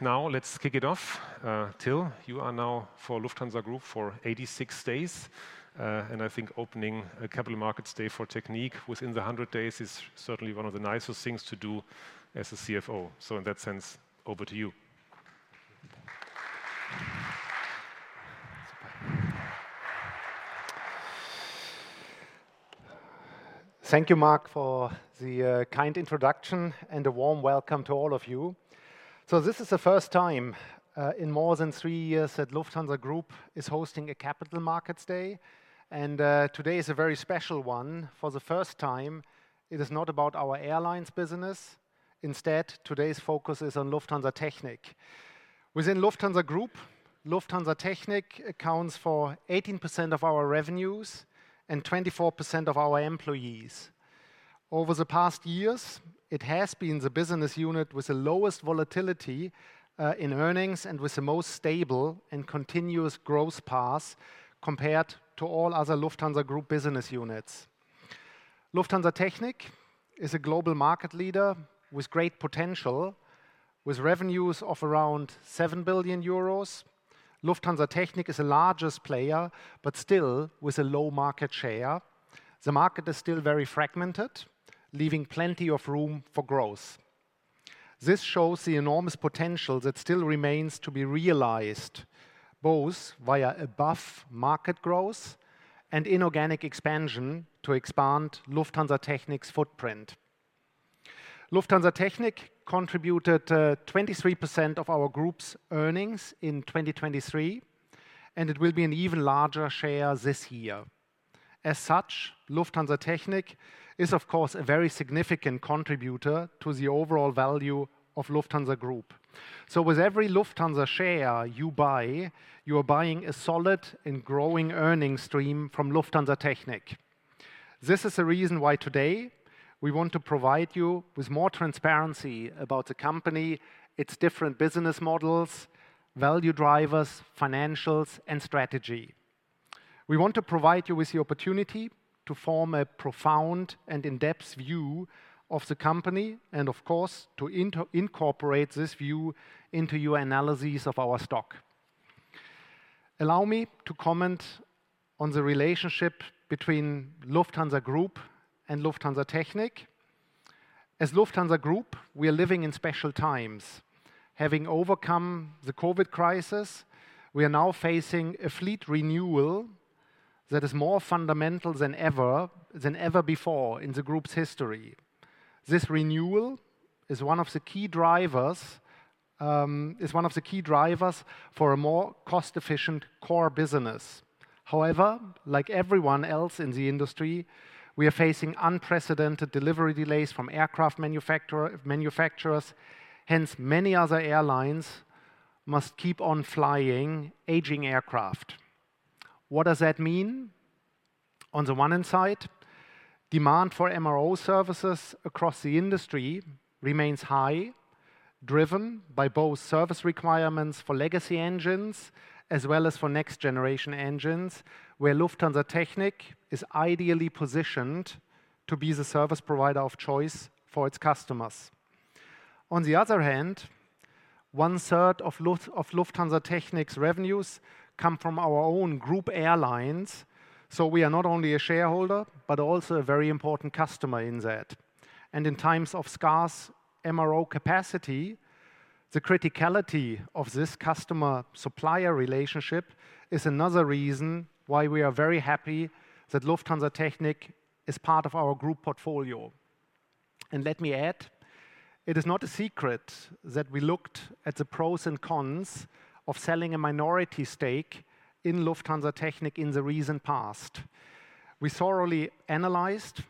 Now let's kick it off. Till, you are now for Lufthansa Group for 86 days, and I think opening a Capital Markets Day for Technik within the 100 days is certainly one of the nicest things to do as a CFO. In that sense, over to you. Thank you, Marc, for the kind introduction and a warm welcome to all of you. This is the first time in more than three years that Lufthansa Group is hosting a capital markets day. Today is a very special one. For the first time, it is not about our airlines business. Instead, today's focus is on Lufthansa Technik. Within Lufthansa Group, Lufthansa Technik accounts for 18% of our revenues and 24% of our employees. Over the past years, it has been the business unit with the lowest volatility in earnings and with the most stable and continuous growth path compared to all other Lufthansa Group business units. Lufthansa Technik is a global market leader with great potential, with revenues of around 7 billion euros. Lufthansa Technik is the largest player, but still with a low market share. The market is still very fragmented, leaving plenty of room for growth. This shows the enormous potential that still remains to be realized, both via above-market growth and inorganic expansion to expand Lufthansa Technik's footprint. Lufthansa Technik contributed 23% of our group's earnings in 2023, and it will be an even larger share this year. As such, Lufthansa Technik is, of course, a very significant contributor to the overall value of Lufthansa Group. So with every Lufthansa share you buy, you are buying a solid and growing earnings stream from Lufthansa Technik. This is the reason why today we want to provide you with more transparency about the company, its different business models, value drivers, financials, and strategy. We want to provide you with the opportunity to form a profound and in-depth view of the company and, of course, to incorporate this view into your analysis of our stock. Allow me to comment on the relationship between Lufthansa Group and Lufthansa Technik. As Lufthansa Group, we are living in special times. Having overcome the COVID crisis, we are now facing a fleet renewal that is more fundamental than ever before in the group's history. This renewal is one of the key drivers for a more cost-efficient core business. However, like everyone else in the industry, we are facing unprecedented delivery delays from aircraft manufacturers. Hence, many other airlines must keep on flying aging aircraft. What does that mean? On the one hand, demand for MRO services across the industry remains high, driven by both service requirements for legacy engines as well as for next-generation engines, where Lufthansa Technik is ideally positioned to be the service provider of choice for its customers. On the other hand, one third of Lufthansa Technik's revenues come from our own group airlines. So we are not only a shareholder, but also a very important customer in that. And in times of scarce MRO capacity, the criticality of this customer-supplier relationship is another reason why we are very happy that Lufthansa Technik is part of our group portfolio. And let me add, it is not a secret that we looked at the pros and cons of selling a minority stake in Lufthansa Technik in the recent past. We thoroughly analyzed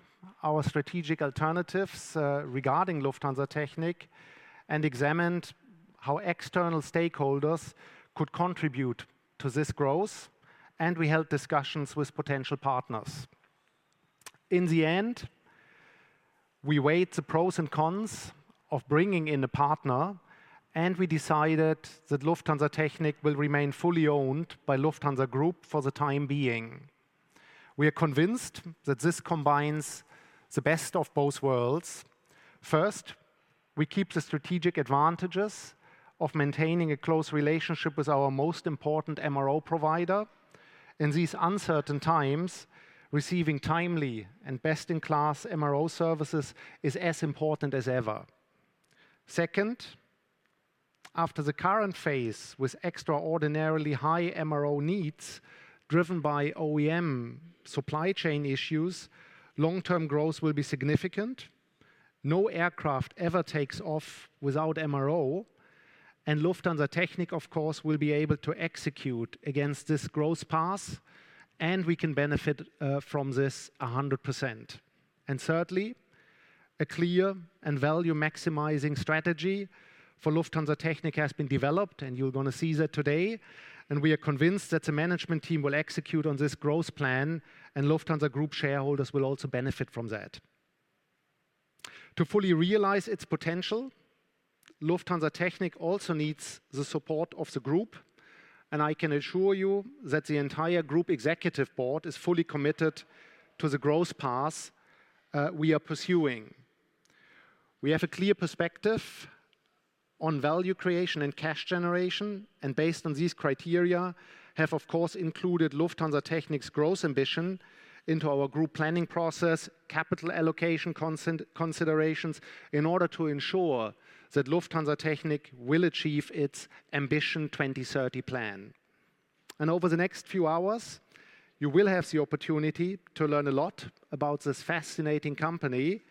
our strategic alternatives, regarding Lufthansa Technik and examined how external stakeholders could contribute to this growth, and we held discussions with potential partners. In the end, we weighed the pros and cons of bringing in a partner, and we decided that Lufthansa Technik will remain fully owned by Lufthansa Group for the time being. We are convinced that this combines the best of both worlds. First, we keep the strategic advantages of maintaining a close relationship with our most important MRO provider. In these uncertain times, receiving timely and best-in-class MRO services is as important as ever. Second, after the current phase with extraordinarily high MRO needs driven by OEM supply chain issues, long-term growth will be significant. No aircraft ever takes off without MRO, and Lufthansa Technik, of course, will be able to execute against this growth path, and we can benefit from this 100%. And thirdly, a clear and value-maximizing strategy for Lufthansa Technik has been developed, and you're gonna see that today. And we are convinced that the management team will execute on this growth plan, and Lufthansa Group shareholders will also benefit from that. To fully realize its potential, Lufthansa Technik also needs the support of the group, and I can assure you that the entire group executive board is fully committed to the growth path we are pursuing. We have a clear perspective on value creation and cash generation, and based on these criteria, have, of course, included Lufthansa Technik's growth ambition into our group planning process, capital allocation considerations in order to ensure that Lufthansa Technik will achieve its Ambition 2030 plan. And over the next few hours, you will have the opportunity to learn a lot about this fascinating company,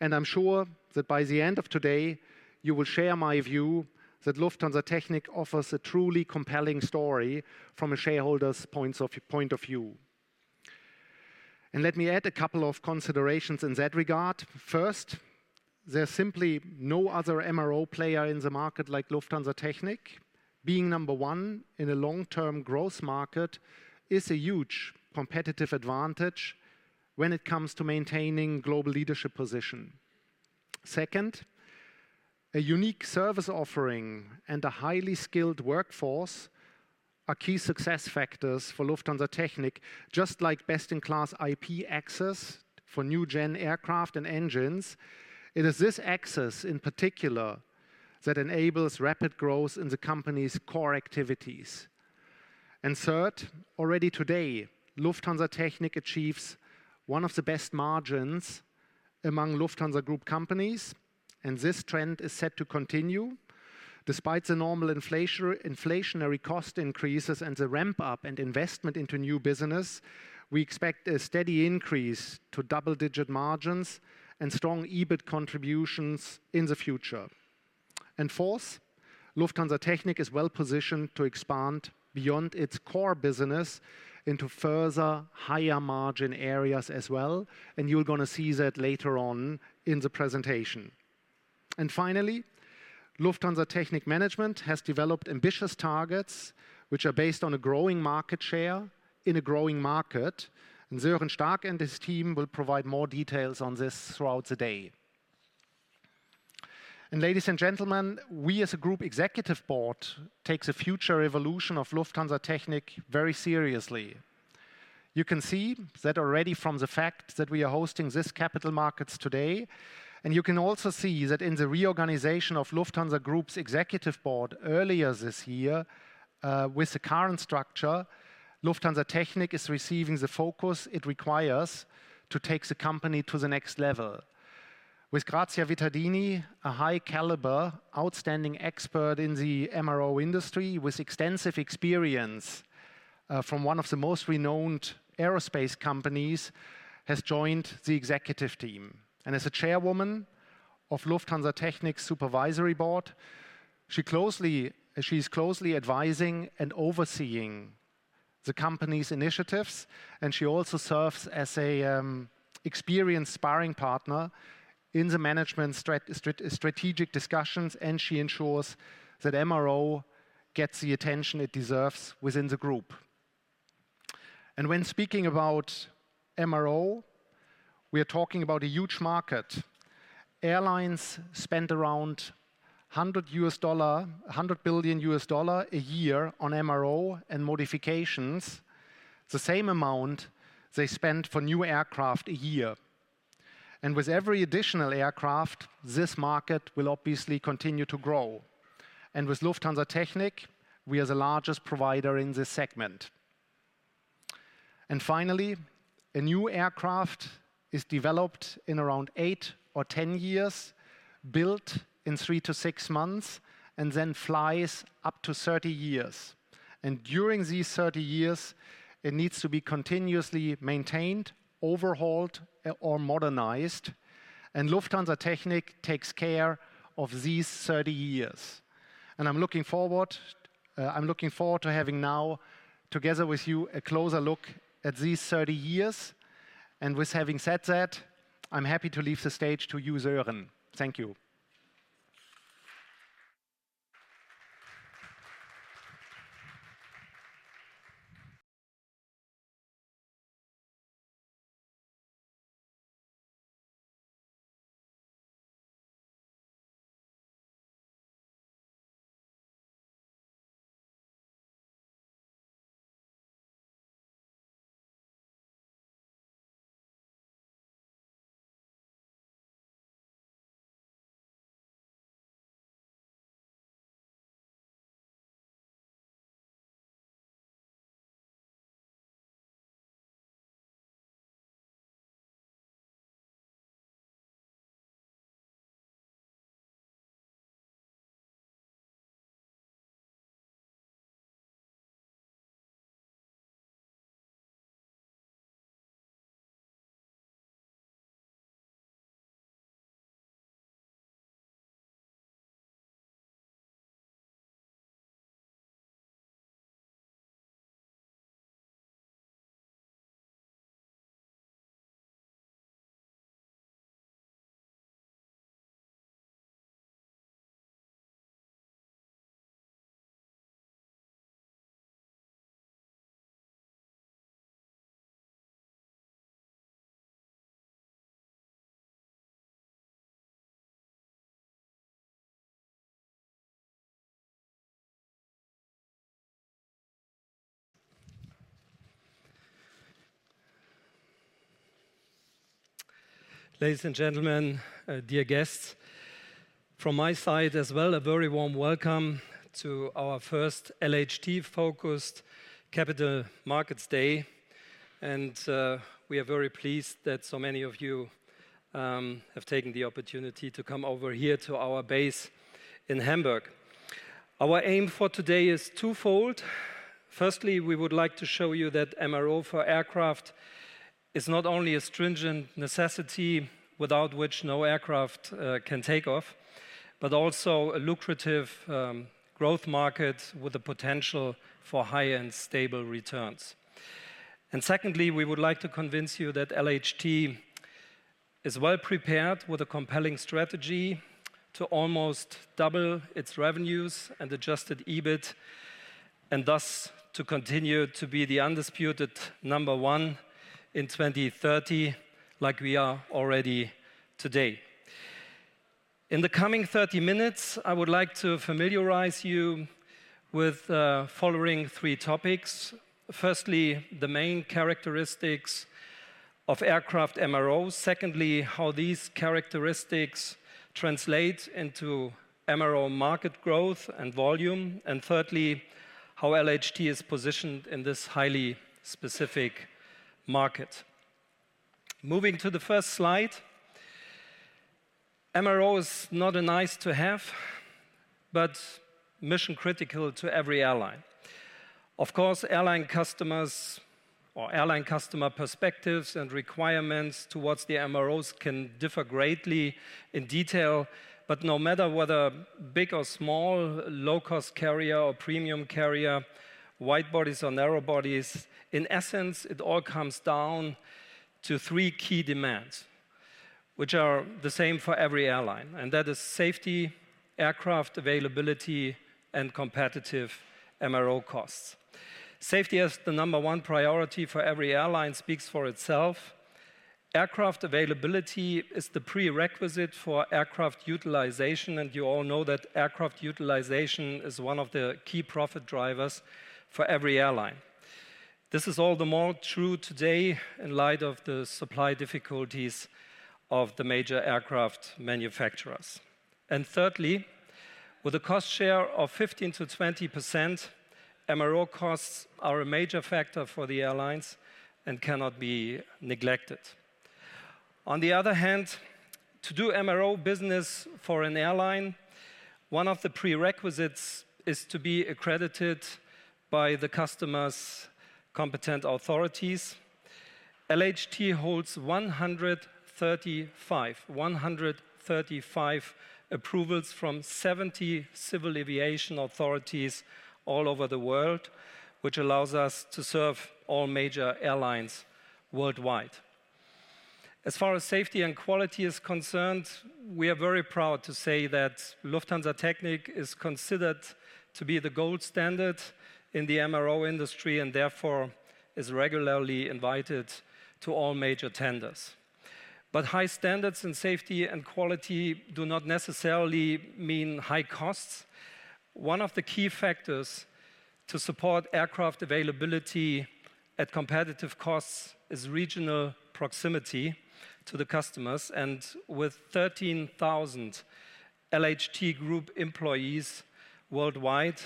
and I'm sure that by the end of today, you will share my view that Lufthansa Technik offers a truly compelling story from a shareholder's point of view. And let me add a couple of considerations in that regard. First, there's simply no other MRO player in the market like Lufthansa Technik. Being number one in a long-term growth market is a huge competitive advantage when it comes to maintaining global leadership position. Second, a unique service offering and a highly skilled workforce are key success factors for Lufthansa Technik, just like best-in-class IP access for new-gen aircraft and engines. It is this access in particular that enables rapid growth in the company's core activities. And third, already today, Lufthansa Technik achieves one of the best margins among Lufthansa Group companies, and this trend is set to continue. Despite the normal inflationary cost increases and the ramp-up and investment into new business, we expect a steady increase to double-digit margins and strong EBIT contributions in the future. And fourth, Lufthansa Technik is well positioned to expand beyond its core business into further higher margin areas as well, and you're gonna see that later on in the presentation. And finally, Lufthansa Technik management has developed ambitious targets which are based on a growing market share in a growing market, and Sören Stark and his team will provide more details on this throughout the day. And ladies and gentlemen, we as a group executive board take the future evolution of Lufthansa Technik very seriously. You can see that already from the fact that we are hosting these capital markets today, and you can also see that in the reorganization of Lufthansa Group's executive board earlier this year, with the current structure, Lufthansa Technik is receiving the focus it requires to take the company to the next level. With Grazia Vittadini, a high-caliber, outstanding expert in the MRO industry with extensive experience from one of the most renowned aerospace companies, has joined the executive team. As a chairwoman of Lufthansa Technik's supervisory board, she closely advising and overseeing the company's initiatives, and she also serves as an experienced sparring partner in the management strategic discussions, and she ensures that MRO gets the attention it deserves within the group. When speaking about MRO, we are talking about a huge market. Airlines spend around $100 billion a year on MRO and modifications, the same amount they spend for new aircraft a year. With every additional aircraft, this market will obviously continue to grow. With Lufthansa Technik, we are the largest provider in this segment. Finally, a new aircraft is developed in around eight or 10 years, built in three to six months, and then flies up to 30 years. During these 30 years, it needs to be continuously maintained, overhauled, or modernized, and Lufthansa Technik takes care of these 30 years. I'm looking forward, I'm looking forward to having now, together with you, a closer look at these 30 years. With having said that, I'm happy to leave the stage to you, Sören. Thank you. Ladies and gentlemen, dear guests, from my side as well, a very warm welcome to our first LHT-focused capital markets day. We are very pleased that so many of you have taken the opportunity to come over here to our base in Hamburg. Our aim for today is twofold. Firstly, we would like to show you that MRO for aircraft is not only a stringent necessity without which no aircraft can take off, but also a lucrative growth market with the potential for high-end stable returns. And secondly, we would like to convince you that LHT is well prepared with a compelling strategy to almost double its revenues and adjusted EBIT, and thus to continue to be the undisputed number one in 2030, like we are already today. In the coming 30 minutes, I would like to familiarize you with following three topics. Firstly, the main characteristics of aircraft MRO. Secondly, how these characteristics translate into MRO market growth and volume. And thirdly, how LHT is positioned in this highly specific market. Moving to the first slide, MRO is not a nice-to-have, but mission-critical to every airline. Of course, airline customers or airline customer perspectives and requirements towards the MROs can differ greatly in detail, but no matter whether big or small, low-cost carrier or premium carrier, wide bodies or narrow bodies, in essence, it all comes down to three key demands, which are the same for every airline, and that is safety, aircraft availability, and competitive MRO costs. Safety as the number one priority for every airline speaks for itself. Aircraft availability is the prerequisite for aircraft utilization, and you all know that aircraft utilization is one of the key profit drivers for every airline. This is all the more true today in light of the supply difficulties of the major aircraft manufacturers, and thirdly, with a cost share of 15%-20%, MRO costs are a major factor for the airlines and cannot be neglected. On the other hand, to do MRO business for an airline, one of the prerequisites is to be accredited by the customer's competent authorities. LHT holds 135 approvals from 70 civil aviation authorities all over the world, which allows us to serve all major airlines worldwide. As far as safety and quality is concerned, we are very proud to say that Lufthansa Technik is considered to be the gold standard in the MRO industry and therefore is regularly invited to all major tenders. But high standards in safety and quality do not necessarily mean high costs. One of the key factors to support aircraft availability at competitive costs is regional proximity to the customers. And with 13,000 LHT Group employees worldwide,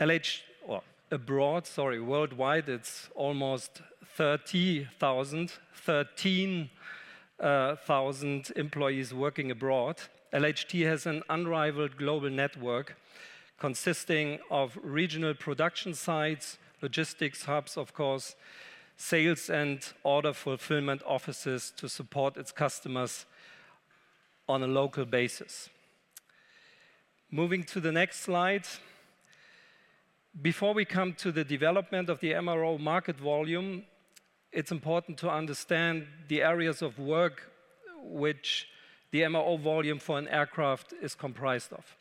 LHT or abroad, worldwide, it's almost 30,000, 13,000 employees working abroad. LHT has an unrivaled global network consisting of regional production sites, logistics hubs, of course, sales and order fulfillment offices to support its customers on a local basis. Moving to the next slide. Before we come to the development of the MRO market volume, it's important to understand the areas of work which the MRO volume for an aircraft is comprised of.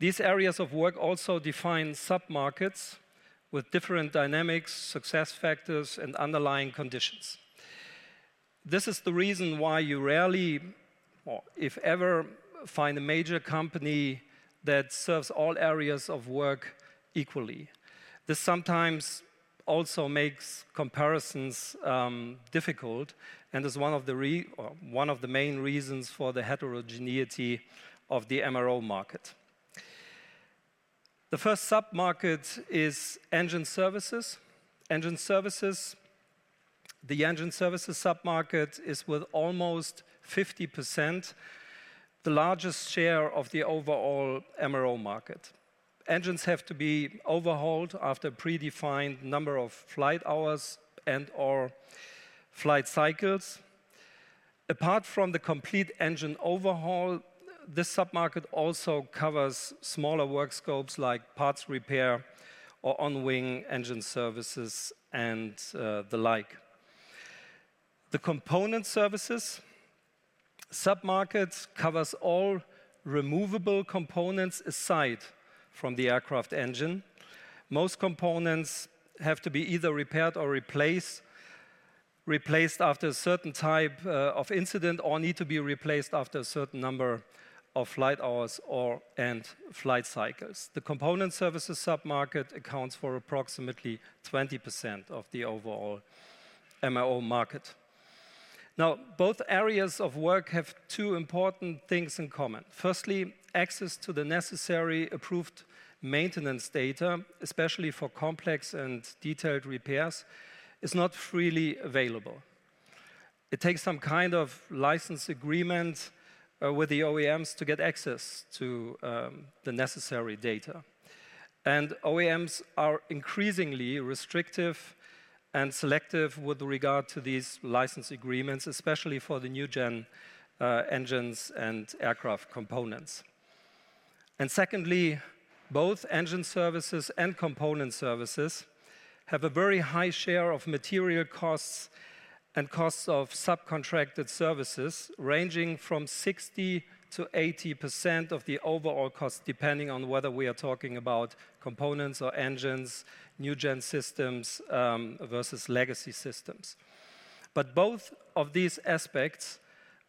These areas of work also define sub-markets with different dynamics, success factors, and underlying conditions. This is the reason why you rarely, or if ever, find a major company that serves all areas of work equally. This sometimes also makes comparisons difficult and is one of the main reasons for the heterogeneity of the MRO market. The first sub-market is Engine Services. Engine services, the Engine Services sub-market is with almost 50%, the largest share of the overall MRO market. Engines have to be overhauled after a predefined number of flight hours and/or flight cycles. Apart from the complete engine overhaul, this sub-market also covers smaller work scopes like parts repair or on-wing Engine Services and the like. The component services sub-market covers all removable components aside from the aircraft engine. Most components have to be either repaired or replaced after a certain type of incident or need to be replaced after a certain number of flight hours or flight cycles. The component services sub-market accounts for approximately 20% of the overall MRO market. Now, both areas of work have two important things in common. Firstly, access to the necessary approved maintenance data, especially for complex and detailed repairs, is not freely available. It takes some kind of license agreement with the OEMs to get access to the necessary data. OEMs are increasingly restrictive and selective with regard to these license agreements, especially for the new-gen engines and aircraft components. Secondly, both Engine Services and component services have a very high share of material costs and costs of subcontracted services ranging from 60%-80% of the overall cost, depending on whether we are talking about components or engines, new-gen systems, versus legacy systems. But both of these aspects,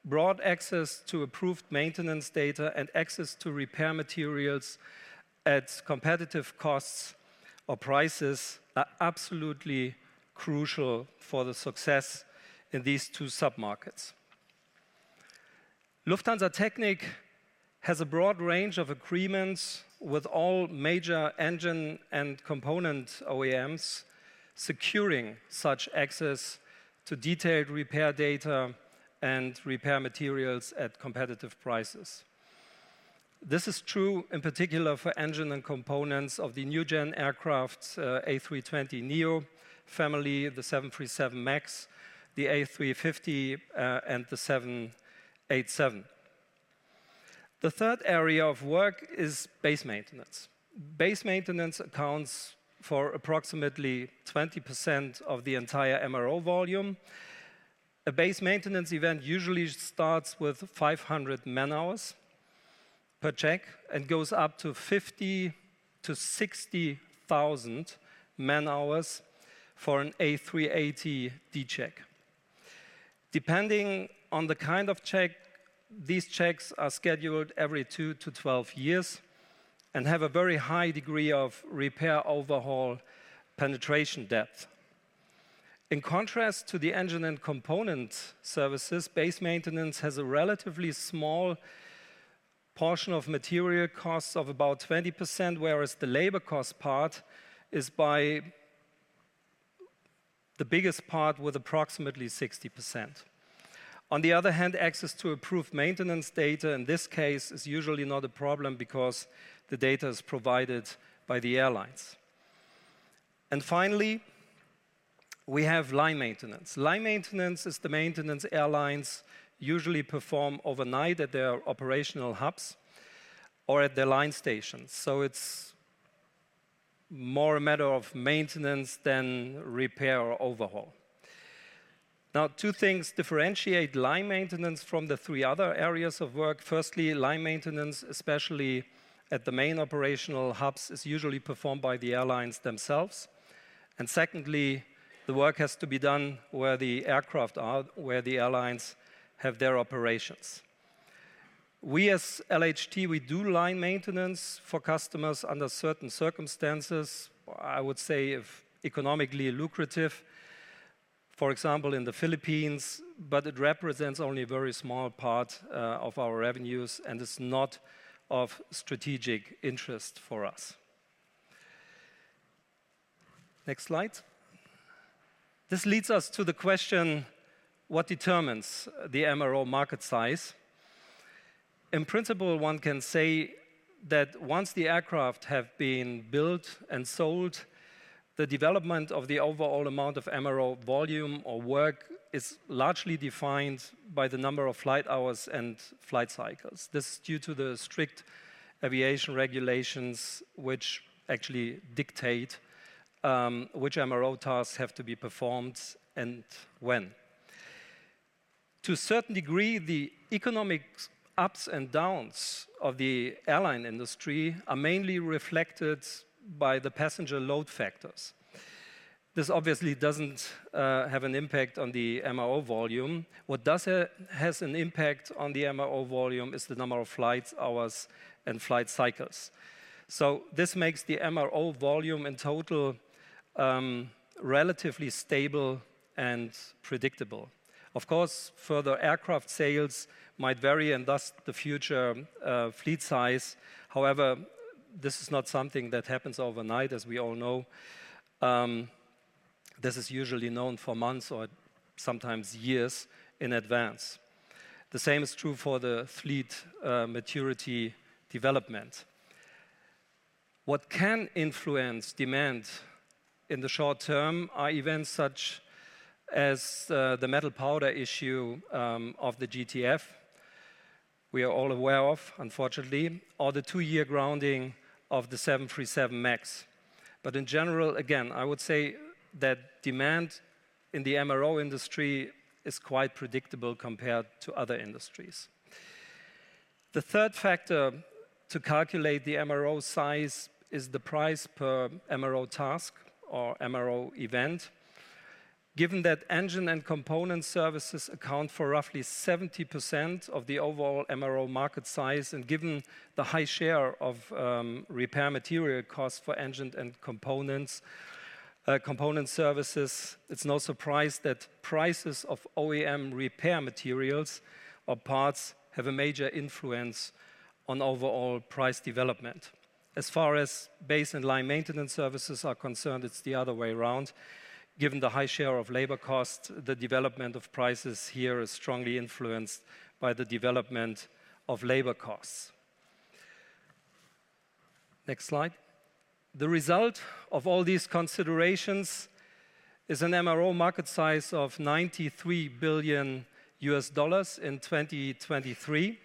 broad access to approved maintenance data and access to repair materials at competitive costs or prices, are absolutely crucial for the success in these two sub-markets. Lufthansa Technik has a broad range of agreements with all major engine and component OEMs, securing such access to detailed repair data and repair materials at competitive prices. This is true in particular for engine and components of the new-gen aircraft, A320neo family, the 737 MAX, the A350, and the 787. The third area of work is base maintenance. Base maintenance accounts for approximately 20% of the entire MRO volume. A base maintenance event usually starts with 500 man-hours per check and goes up to 50-60,000 man-hours for an A380 D check. Depending on the kind of check, these checks are scheduled every two to 12 years and have a very high degree of repair overhaul penetration depth. In contrast to the engine and component services, base maintenance has a relatively small portion of material costs of about 20%, whereas the labor cost part is by the biggest part with approximately 60%. On the other hand, access to approved maintenance data in this case is usually not a problem because the data is provided by the airlines. Finally, we have line maintenance. Line maintenance is the maintenance airlines usually perform overnight at their operational hubs or at their line stations. It's more a matter of maintenance than repair or overhaul. Now, two things differentiate line maintenance from the three other areas of work. Firstly, line maintenance, especially at the main operational hubs, is usually performed by the airlines themselves. Secondly, the work has to be done where the aircraft are, where the airlines have their operations. We, as LHT, we do line maintenance for customers under certain circumstances. I would say if economically lucrative, for example, in the Philippines, but it represents only a very small part of our revenues and is not of strategic interest for us. Next slide. This leads us to the question, what determines the MRO market size? In principle, one can say that once the aircraft have been built and sold, the development of the overall amount of MRO volume or work is largely defined by the number of flight hours and flight cycles. This is due to the strict aviation regulations, which actually dictate which MRO tasks have to be performed and when. To a certain degree, the economic ups and downs of the airline industry are mainly reflected by the passenger load factors. This obviously doesn't have an impact on the MRO volume. What does have an impact on the MRO volume is the number of flight hours and flight cycles. So this makes the MRO volume in total relatively stable and predictable. Of course, further aircraft sales might vary and thus the future fleet size. However, this is not something that happens overnight, as we all know. This is usually known for months or sometimes years in advance. The same is true for the fleet maturity development. What can influence demand in the short term are events such as the metal powder issue of the GTF we are all aware of, unfortunately, or the two-year grounding of the 737 MAX. But in general, again, I would say that demand in the MRO industry is quite predictable compared to other industries. The third factor to calculate the MRO size is the price per MRO task or MRO event. Given that engine and component services account for roughly 70% of the overall MRO market size and given the high share of repair material costs for engine and components, component services, it's no surprise that prices of OEM repair materials or parts have a major influence on overall price development. As far as base and line maintenance services are concerned, it's the other way around. Given the high share of labor costs, the development of prices here is strongly influenced by the development of labor costs. Next slide. The result of all these considerations is an MRO market size of $93 billion in 2023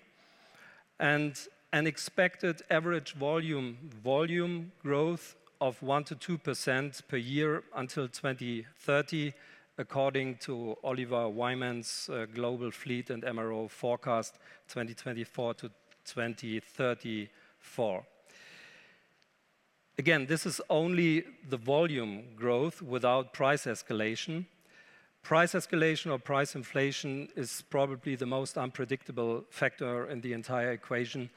and an expected average volume growth of 1%-2% per year until 2030, according to Oliver Wyman's Global Fleet and MRO Forecast 2024 to 2034. Again, this is only the volume growth without price escalation. Price escalation or price inflation is probably the most unpredictable factor in the entire equation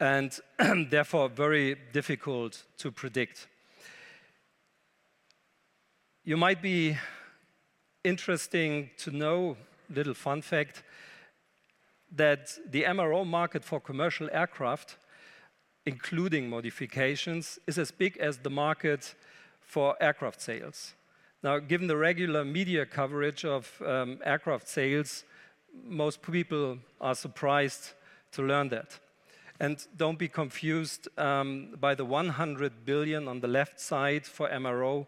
and therefore very difficult to predict. You might be interested to know a little fun fact that the MRO market for commercial aircraft, including modifications, is as big as the market for aircraft sales. Now, given the regular media coverage of aircraft sales, most people are surprised to learn that. And don't be confused by the $100 billion on the left side for MRO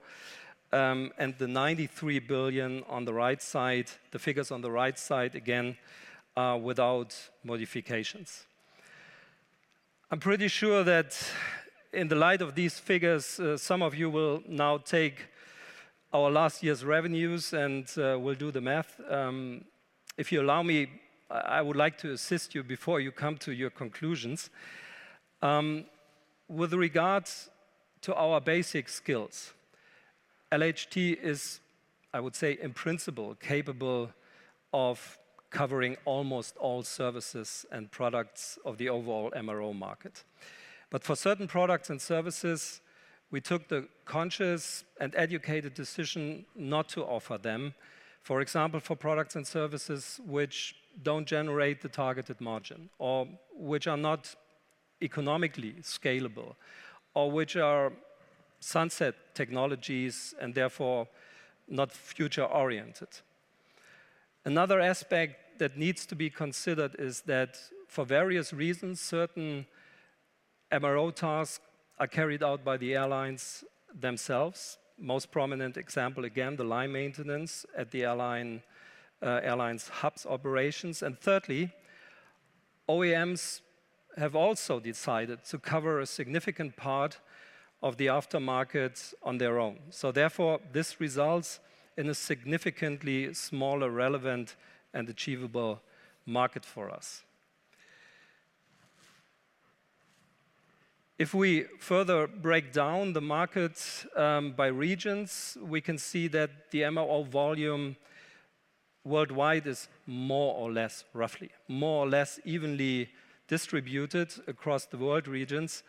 and the $93 billion on the right side, the figures on the right side again, without modifications. I'm pretty sure that in the light of these figures, some of you will now take our last year's revenues and we'll do the math. If you allow me, I would like to assist you before you come to your conclusions. With regards to our basic skills, LHT is, I would say, in principle, capable of covering almost all services and products of the overall MRO market. But for certain products and services, we took the conscious and educated decision not to offer them, for example, for products and services which don't generate the targeted margin or which are not economically scalable or which are sunset technologies and therefore not future-oriented. Another aspect that needs to be considered is that for various reasons, certain MRO tasks are carried out by the airlines themselves. Most prominent example, again, the line maintenance at the airline airlines hubs operations. And thirdly, OEMs have also decided to cover a significant part of the aftermarket on their own. So therefore, this results in a significantly smaller relevant and achievable market for us. If we further break down the market by regions, we can see that the MRO volume worldwide is more or less, roughly more or less evenly distributed across the world regions.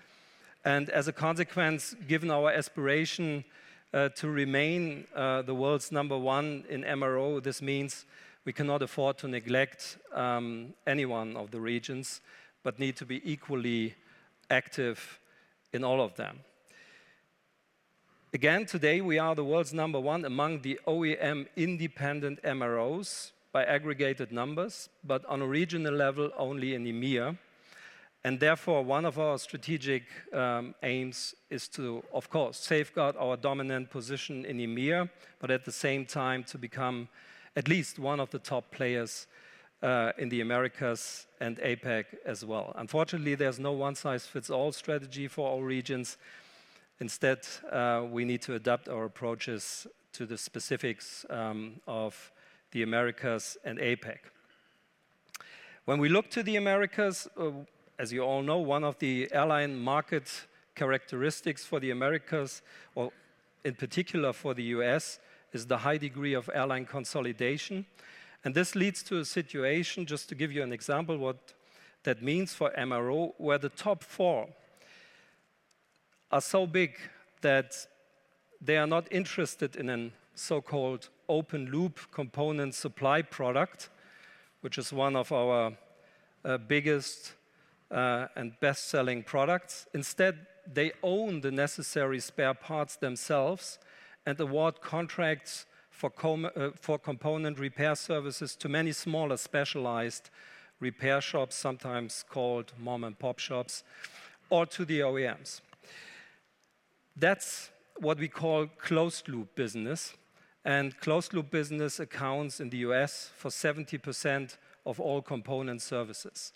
And as a consequence, given our aspiration to remain the world's number one in MRO, this means we cannot afford to neglect any one of the regions, but need to be equally active in all of them. Again, today we are the world's number one among the OEM independent MROs by aggregated numbers, but on a regional level only in EMEA. And therefore, one of our strategic aims is to of course safeguard our dominant position in EMEA, but at the same time to become at least one of the top players in the Americas and APAC as well. Unfortunately, there's no one-size-fits-all strategy for all regions. Instead, we need to adapt our approaches to the specifics of the Americas and APAC. When we look to the Americas, as you all know, one of the airline market characteristics for the Americas, or in particular for the U.S., is the high degree of airline consolidation. And this leads to a situation, just to give you an example of what that means for MRO, where the top four are so big that they are not interested in a so-called Open Loop component supply product, which is one of our biggest and best-selling products. Instead, they own the necessary spare parts themselves and award contracts for component repair services to many smaller specialized repair shops, sometimes called mom-and-pop shops, or to the OEMs. That's what we call Closed Loop business. And Closed Loop business accounts in the U.S. for 70% of all component services,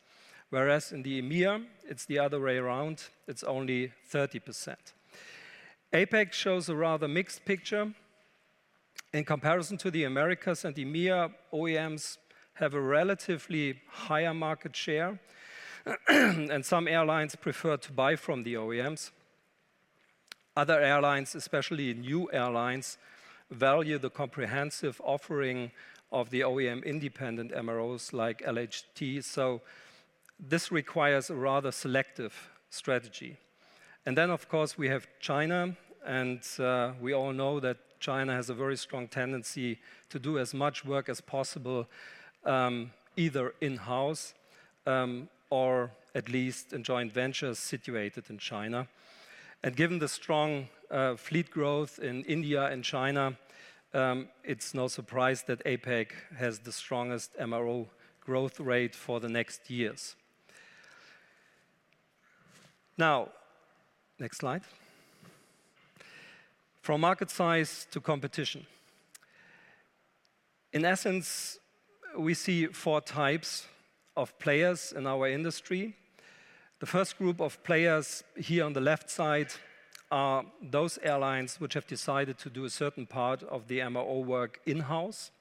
whereas in the EMEA, it's the other way around. It's only 30%. APAC shows a rather mixed picture. In comparison to the Americas and EMEA, OEMs have a relatively higher market share, and some airlines prefer to buy from the OEMs. Other airlines, especially new airlines, value the comprehensive offering of the OEM independent MROs like LHT. So this requires a rather selective strategy. And then, of course, we have China, and, we all know that China has a very strong tendency to do as much work as possible, either in-house, or at least in joint ventures situated in China. And given the strong, fleet growth in India and China, it's no surprise that APAC has the strongest MRO growth rate for the next years. Now, next slide. From market size to competition. In essence, we see four types of players in our industry. The first group of players here on the left side are those airlines which have decided to do a certain part of the MRO work in-house.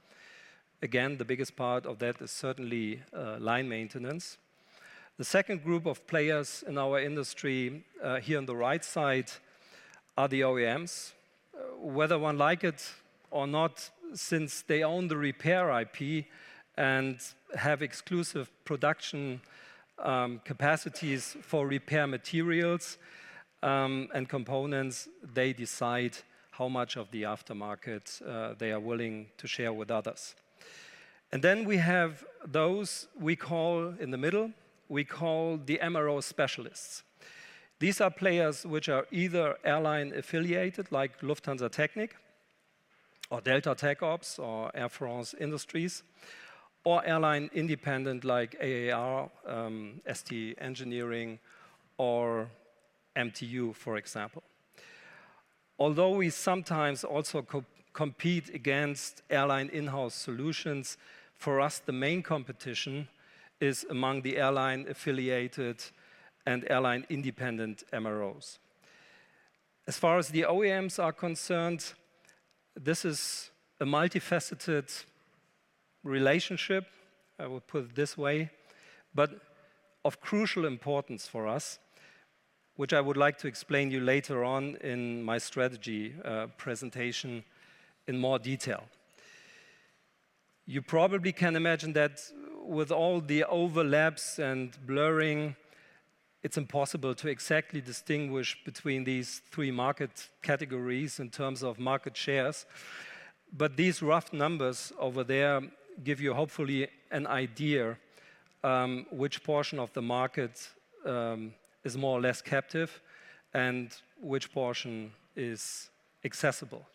Again, the biggest part of that is certainly line maintenance. The second group of players in our industry, here on the right side are the OEMs, whether one likes it or not, since they own the repair IP and have exclusive production capacities for repair materials and components. They decide how much of the aftermarket they are willing to share with others. And then we have those we call in the middle, we call the MRO specialists. These are players which are either airline affiliated like Lufthansa Technik or Delta TechOps or Air France Industries, or airline independent like AAR, ST Engineering or MTU, for example. Although we sometimes also compete against airline in-house solutions, for us, the main competition is among the airline affiliated and airline independent MROs. As far as the OEMs are concerned, this is a multifaceted relationship, I will put it this way, but of crucial importance for us, which I would like to explain to you later on in my strategy presentation in more detail. You probably can imagine that with all the overlaps and blurring, it's impossible to exactly distinguish between these three market categories in terms of market shares. But these rough numbers over there give you hopefully an idea, which portion of the market is more or less captive and which portion is accessible.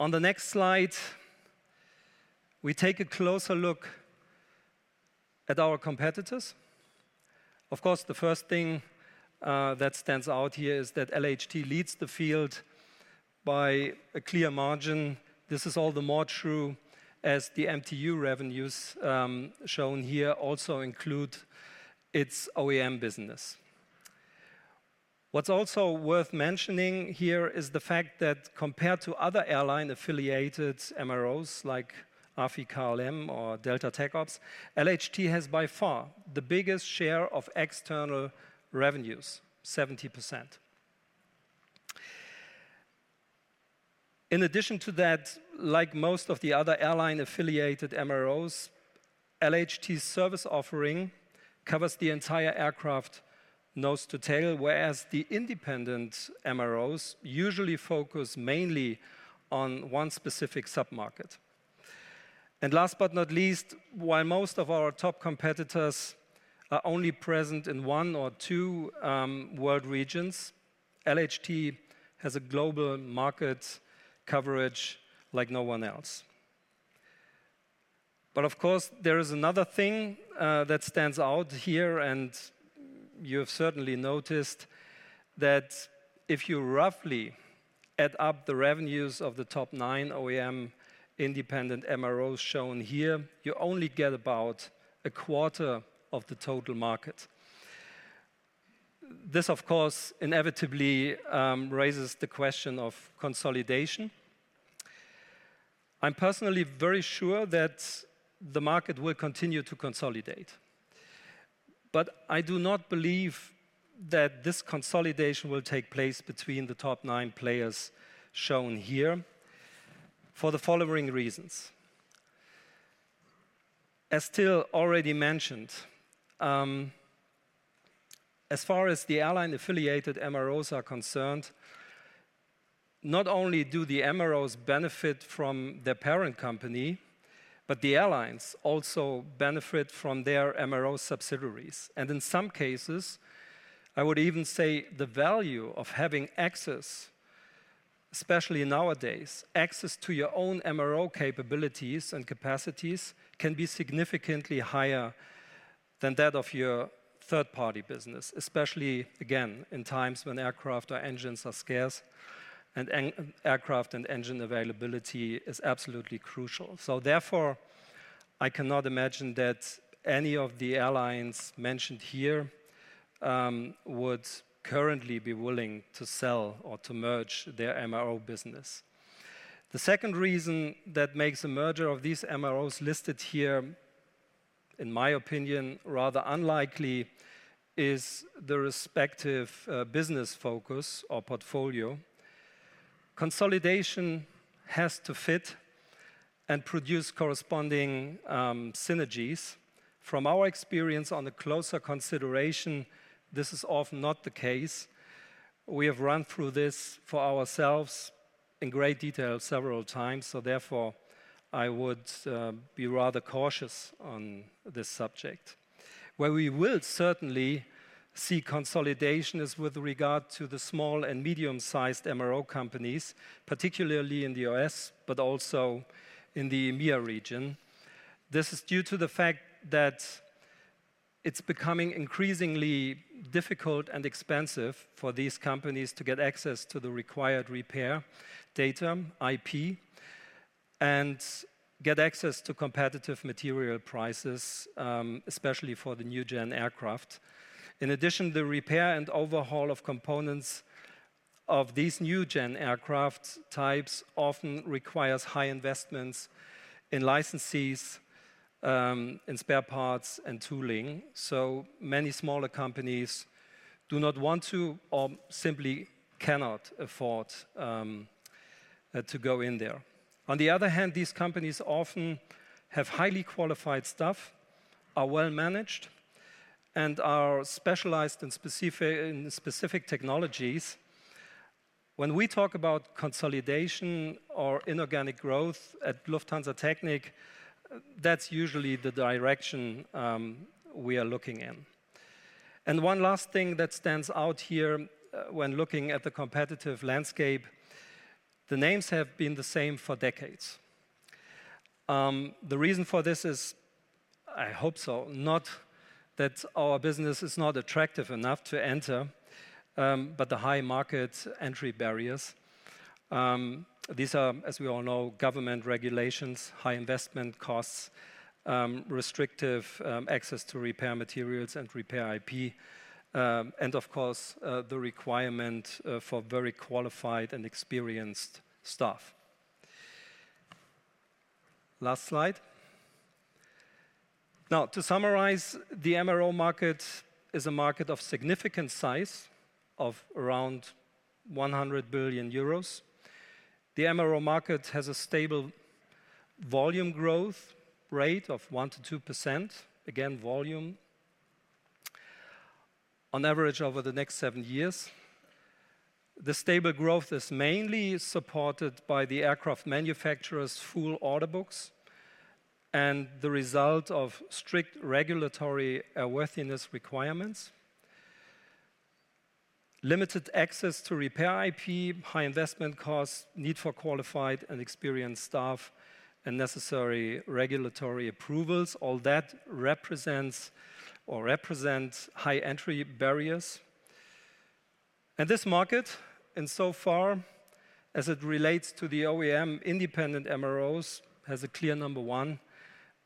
On the next slide, we take a closer look at our competitors. Of course, the first thing that stands out here is that LHT leads the field by a clear margin. This is all the more true as the MTU revenues, shown here, also include its OEM business. What's also worth mentioning here is the fact that compared to other airline affiliated MROs like AFI, KLM, or Delta TechOps, LHT has by far the biggest share of external revenues, 70%. In addition to that, like most of the other airline affiliated MROs, LHT's service offering covers the entire aircraft nose to tail, whereas the independent MROs usually focus mainly on one specific submarket. And last but not least, while most of our top competitors are only present in one or two world regions, LHT has a global market coverage like no one else. But of course, there is another thing, that stands out here, and you have certainly noticed that if you roughly add up the revenues of the top nine OEM independent MROs shown here, you only get about a quarter of the total market. This, of course, inevitably, raises the question of consolidation. I'm personally very sure that the market will continue to consolidate, but I do not believe that this consolidation will take place between the top nine players shown here for the following reasons. As Till already mentioned, as far as the airline affiliated MROs are concerned, not only do the MROs benefit from their parent company, but the airlines also benefit from their MRO subsidiaries. In some cases, I would even say the value of having access, especially nowadays, access to your own MRO capabilities and capacities can be significantly higher than that of your third-party business, especially again in times when aircraft or engines are scarce and aircraft and engine availability is absolutely crucial. Therefore, I cannot imagine that any of the airlines mentioned here would currently be willing to sell or to merge their MRO business. The second reason that makes a merger of these MROs listed here, in my opinion, rather unlikely is the respective business focus or portfolio. Consolidation has to fit and produce corresponding synergies. From our experience on a closer consideration, this is often not the case. We have run through this for ourselves in great detail several times, so therefore I would be rather cautious on this subject. Where we will certainly see consolidation is with regard to the small and medium-sized MRO companies, particularly in the U.S., but also in the EMEA region. This is due to the fact that it's becoming increasingly difficult and expensive for these companies to get access to the required repair data, IP, and get access to competitive material prices, especially for the new-gen aircraft. In addition, the repair and overhaul of components of these new-gen aircraft types often requires high investments in licenses, in spare parts and tooling. So many smaller companies do not want to or simply cannot afford, to go in there. On the other hand, these companies often have highly qualified staff, are well-managed, and are specialized in specific technologies. When we talk about consolidation or inorganic growth at Lufthansa Technik, that's usually the direction, we are looking in. One last thing that stands out here when looking at the competitive landscape. The names have been the same for decades. The reason for this is, I hope so, not that our business is not attractive enough to enter, but the high market entry barriers. These are, as we all know, government regulations, high investment costs, restrictive access to repair materials and repair IP, and of course, the requirement for very qualified and experienced staff. Last slide. Now, to summarize, the MRO market is a market of significant size of around 100 billion euros. The MRO market has a stable volume growth rate of 1%-2%, again, volume, on average over the next seven years. The stable growth is mainly supported by the aircraft manufacturers' full order books and the result of strict regulatory airworthiness requirements. Limited access to repair IP, high investment costs, need for qualified and experienced staff, and necessary regulatory approvals, all that represents high entry barriers. And this market, insofar as it relates to the OEM independent MROs, has a clear number one,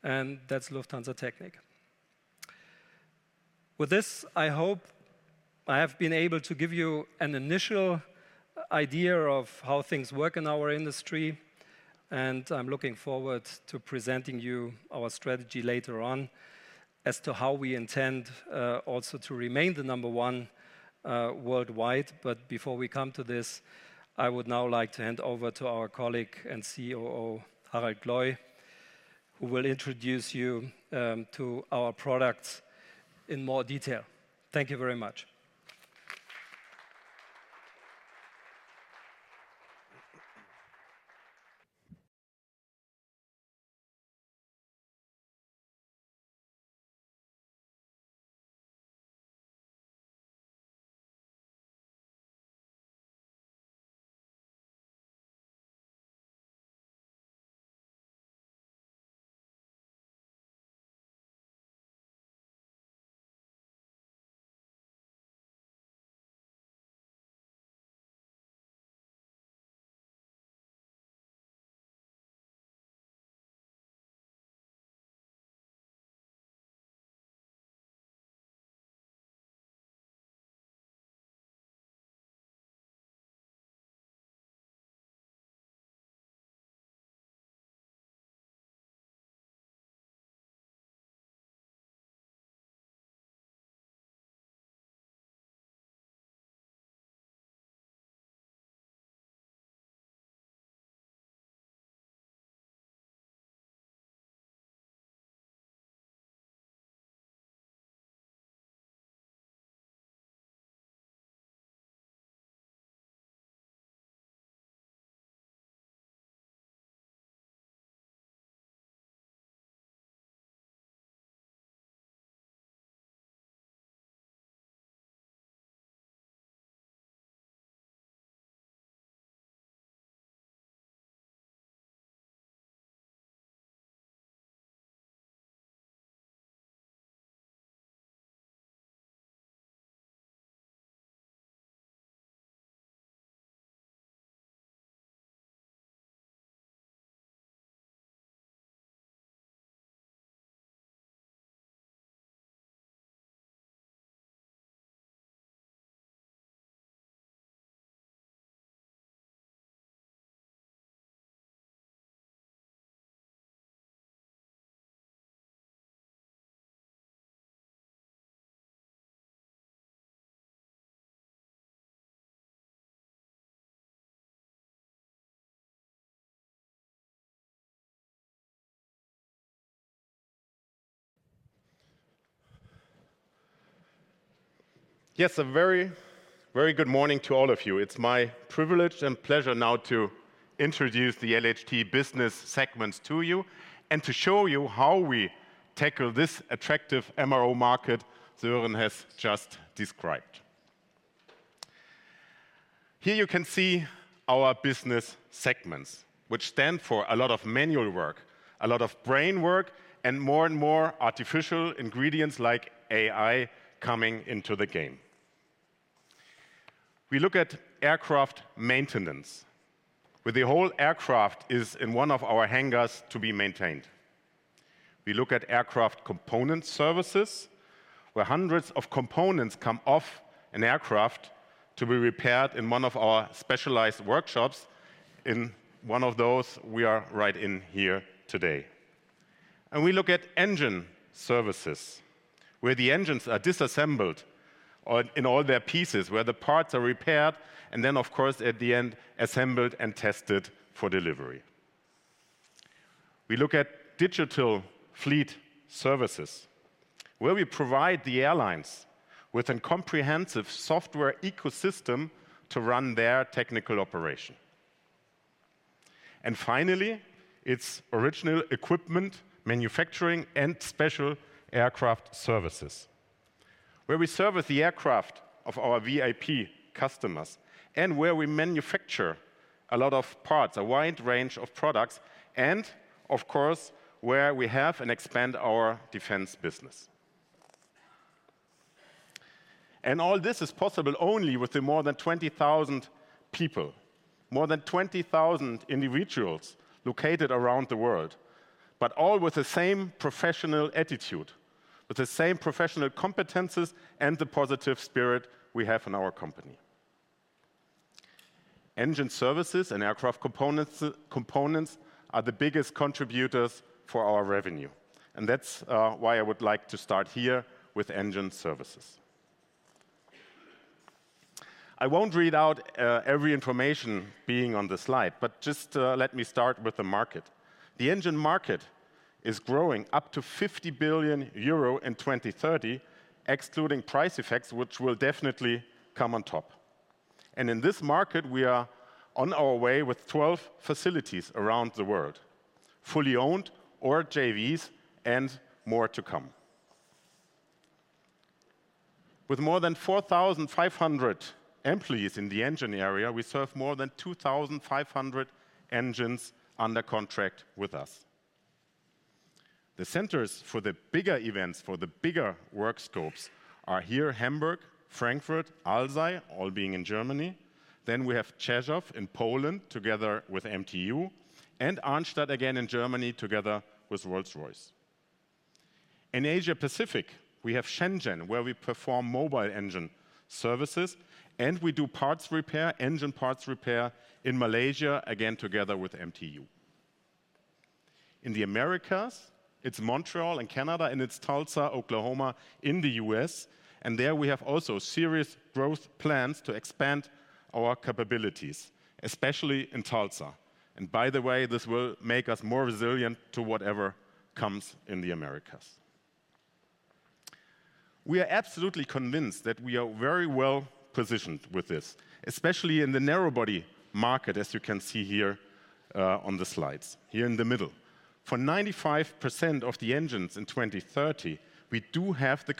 and that's Lufthansa Technik. With this, I hope I have been able to give you an initial idea of how things work in our industry, and I'm looking forward to presenting you our strategy later on as to how we intend, also to remain the number one, worldwide. But before we come to this, I would now like to hand over to our colleague and COO, Harald Gloy, who will introduce you to our products in more detail. Thank you very much. Yes, a very, very good morning to all of you. It's my privilege and pleasure now to introduce the LHT business segments to you and to show you how we tackle this attractive MRO market, Sören has just described. Here you can see our business segments, which stand for a lot of manual work, a lot of brain work, and more and more artificial intelligence like AI coming into the game. We look at Aircraft Maintenance, where the whole aircraft is in one of our hangars to be maintained. We look at Aircraft Component Services, where hundreds of components come off an aircraft to be repaired in one of our specialized workshops. In one of those, we are right in here today, and we look at Engine Services, where the engines are disassembled in all their pieces, where the parts are repaired, and then, of course, at the end, assembled and tested for delivery. We look at Digital Fleet Services, where we provide the airlines with a comprehensive software ecosystem to run their technical operation. And finally, it's Original Equipment Manufacturing and Special Aircraft Services, where we service the aircraft of our VIP customers and where we manufacture a lot of parts, a wide range of products, and of course, where we have and expand our defense business. And all this is possible only with the more than 20,000 people, more than 20,000 individuals located around the world, but all with the same professional attitude, with the same professional competencies and the positive spirit we have in our company. Engine services and aircraft components are the biggest contributors for our revenue, and that's why I would like to start here with Engine Services. I won't read out every information being on the slide, but just let me start with the market. The engine market is growing up to €50 billion in 2030, excluding price effects, which will definitely come on top. And in this market, we are on our way with 12 facilities around the world, fully owned or JVs and more to come. With more than 4,500 employees in the engine area, we serve more than 2,500 engines under contract with us. The centers for the bigger engines, for the bigger work scopes, are here: Hamburg, Frankfurt, Alzey, all being in Germany. Then we have in Poland together with MTU and Arnstadt again in Germany together with Rolls-Royce. In Asia Pacific, we have Shenzhen, where we perform Mobile Engine Services, and we do parts repair, Engine Parts Repair in Malaysia again together with MTU. In the Americas, it's Montreal and Canada and it's Tulsa, Oklahoma in the US, and there we have also serious growth plans to expand our capabilities, especially in Tulsa, and by the way, this will make us more resilient to whatever comes in the Americas. We are absolutely convinced that we are very well positioned with this, especially in the narrow body market, as you can see here, on the slides here in the middle. For 95% of the engines in 2030, we do have the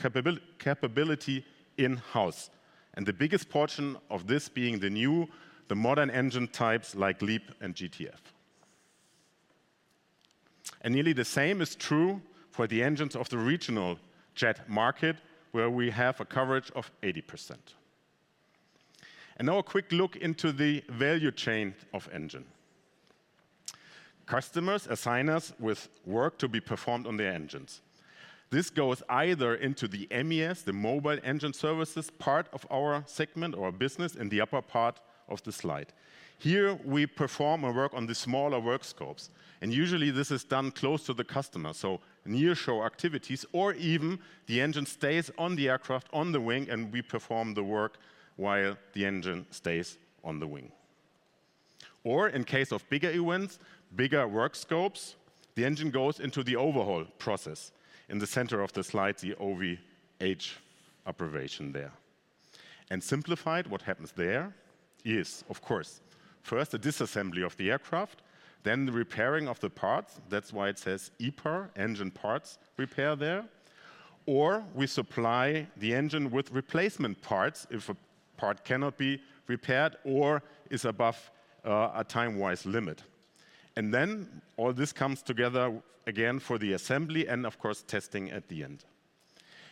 capability in-house, and the biggest portion of this being the new, the modern engine types like LEAP and GTF, and nearly the same is true for the engines of the regional jet market, where we have a coverage of 80%, and now a quick look into the value chain of engine. Customers assign us with work to be performed on their engines. This goes either into the MES, the Mobile Engine Services part of our segment or business in the upper part of the slide. Here we perform and work on the smaller work scopes, and usually this is done close to the customer, so near-shop activities, or even the engine stays on the aircraft on the wing, and we perform the work while the engine stays on the wing. Or in case of bigger events, bigger work scopes, the engine goes into the overhaul process. In the center of the slide, the OVH operation there. Simplified, what happens there is, of course, first a disassembly of the engine, then the repairing of the parts. That's why it says EPAR, Engine Parts Repair there. Or we supply the engine with replacement parts if a part cannot be repaired or is above a time-wise limit. And then all this comes together again for the assembly and, of course, testing at the end.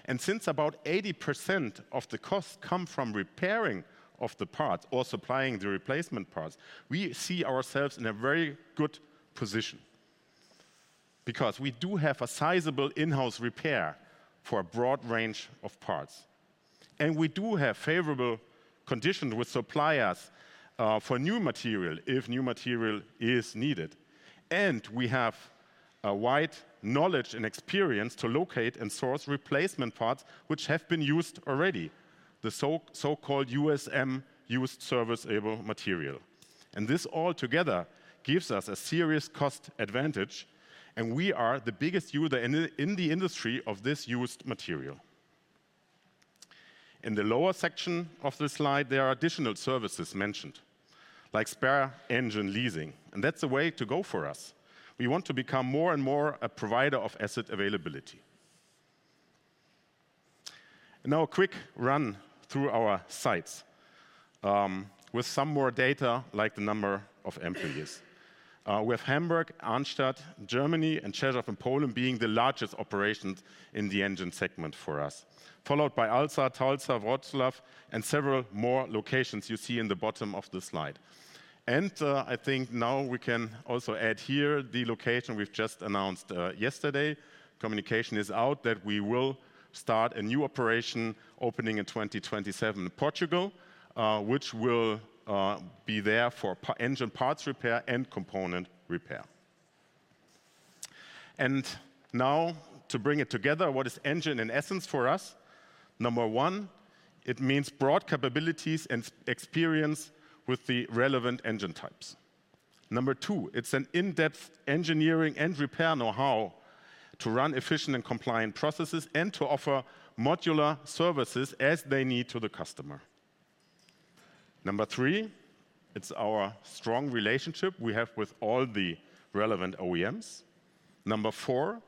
And since about 80% of the costs come from repairing of the parts or supplying the replacement parts, we see ourselves in a very good position because we do have a sizable in-house repair for a broad range of parts. And we do have favorable conditions with suppliers for new material if new material is needed. And we have a wide knowledge and experience to locate and source replacement parts, which have been used already, the so-called USM used serviceable material. And this all together gives us a serious cost advantage, and we are the biggest user in the industry of this used material. In the lower section of the slide, there are additional services mentioned, like spare engine leasing, and that's the way to go for us. We want to become more and more a provider of asset availability, and now a quick run through our sites with some more data, like the number of employees. We have Hamburg, Arnstadt, Germany, and the site in Poland being the largest operations in the engine segment for us, followed by Alzey, Tulsa, Wrocław, and several more locations you see in the bottom of the slide, and I think now we can also add here the location we've just announced yesterday. Communication is out that we will start a new operation opening in 2027 in Portugal, which will be there for Engine Parts Repair and component repair, and now to bring it together, what is engine in essence for us? Number one, it means broad capabilities and experience with the relevant engine types. Number two, it's an in-depth engineering and repair know-how to run efficient and compliant processes and to offer modular services as they need to the customer. Number three, it's our strong relationship we have with all the relevant OEMs. Number four,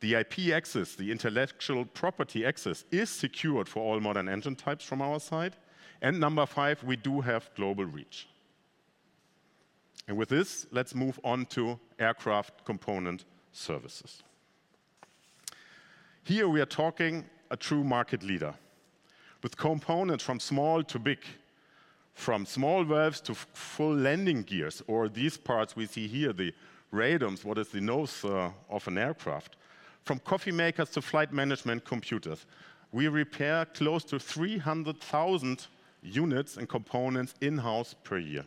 the IP access, the intellectual property access is secured for all modern engine types from our side. And number five, we do have global reach. And with this, let's move on to aircraft component services. Here we are talking a true market leader with components from small to big, from small valves to full landing gears, or these parts we see here, the radomes, what is the nose of an aircraft, from coffee makers to flight management computers. We repair close to 300,000 units and components in-house per year.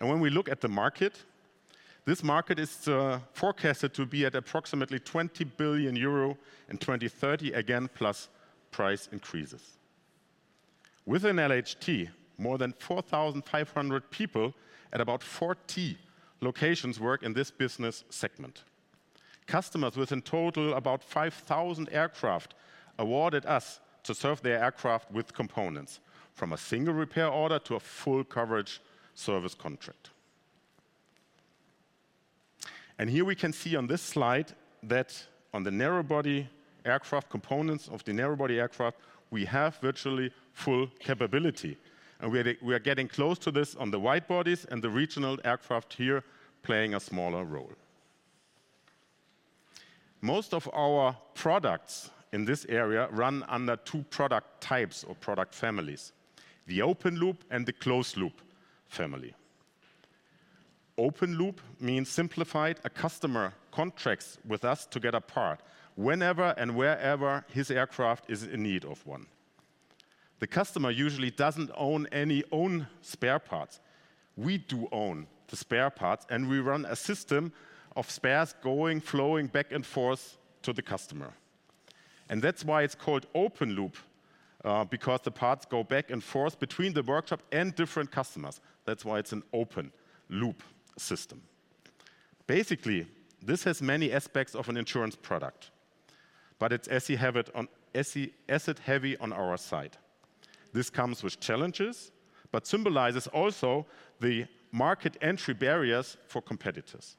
When we look at the market, this market is forecasted to be at approximately 20 billion euro in 2030, again plus price increases. Within LHT, more than 4,500 people at about 40 locations work in this business segment. Customers within total about 5,000 aircraft awarded us to serve their aircraft with components from a single repair order to a full coverage service contract. Here we can see on this slide that on the narrow body aircraft components of the narrow body aircraft, we have virtually full capability, and we are getting close to this on the wide bodies and the regional aircraft here playing a smaller role. Most of our products in this area run under two product types or product families: the Open Loop and the Closed Loop family. Open loop means, simplified, a customer contracts with us to get a part whenever and wherever his aircraft is in need of one. The customer usually doesn't own any own spare parts. We do own the spare parts, and we run a system of spares going, flowing back and forth to the customer. And that's why it's called open loop, because the parts go back and forth between the workshop and different customers. That's why it's an open loop system. Basically, this has many aspects of an insurance product, but it's asset-heavy on our side. This comes with challenges, but symbolizes also the market entry barriers for competitors. On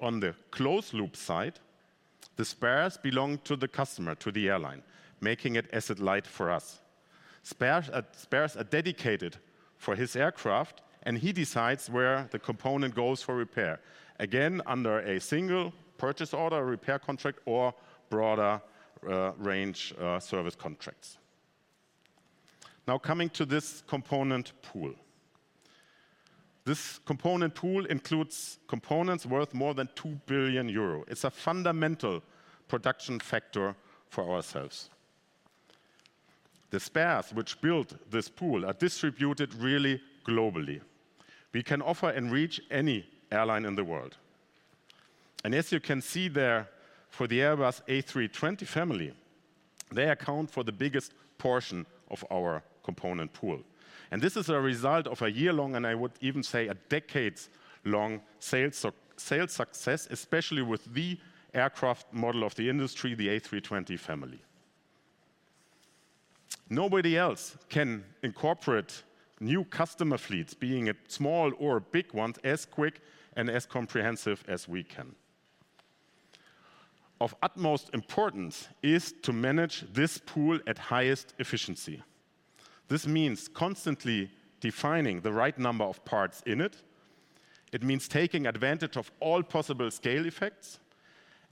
the closed loop side, the spares belong to the customer, to the airline, making it asset-light for us. Spares are dedicated for his aircraft, and he decides where the component goes for repair, again under a single purchase order, repair contract, or broader range service contracts. Now coming to this component pool, this component pool includes components worth more than 2 billion euro. It's a fundamental production factor for ourselves. The spares which build this pool are distributed really globally. We can offer and reach any airline in the world. And as you can see there for the Airbus A320 family, they account for the biggest portion of our component pool. And this is a result of a year-long, and I would even say a decade-long sales success, especially with the aircraft model of the industry, the A320 family. Nobody else can incorporate new customer fleets, being a small or big one, as quick and as comprehensive as we can. Of utmost importance is to manage this pool at highest efficiency. This means constantly defining the right number of parts in it. It means taking advantage of all possible scale effects,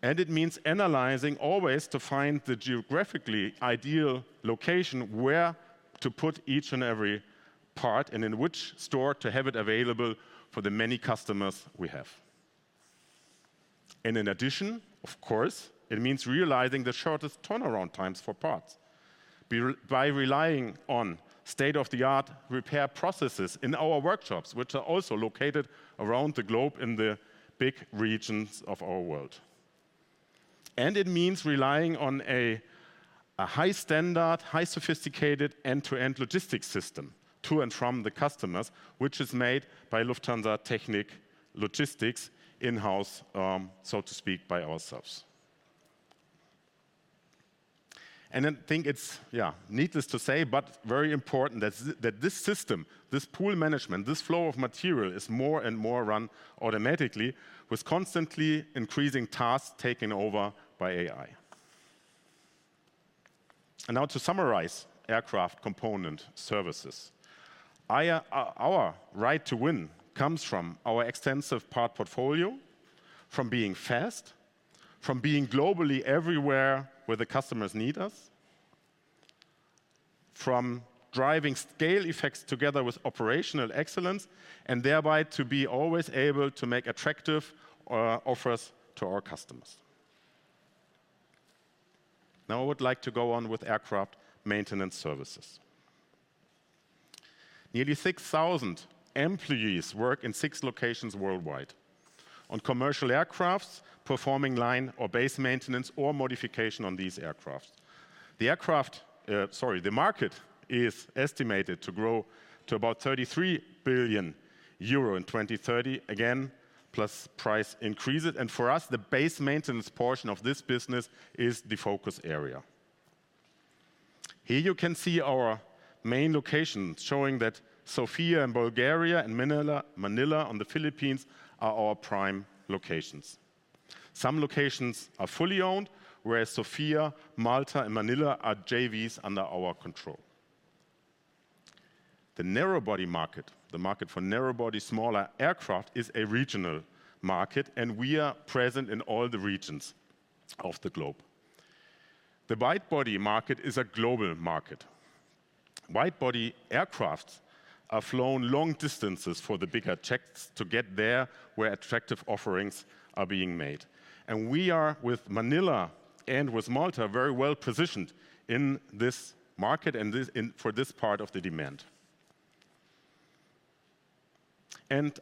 and it means analyzing always to find the geographically ideal location where to put each and every part and in which store to have it available for the many customers we have, and in addition, of course, it means realizing the shortest turnaround times for parts by relying on state-of-the-art repair processes in our workshops, which are also located around the globe in the big regions of our world, and it means relying on a high-standard, highly sophisticated end-to-end logistics system to and from the customers, which is made by Lufthansa Technik Logistik Services in-house, so to speak, by ourselves. I think it's, yeah, needless to say, but very important that this system, this pool management, this flow of material is more and more run automatically with constantly increasing tasks taken over by AI. Now to summarize aircraft component services, our right to win comes from our extensive part portfolio, from being fast, from being globally everywhere where the customers need us, from driving scale effects together with operational excellence, and thereby to be always able to make attractive offers to our customers. Now I would like to go on with Aircraft Maintenance Services. Nearly 6,000 employees work in six locations worldwide on commercial aircraft, performing line or base maintenance or modification on these aircraft. The aircraft, sorry, the market is estimated to grow to about 33 billion euro in 2030, again plus price increases. For us, the base maintenance portion of this business is the focus area. Here you can see our main locations showing that Sofia in Bulgaria and Manila in the Philippines are our prime locations. Some locations are fully owned, whereas Sofia, Malta, and Manila are JVs under our control. The narrow body market, the market for narrow body, smaller aircraft, is a regional market, and we are present in all the regions of the globe. The wide body market is a global market. Wide body aircraft are flown long distances for the bigger checks to get there where attractive offerings are being made. We are with Manila and with Malta very well positioned in this market and for this part of the demand.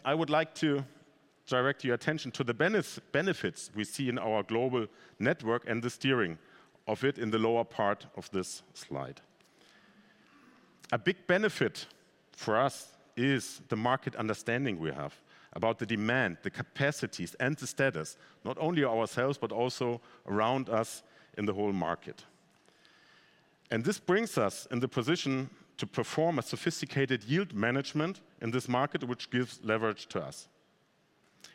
I would like to direct your attention to the benefits we see in our global network and the steering of it in the lower part of this slide. A big benefit for us is the market understanding we have about the demand, the capacities, and the status, not only ourselves, but also around us in the whole market. This brings us in the position to perform a sophisticated yield management in this market, which gives leverage to us.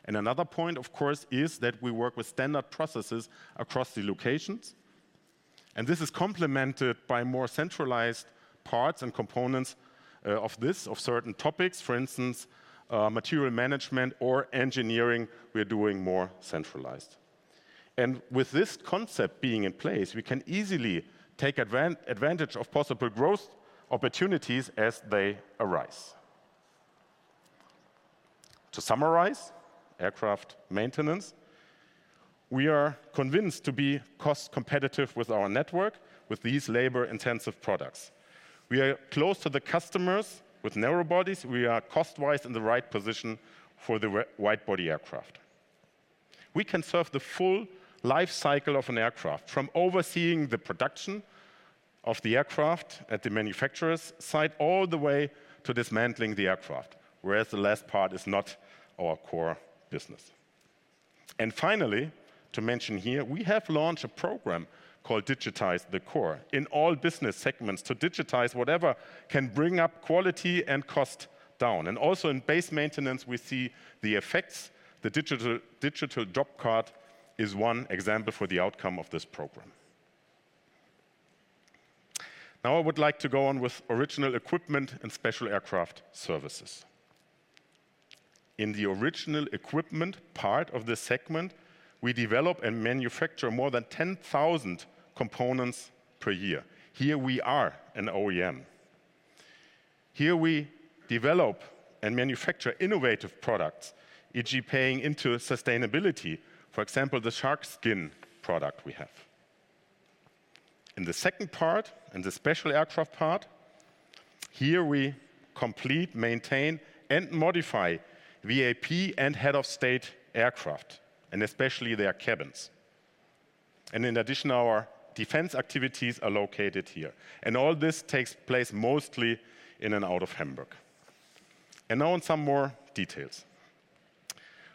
Another point, of course, is that we work with standard processes across the locations, and this is complemented by more centralized parts and components of this, of certain topics, for instance, material management or engineering. We are doing more centralized. With this concept being in place, we can easily take advantage of possible growth opportunities as they arise. To summarize Aircraft Maintenance, we are convinced to be cost competitive with our network with these labor-intensive products. We are close to the customers with narrow bodies. We are cost-wise in the right position for the wide body aircraft. We can serve the full life cycle of an aircraft from overseeing the production of the aircraft at the manufacturer's side all the way to dismantling the aircraft, whereas the last part is not our core business. And finally, to mention here, we have launched a program called Digitize the Core in all business segments to digitize whatever can bring up quality and cost down. Also in base maintenance, we see the effects. The digital job card is one example for the outcome of this program. Now I would like to go on with Original Equipment and Special Aircraft Services. In the original equipment part of the segment, we develop and manufacture more than 10,000 components per year. Here we are an OEM. Here we develop and manufacture innovative products, e.g., paying into sustainability, for example, the shark skin product we have. In the second part, in the special aircraft part, here we complete, maintain, and modify VIP and head of state aircraft, and especially their cabins. And in addition, our defense activities are located here. And all this takes place mostly in and out of Hamburg. And now in some more details.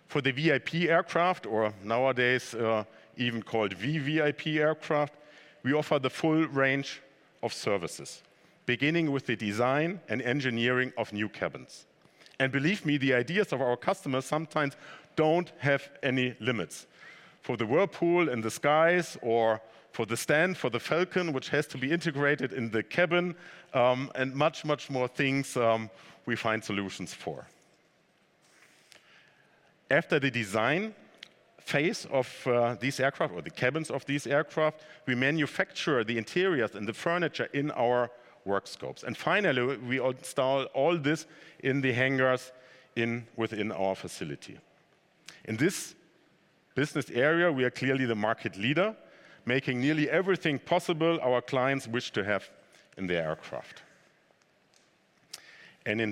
For the VIP aircraft, or nowadays even called VVIP aircraft, we offer the full range of services, beginning with the design and engineering of new cabins. And believe me, the ideas of our customers sometimes don't have any limits for the whirlpool in the skies or for the stand for the Falcon, which has to be integrated in the cabin, and much, much more things we find solutions for. After the design phase of these aircraft or the cabins of these aircraft, we manufacture the interiors and the furniture in our work scopes. And in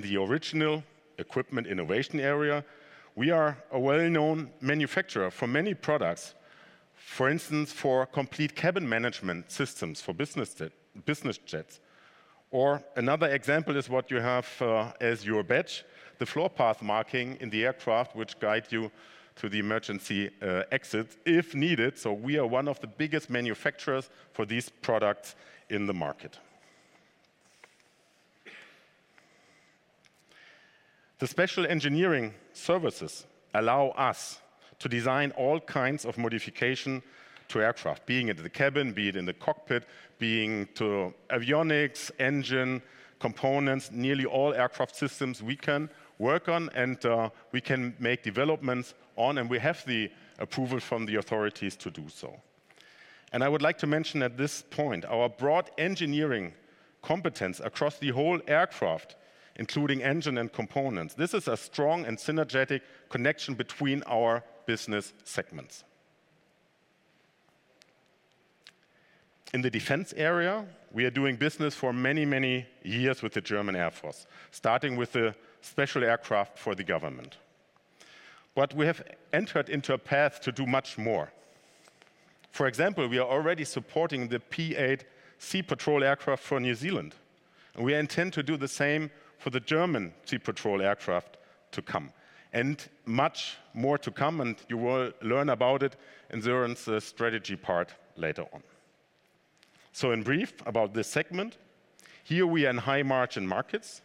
the original equipment innovation area, we are a well-known manufacturer for many products, for instance, for complete cabin management systems for business jets. Or another example is what you have as your badge, the floor path marking in the aircraft, which guides you to the emergency exit if needed. So we are one of the biggest manufacturers for these products in the market. The special engineering services allow us to design all kinds of modifications to aircraft, being in the cabin, being in the cockpit, being to avionics, engine components, nearly all aircraft systems we can work on, and we can make developments on, and we have the approval from the authorities to do so. And I would like to mention at this point our broad engineering competence across the whole aircraft, including engine and components. This is a strong and synergetic connection between our business segments. In the defense area, we are doing business for many, many years with the German Air Force, starting with the special aircraft for the government. But we have entered into a path to do much more. For example, we are already supporting the P-8 Poseidon aircraft for New Zealand, and we intend to do the same for the German P-8 Poseidon aircraft to come, and much more to come, and you will learn about it in the strategy part later on. So in brief about this segment, here we are in high margin markets.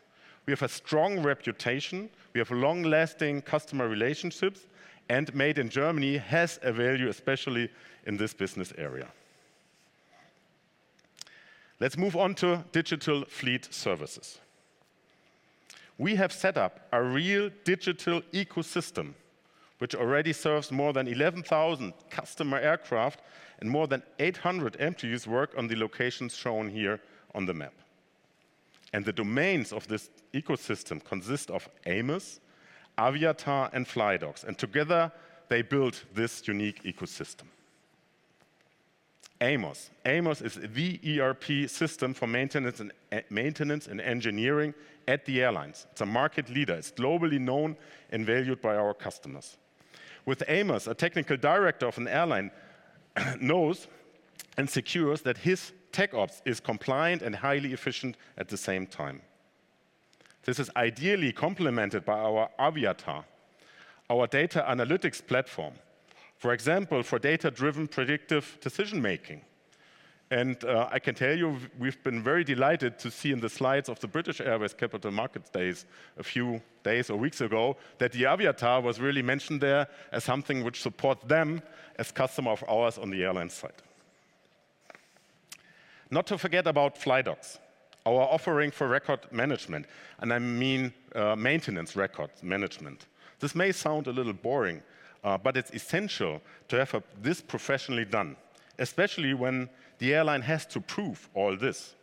We have a strong reputation. We have long-lasting customer relationships, and Made in Germany has a value, especially in this business area. Let's move on to Digital Fleet Services. We have set up a real digital ecosystem, which already serves more than 11,000 customer aircraft and more than 800 employees work on the locations shown here on the map. And the domains of this ecosystem consist of AMOS, AVIATAR, and flydocs, and together they build this unique ecosystem. AMOS is an ERP system for maintenance and engineering at the airlines. It's a market leader. It's globally known and valued by our customers. With AMOS, a technical director of an airline knows and secures that his Tech Ops is compliant and highly efficient at the same time. This is ideally complemented by our AVIATAR, our data analytics platform, for example, for data-driven predictive decision making. And I can tell you, we've been very delighted to see in the slides of the British Airways Capital Markets Days a few days or weeks ago that the AVIATAR was really mentioned there as something which supports them as customers of ours on the airline side. Not to forget about flydocs, our offering for record management, and I mean maintenance record management. This may sound a little boring, but it's essential to have this professionally done, especially when the airline has to prove all this,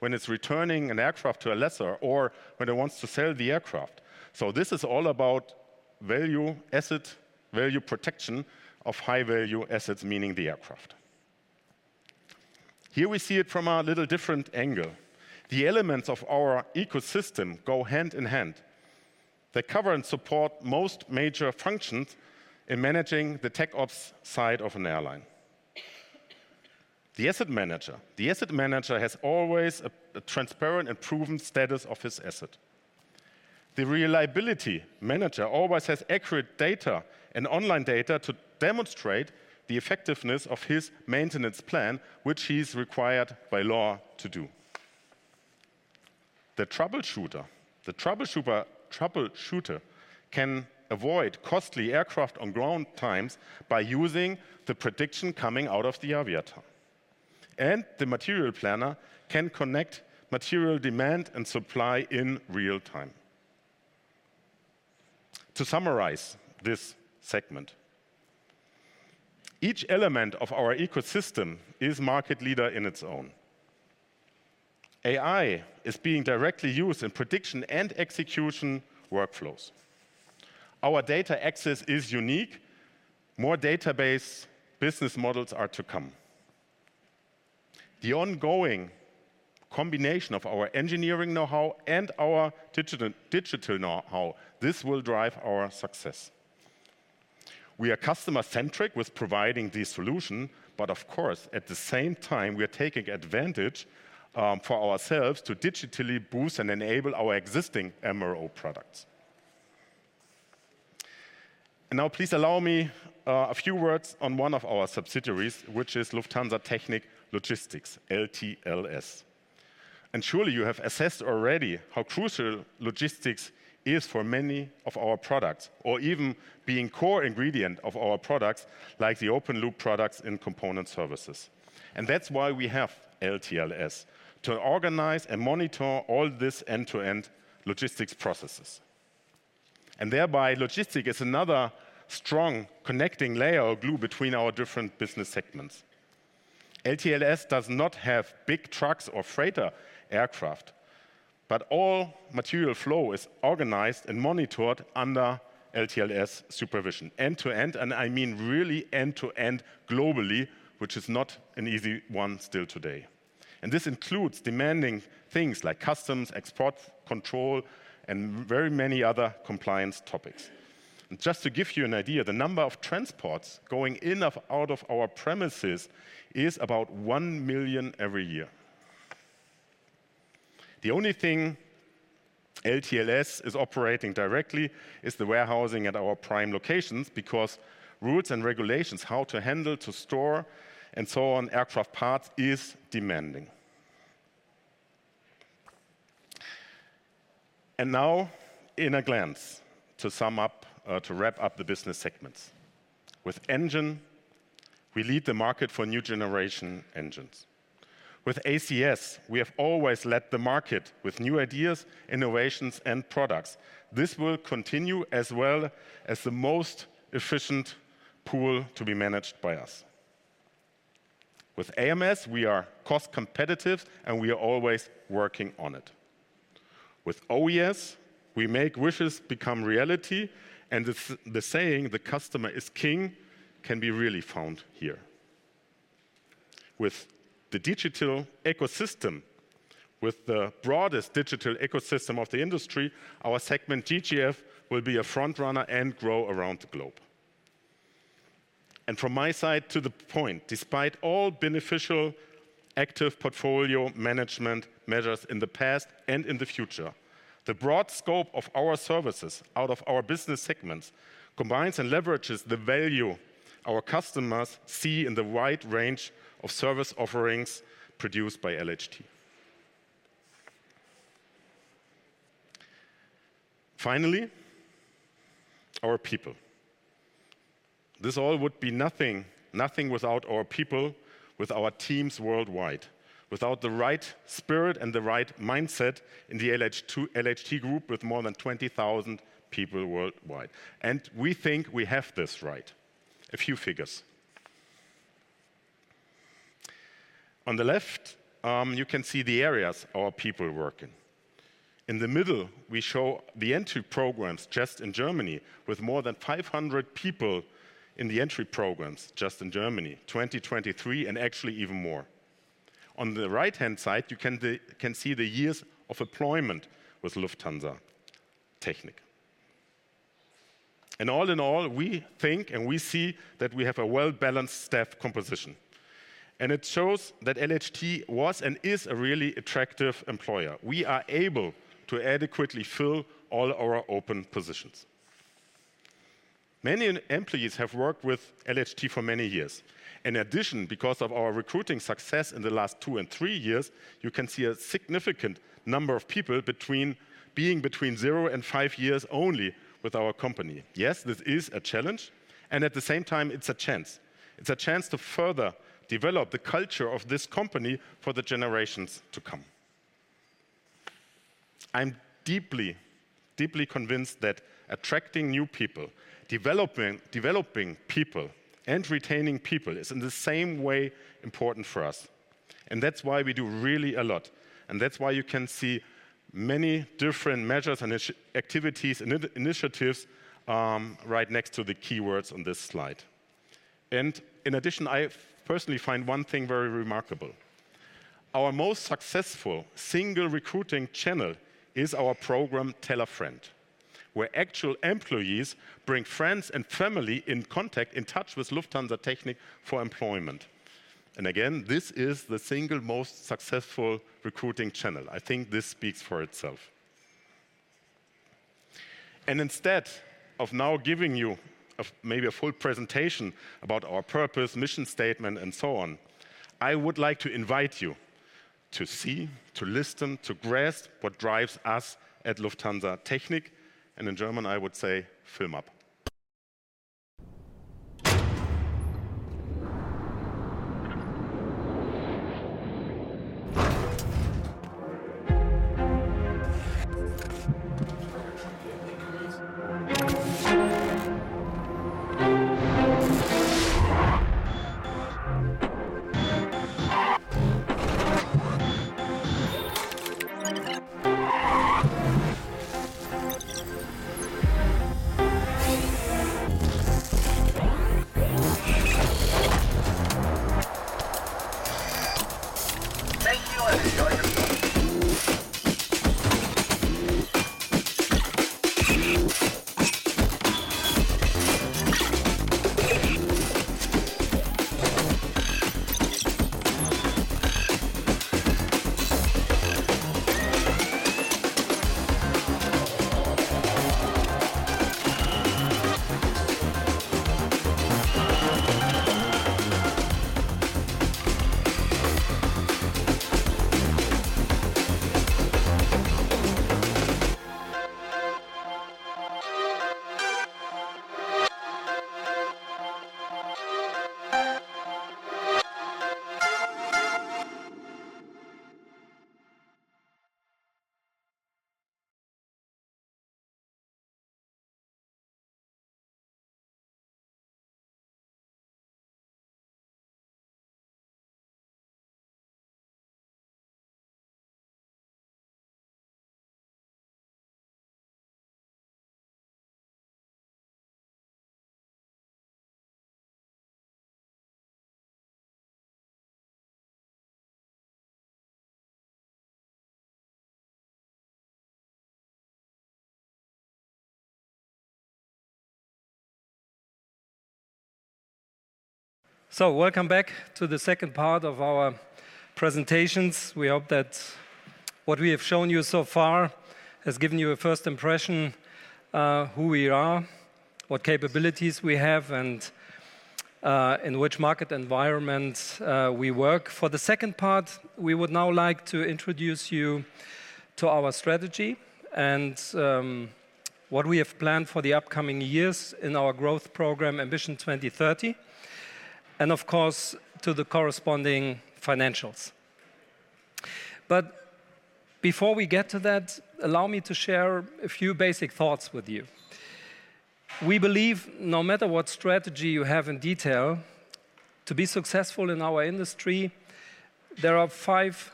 when it's returning an aircraft to a lessor or when it wants to sell the aircraft. So this is all about value asset, value protection of high value assets, meaning the aircraft. Here we see it from a little different angle. The elements of our ecosystem go hand in hand. They cover and support most major functions in managing the Tech Ops side of an airline. The asset manager, the asset manager has always a transparent and proven status of his asset. The reliability manager always has accurate data and online data to demonstrate the effectiveness of his maintenance plan, which he is required by law to do. The troubleshooter can avoid costly aircraft on ground times by using the prediction coming out of the AVIATAR. And the material planner can connect material demand and supply in real time. To summarize this segment, each element of our ecosystem is a market leader in its own. AI is being directly used in prediction and execution workflows. Our data access is unique. More database business models are to come. The ongoing combination of our engineering know-how and our digital know-how. This will drive our success. We are customer-centric with providing these solutions, but of course, at the same time, we are taking advantage for ourselves to digitally boost and enable our existing MRO products. And now please allow me a few words on one of our subsidiaries, which is Lufthansa Technik Logistik Services, LTLS. And surely you have assessed already how crucial logistics is for many of our products or even being a core ingredient of our products like the open loop products and component services. That's why we have LTLS to organize and monitor all this end-to-end logistics processes. Thereby logistics is another strong connecting layer or glue between our different business segments. LTLS does not have big trucks or freighter aircraft, but all material flow is organized and monitored under LTLS supervision end-to-end, and I mean really end-to-end globally, which is not an easy one still today. This includes demanding things like customs, export control, and very many other compliance topics. Just to give you an idea, the number of transports going in and out of our premises is about one million every year. The only thing LTLS is operating directly is the warehousing at our prime locations because rules and regulations how to handle, to store, and so on, aircraft parts is demanding. Now at a glance to sum up, to wrap up the business segments. With Engine, we lead the market for new generation engines. With ACS, we have always led the market with new ideas, innovations, and products. This will continue as well as the most efficient pool to be managed by us. With AMS, we are cost competitive, and we are always working on it. With OES, we make wishes become reality, and the saying "the customer is king" can be really found here. With the digital ecosystem, with the broadest digital ecosystem of the industry, our segment DFS will be a front runner and grow around the globe. And from my side to the point, despite all beneficial active portfolio management measures in the past and in the future, the broad scope of our services out of our business segments combines and leverages the value our customers see in the wide range of service offerings produced by LHT. Finally, our people. This all would be nothing without our people, with our teams worldwide, without the right spirit and the right mindset in the LHT group with more than 20,000 people worldwide. And we think we have this right. A few figures. On the left, you can see the areas our people work in. In the middle, we show the entry programs just in Germany with more than 500 people in the entry programs just in Germany, 2023, and actually even more. On the right-hand side, you can see the years of employment with Lufthansa Technik. And all in all, we think and we see that we have a well-balanced staff composition. And it shows that LHT was and is a really attractive employer. We are able to adequately fill all our open positions. Many employees have worked with LHT for many years. In addition, because of our recruiting success in the last two and three years, you can see a significant number of people being between zero and five years only with our company. Yes, this is a challenge, and at the same time, it's a chance. It's a chance to further develop the culture of this company for the generations to come. I'm deeply, deeply convinced that attracting new people, developing people, and retaining people is in the same way important for us, and that's why we do really a lot, and that's why you can see many different measures and activities and initiatives right next to the keywords on this slide, and in addition, I personally find one thing very remarkable. Our most successful single recruiting channel is our program Tell a Friend, where actual employees bring friends and family in contact, in touch with Lufthansa Technik for employment. Again, this is the single most successful recruiting channel. I think this speaks for itself. Instead of now giving you maybe a full presentation about our purpose, mission statement, and so on, I would like to invite you to see, to listen, to grasp what drives us at Lufthansa Technik, and in German, I would say, "Film ab." Welcome back to the second part of our presentations. We hope that what we have shown you so far has given you a first impression of who we are, what capabilities we have, and in which market environment we work. For the second part, we would now like to introduce you to our strategy and what we have planned for the upcoming years in our growth program, Ambition 2030, and of course, to the corresponding financials. But before we get to that, allow me to share a few basic thoughts with you. We believe no matter what strategy you have in detail, to be successful in our industry, there are five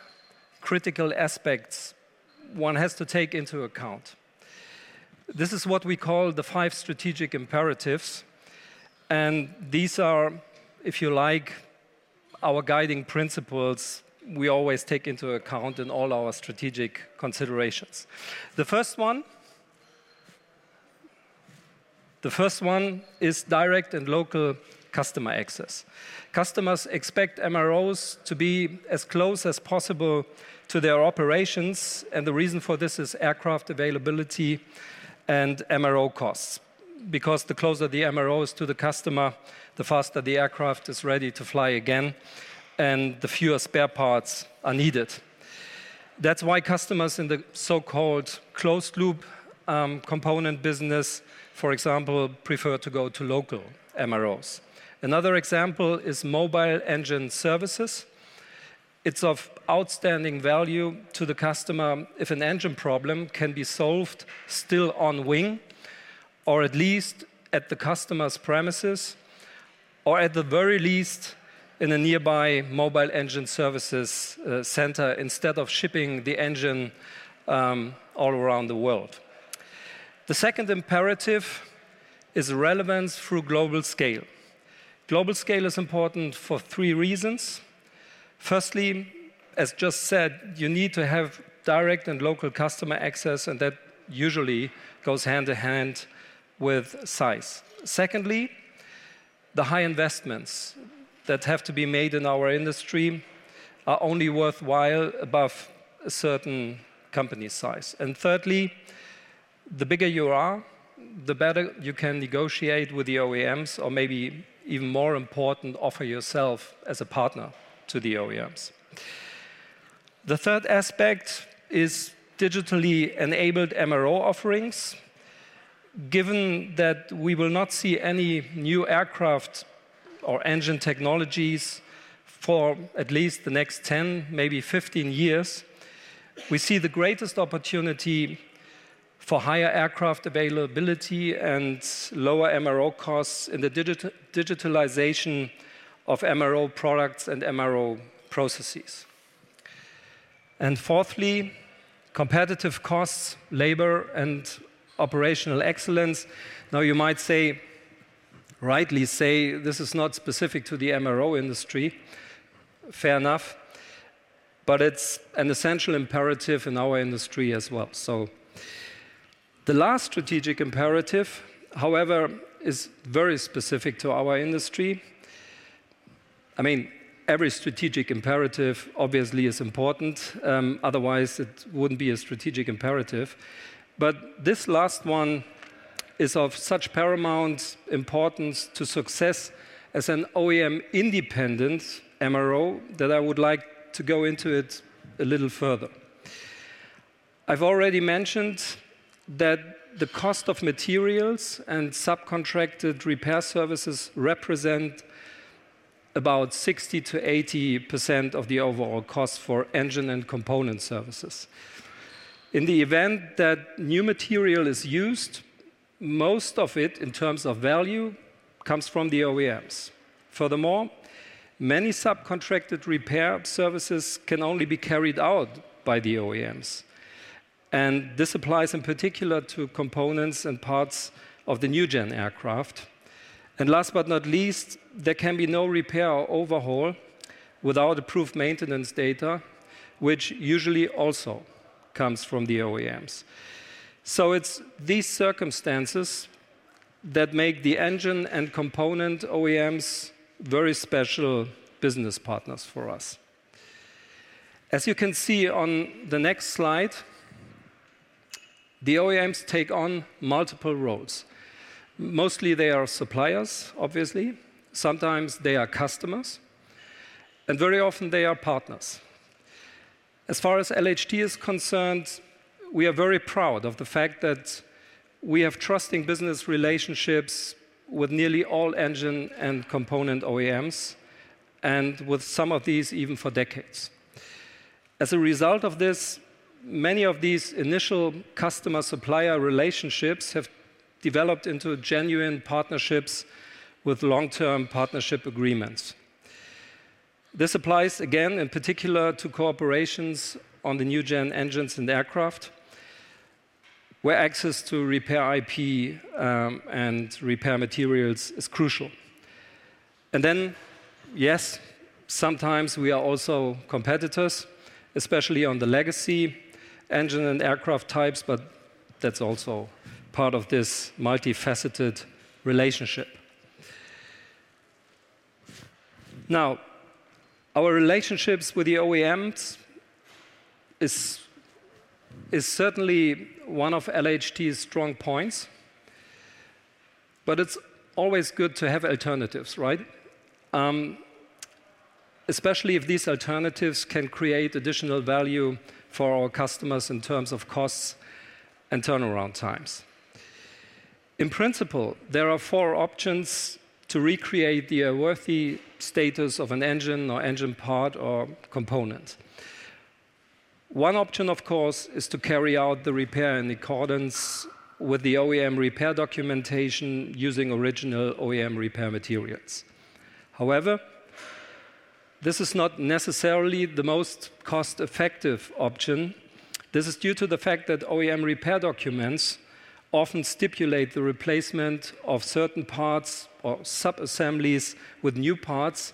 critical aspects one has to take into account. This is what we call the five strategic imperatives, and these are, if you like, our guiding principles we always take into account in all our strategic considerations. The first one is direct and local customer access. Customers expect MROs to be as close as possible to their operations, and the reason for this is aircraft availability and MRO costs. Because the closer the MRO is to the customer, the faster the aircraft is ready to fly again, and the fewer spare parts are needed. That's why customers in the so-called closed loop component business, for example, prefer to go to local MROs. Another example is Mobile Engine Services. It's of outstanding value to the customer if an engine problem can be solved still on wing, or at least at the customer's premises, or at the very least in a nearby Mobile Engine Services center instead of shipping the engine all around the world. The second imperative is relevance through global scale. Global scale is important for three reasons. Firstly, as just said, you need to have direct and local customer access, and that usually goes hand in hand with size. Secondly, the high investments that have to be made in our industry are only worthwhile above a certain company size. And thirdly, the bigger you are, the better you can negotiate with the OEMs or maybe even more important offer yourself as a partner to the OEMs. The third aspect is digitally enabled MRO offerings. Given that we will not see any new aircraft or engine technologies for at least the next 10, maybe 15 years, we see the greatest opportunity for higher aircraft availability and lower MRO costs in the digitalization of MRO products and MRO processes. And fourthly, competitive costs, labor, and operational excellence. Now you might say, rightly say, this is not specific to the MRO industry. Fair enough. But it's an essential imperative in our industry as well. So the last strategic imperative, however, is very specific to our industry. I mean, every strategic imperative obviously is important. Otherwise, it wouldn't be a strategic imperative. But this last one is of such paramount importance to success as an OEM independent MRO that I would like to go into it a little further. I've already mentioned that the cost of materials and subcontracted repair services represent about 60%-80% of the overall cost for engine and component services. In the event that new material is used, most of it in terms of value comes from the OEMs. Furthermore, many subcontracted repair services can only be carried out by the OEMs. And this applies in particular to components and parts of the new-gen aircraft. And last but not least, there can be no repair or overhaul without approved maintenance data, which usually also comes from the OEMs. So it's these circumstances that make the engine and component OEMs very special business partners for us. As you can see on the next slide, the OEMs take on multiple roles. Mostly, they are suppliers, obviously. Sometimes they are customers. And very often, they are partners. As far as LHT is concerned, we are very proud of the fact that we have trusting business relationships with nearly all engine and component OEMs and with some of these even for decades. As a result of this, many of these initial customer-supplier relationships have developed into genuine partnerships with long-term partnership agreements. This applies again in particular to corporations on the new-gen engines and aircraft where access to repair IP and repair materials is crucial. And then, yes, sometimes we are also competitors, especially on the legacy engine and aircraft types, but that's also part of this multifaceted relationship. Now, our relationships with the OEMs is certainly one of LHT's strong points. But it's always good to have alternatives, right? Especially if these alternatives can create additional value for our customers in terms of costs and turnaround times. In principle, there are four options to recreate the worthy status of an engine or engine part or component. One option, of course, is to carry out the repair in accordance with the OEM repair documentation using original OEM repair materials. However, this is not necessarily the most cost-effective option. This is due to the fact that OEM repair documents often stipulate the replacement of certain parts or sub-assemblies with new parts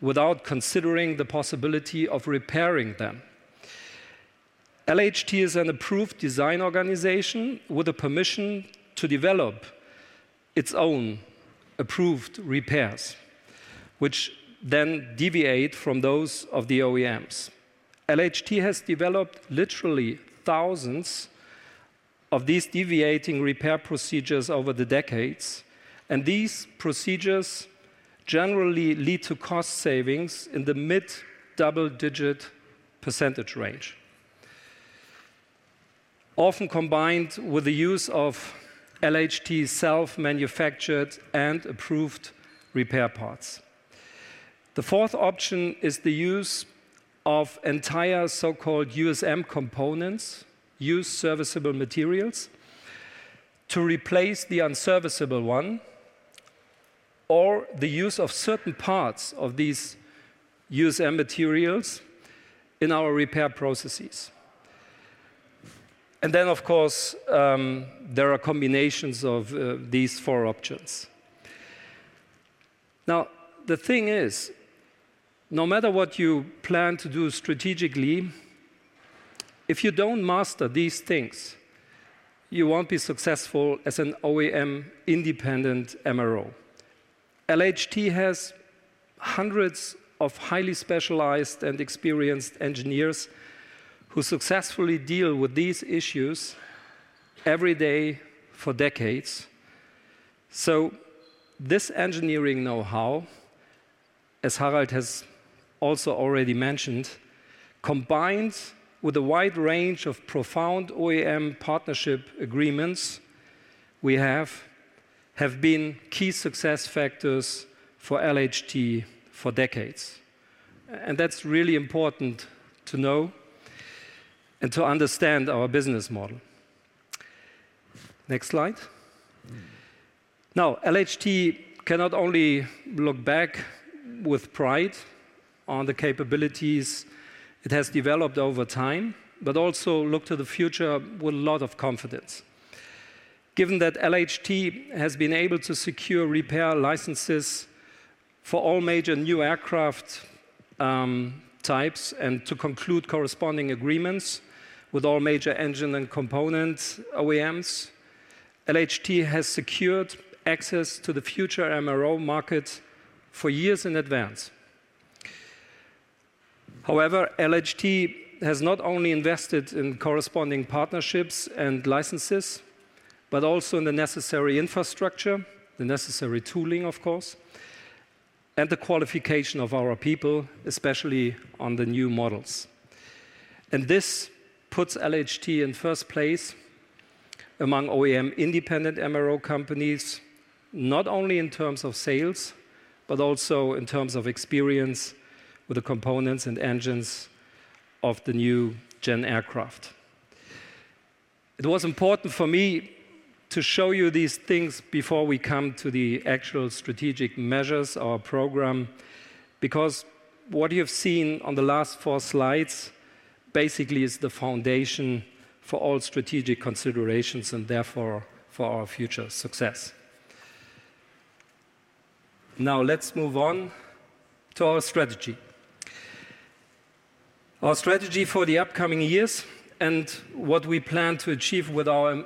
without considering the possibility of repairing them. LHT is an approved design organization with the permission to develop its own approved repairs, which then deviate from those of the OEMs. LHT has developed literally thousands of these deviating repair procedures over the decades, and these procedures generally lead to cost savings in the mid-double-digit % range, often combined with the use of LHT's self-manufactured and approved repair parts. The fourth option is the use of entire so-called USM components, used serviceable materials, to replace the unserviceable one or the use of certain parts of these USM materials in our repair processes. Then, of course, there are combinations of these four options. Now, the thing is, no matter what you plan to do strategically, if you don't master these things, you won't be successful as an OEM independent MRO. LHT has hundreds of highly specialized and experienced engineers who successfully deal with these issues every day for decades. So this engineering know-how, as Harald has also already mentioned, combined with a wide range of profound OEM partnership agreements we have, have been key success factors for LHT for decades. And that's really important to know and to understand our business model. Next slide. Now, LHT cannot only look back with pride on the capabilities it has developed over time, but also look to the future with a lot of confidence. Given that LHT has been able to secure repair licenses for all major new aircraft types and to conclude corresponding agreements with all major engine and component OEMs, LHT has secured access to the future MRO market for years in advance. However, LHT has not only invested in corresponding partnerships and licenses, but also in the necessary infrastructure, the necessary tooling, of course, and the qualification of our people, especially on the new models. And this puts LHT in first place among OEM independent MRO companies, not only in terms of sales, but also in terms of experience with the components and engines of the new-gen aircraft. It was important for me to show you these things before we come to the actual strategic measures of our program, because what you've seen on the last four slides basically is the foundation for all strategic considerations and therefore for our future success. Now, let's move on to our strategy. Our strategy for the upcoming years and what we plan to achieve with our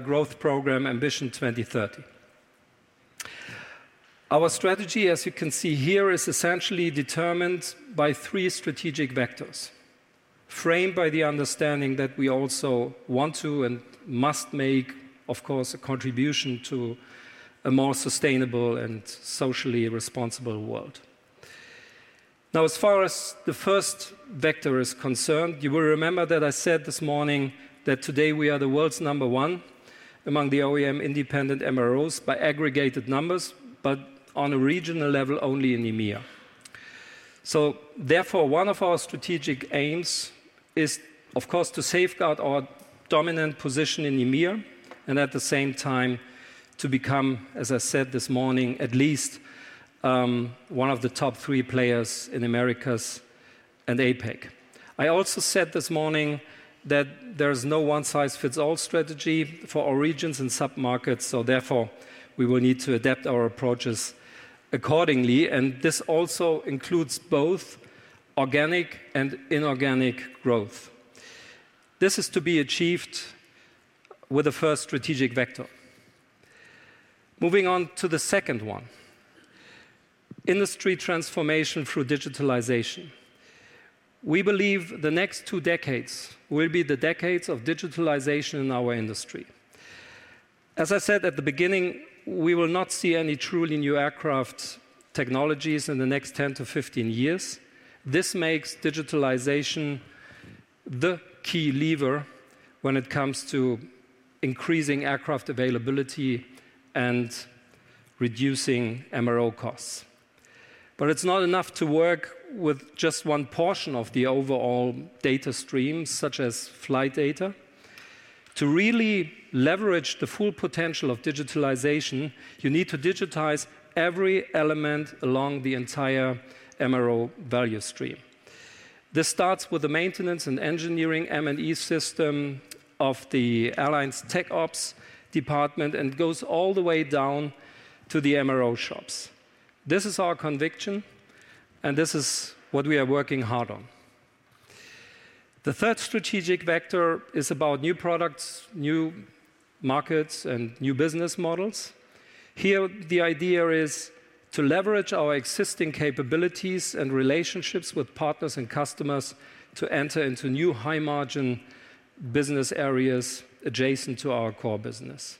growth program, Ambition 2030. Our strategy, as you can see here, is essentially determined by three strategic vectors, framed by the understanding that we also want to and must make, of course, a contribution to a more sustainable and socially responsible world. Now, as far as the first vector is concerned, you will remember that I said this morning that today we are the world's number one among the OEM independent MROs by aggregated numbers, but on a regional level only in EMEA. So therefore, one of our strategic aims is, of course, to safeguard our dominant position in EMEA and at the same time to become, as I said this morning, at least one of the top three players in Americas and APAC. I also said this morning that there is no one-size-fits-all strategy for our regions and sub-markets. So therefore, we will need to adapt our approaches accordingly. And this also includes both organic and inorganic growth. This is to be achieved with the first strategic vector. Moving on to the second one, industry transformation through digitalization. We believe the next two decades will be the decades of digitalization in our industry. As I said at the beginning, we will not see any truly new aircraft technologies in the next 10 to 15 years. This makes digitalization the key lever when it comes to increasing aircraft availability and reducing MRO costs. But it's not enough to work with just one portion of the overall data stream, such as flight data. To really leverage the full potential of digitalization, you need to digitize every element along the entire MRO value stream. This starts with the maintenance and engineering M&E system of the airlines' Tech Ops department and goes all the way down to the MRO shops. This is our conviction, and this is what we are working hard on. The third strategic vector is about new products, new markets, and new business models. Here, the idea is to leverage our existing capabilities and relationships with partners and customers to enter into new high-margin business areas adjacent to our core business.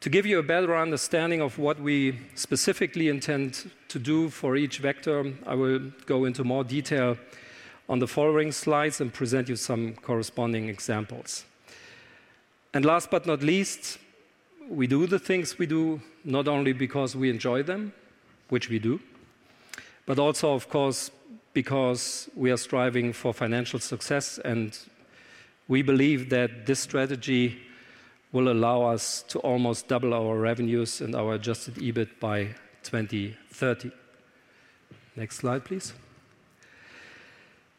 To give you a better understanding of what we specifically intend to do for each vector, I will go into more detail on the following slides and present you some corresponding examples. And last but not least, we do the things we do not only because we enjoy them, which we do, but also, of course, because we are striving for financial success, and we believe that this strategy will allow us to almost double our revenues and our adjusted EBIT by 2030. Next slide, please.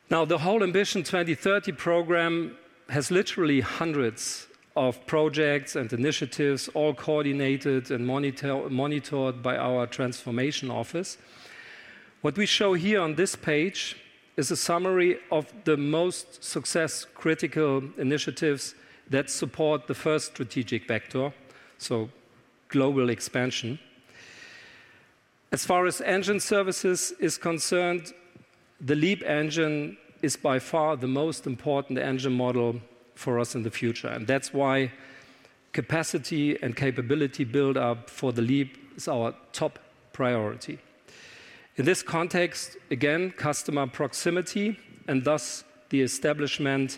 Now, the whole Ambition 2030 program has literally hundreds of projects and initiatives, all coordinated and monitored by our transformation office. What we show here on this page is a summary of the most success-critical initiatives that support the first strategic vector, so global expansion. As far as Engine Services is concerned, the LEAP engine is by far the most important engine model for us in the future, and that's why capacity and capability build-up for the LEAP is our top priority. In this context, again, customer proximity and thus the establishment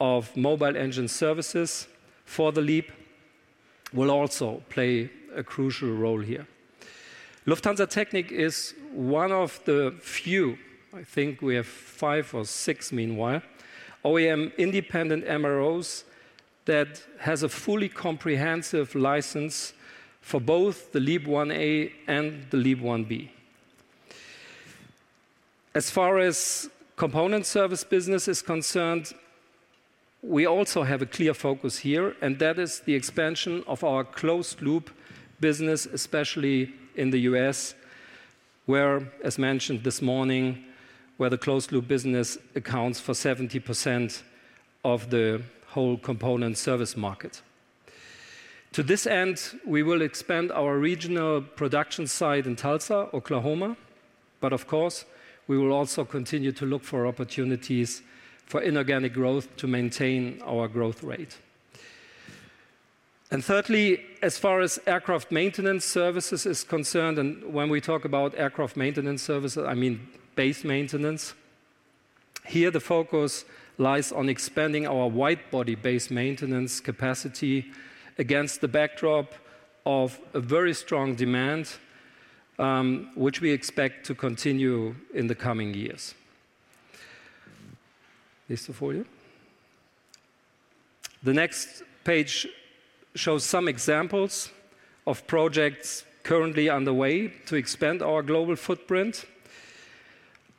of Mobile Engine Services for the LEAP will also play a crucial role here. Lufthansa Technik is one of the few, I think we have five or six meanwhile, OEM independent MROs that has a fully comprehensive license for both the LEAP-1A and the LEAP-1B. As far as component service business is concerned, we also have a clear focus here, and that is the expansion of our closed-loop business, especially in the U.S., where, as mentioned this morning, the closed-loop business accounts for 70% of the whole component service market. To this end, we will expand our regional production site in Tulsa, Oklahoma. But of course, we will also continue to look for opportunities for inorganic growth to maintain our growth rate. Thirdly, as far as Aircraft Maintenance Services is concerned, and when we talk about Aircraft Maintenance Services, I mean base maintenance. Here the focus lies on expanding our wide-body base maintenance capacity against the backdrop of a very strong demand, which we expect to continue in the coming years. This is for you. The next page shows some examples of projects currently underway to expand our global footprint.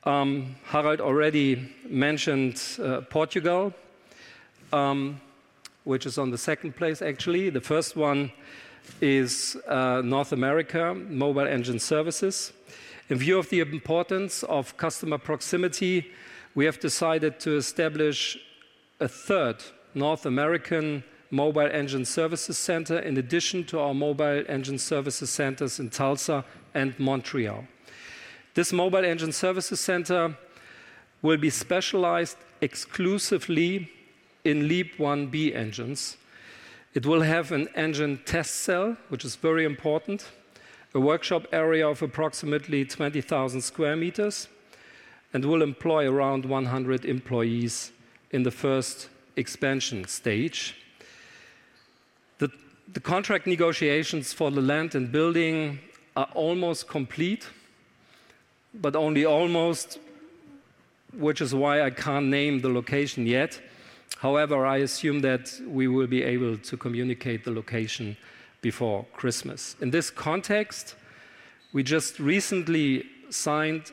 Harald already mentioned Portugal, which is on the second place, actually. The first one is North America, Mobile Engine Services. In view of the importance of customer proximity, we have decided to establish a third North American Mobile Engine Services center in addition to our Mobile Engine Services centers in Tulsa and Montreal. This Mobile Engine Services center will be specialized exclusively in LEAP-1B engines. It will have an engine test cell, which is very important, a workshop area of approximately 20,000 square meters, and will employ around 100 employees in the first expansion stage. The contract negotiations for the land and building are almost complete, but only almost, which is why I can't name the location yet. However, I assume that we will be able to communicate the location before Christmas. In this context, we just recently signed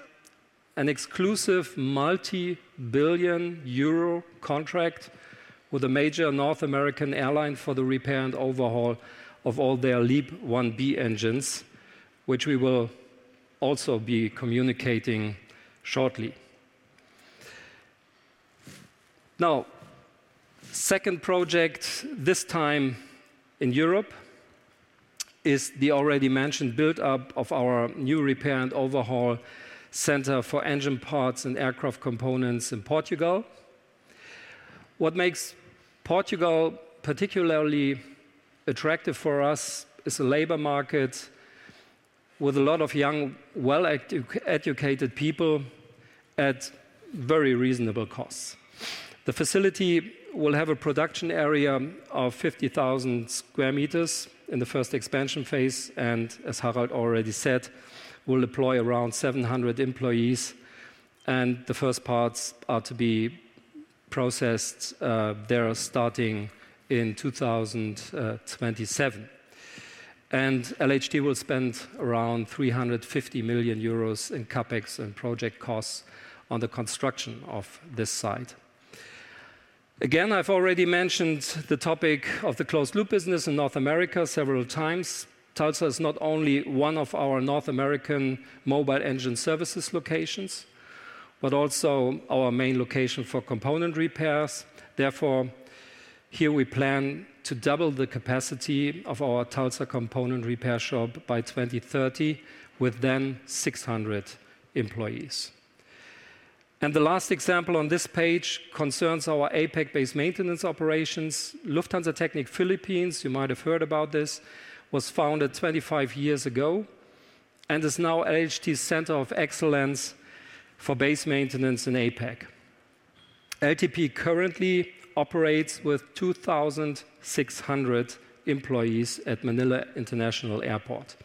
an exclusive multi-billion-euro contract with a major North American airline for the repair and overhaul of all their LEAP-1B engines, which we will also be communicating shortly. Now, the second project, this time in Europe, is the already mentioned build-up of our new repair and overhaul center for engine parts and aircraft components in Portugal. What makes Portugal particularly attractive for us is a labor market with a lot of young, well-educated people at very reasonable costs. The facility will have a production area of 50,000 square meters in the first expansion phase. And as Harald already said, we'll deploy around 700 employees. And the first parts are to be processed there starting in 2027. And LHT will spend around 350 million euros in CapEx and project costs on the construction of this site. Again, I've already mentioned the topic of the closed-loop business in North America several times. Tulsa is not only one of our North American Mobile Engine Services locations, but also our main location for component repairs. Therefore, here we plan to double the capacity of our Tulsa component repair shop by 2030 with then 600 employees. And the last example on this page concerns our APAC-based maintenance operations. Lufthansa Technik Philippines, you might have heard about this, was founded 25 years ago and is now LHT's center of excellence for base maintenance in APAC. LTP currently operates with 2,600 employees at Manila International Airport.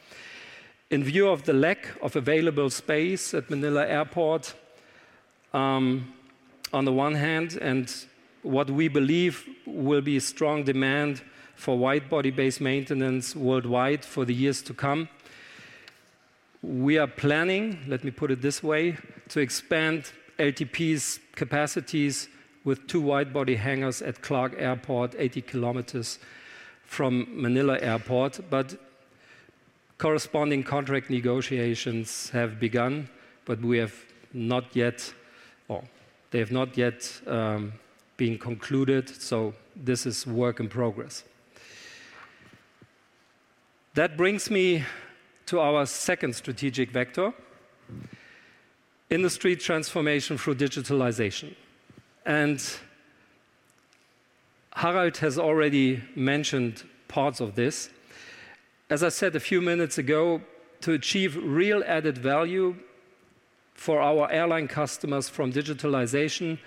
In view of the lack of available space at Manila Airport on the one hand, and what we believe will be strong demand for wide-body base maintenance worldwide for the years to come, we are planning, let me put it this way, to expand LTP's capacities with two wide-body hangars at Clark Airport, 80 kilometers from Manila Airport, but corresponding contract negotiations have begun, but we have not yet, or they have not yet been concluded, so this is work in progress. That brings me to our second strategic vector, industry transformation through digitalization, and Harald has already mentioned parts of this. As I said a few minutes ago, to achieve real added value for our airline customers from digitalization,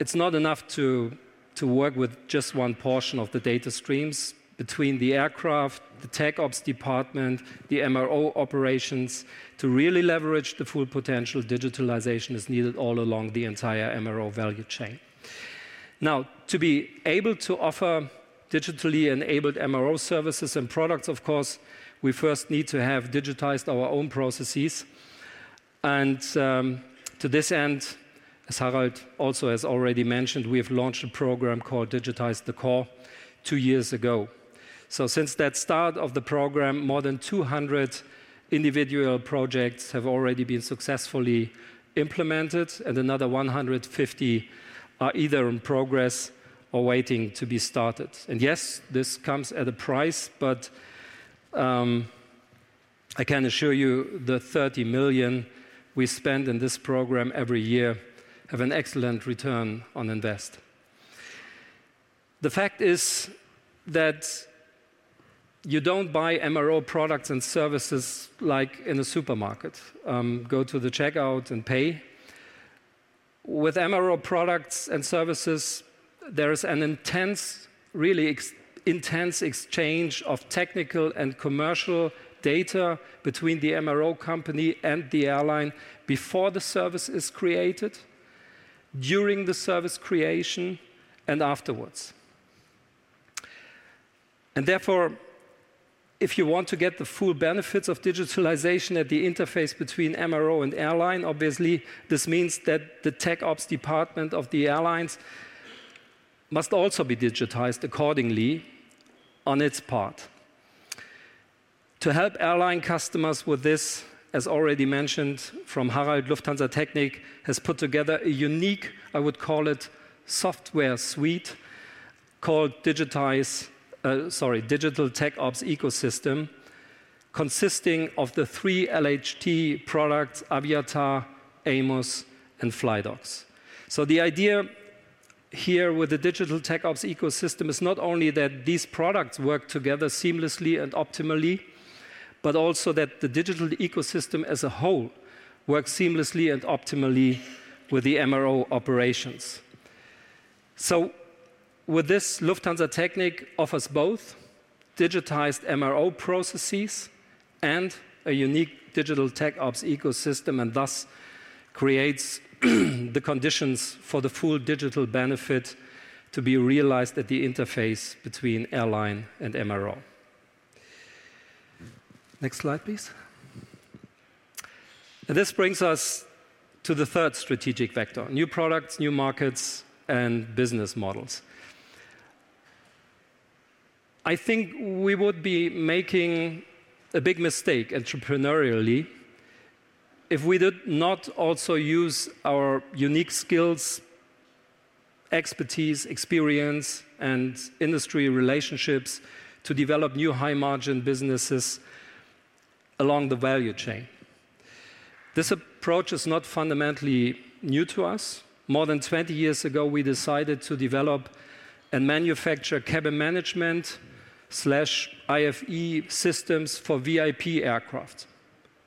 it's not enough to work with just one portion of the data streams between the aircraft, the Tech Ops department, the MRO operations to really leverage the full potential digitalization as needed all along the entire MRO value chain. Now, to be able to offer digitally enabled MRO services and products, of course, we first need to have digitized our own processes, and to this end, as Harald also has already mentioned, we have launched a program called Digitize the Core two years ago, so since that start of the program, more than 200 individual projects have already been successfully implemented, and another 150 are either in progress or waiting to be started. Yes, this comes at a price, but I can assure you the 30 million we spend in this program every year have an excellent return on investment. The fact is that you don't buy MRO products and services like in a supermarket. Go to the checkout and pay. With MRO products and services, there is an intense, really intense exchange of technical and commercial data between the MRO company and the airline before the service is created, during the service creation, and afterwards. And therefore, if you want to get the full benefits of digitalization at the interface between MRO and airline, obviously, this means that the Tech Ops department of the airlines must also be digitized accordingly on its part. To help airline customers with this, as already mentioned, from Harald, Lufthansa Technik has put together a unique, I would call it, software suite called Digitize, sorry, Digital Tech Ops Ecosystem, consisting of the three LHT products, AVIATAR, AMOS, and flydocs. So the idea here with the Digital Tech Ops Ecosystem is not only that these products work together seamlessly and optimally, but also that the digital ecosystem as a whole works seamlessly and optimally with the MRO operations. So with this, Lufthansa Technik offers both digitized MRO processes and a unique Digital Tech Ops Ecosystem, and thus creates the conditions for the full digital benefit to be realized at the interface between airline and MRO. Next slide, please. And this brings us to the third strategic vector: new products, new markets, and business models. I think we would be making a big mistake entrepreneurially if we did not also use our unique skills, expertise, experience, and industry relationships to develop new high-margin businesses along the value chain. This approach is not fundamentally new to us. More than 20 years ago, we decided to develop and manufacture cabin management/IFE systems for VIP aircraft.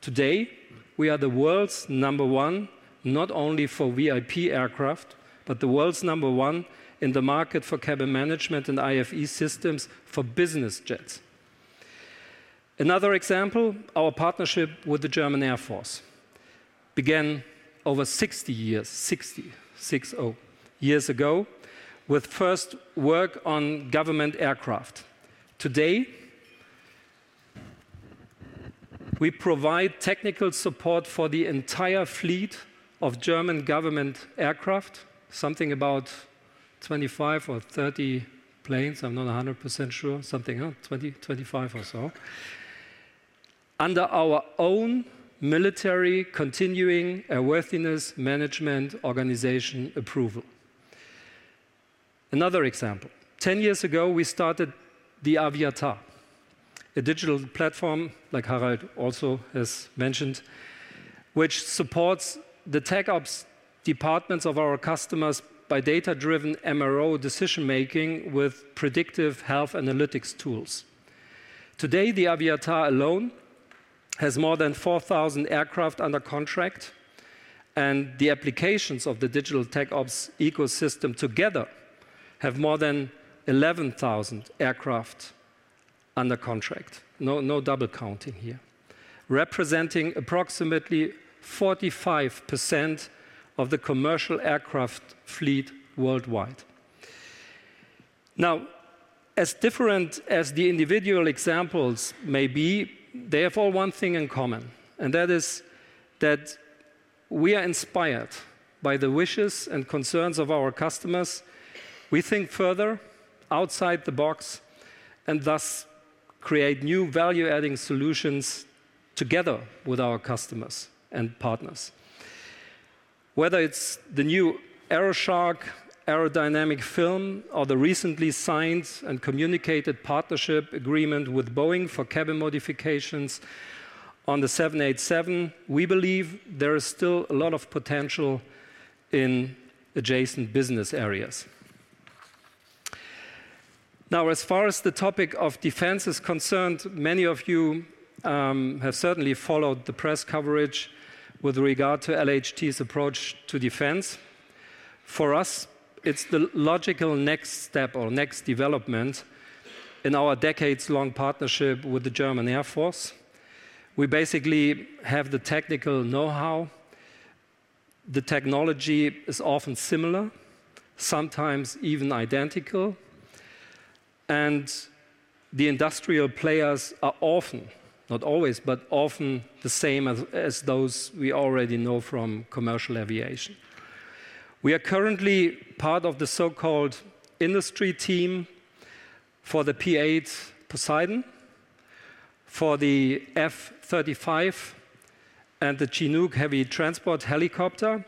Today, we are the world's number one, not only for VIP aircraft, but the world's number one in the market for cabin management and IFE systems for business jets. Another example, our partnership with the German Air Force began over 60 years ago with first work on government aircraft. Today, we provide technical support for the entire fleet of German government aircraft, something about 25 or 30 planes. I'm not 100% sure, something 20, 25 or so, under our own military continuing airworthiness management organization approval. Another example, 10 years ago, we started the AVIATAR, a digital platform, like Harald also has mentioned, which supports the Tech Ops departments of our customers by data-driven MRO decision-making with predictive health analytics tools. Today, the AVIATAR alone has more than 4,000 aircraft under contract, and the applications of the Digital Tech Ops Ecosystem together have more than 11,000 aircraft under contract. No double counting here, representing approximately 45% of the commercial aircraft fleet worldwide. Now, as different as the individual examples may be, they have all one thing in common, and that is that we are inspired by the wishes and concerns of our customers. We think further outside the box and thus create new value-adding solutions together with our customers and partners. Whether it's the new AeroSHARK aerodynamic film or the recently signed and communicated partnership agreement with Boeing for cabin modifications on the 787, we believe there is still a lot of potential in adjacent business areas. Now, as far as the topic of defense is concerned, many of you have certainly followed the press coverage with regard to LHT's approach to defense. For us, it's the logical next step or next development in our decades-long partnership with the German Air Force. We basically have the technical know-how. The technology is often similar, sometimes even identical, and the industrial players are often, not always, but often the same as those we already know from commercial aviation. We are currently part of the so-called industry team for the P-8 Poseidon, for the F-35, and the Chinook heavy transport helicopter,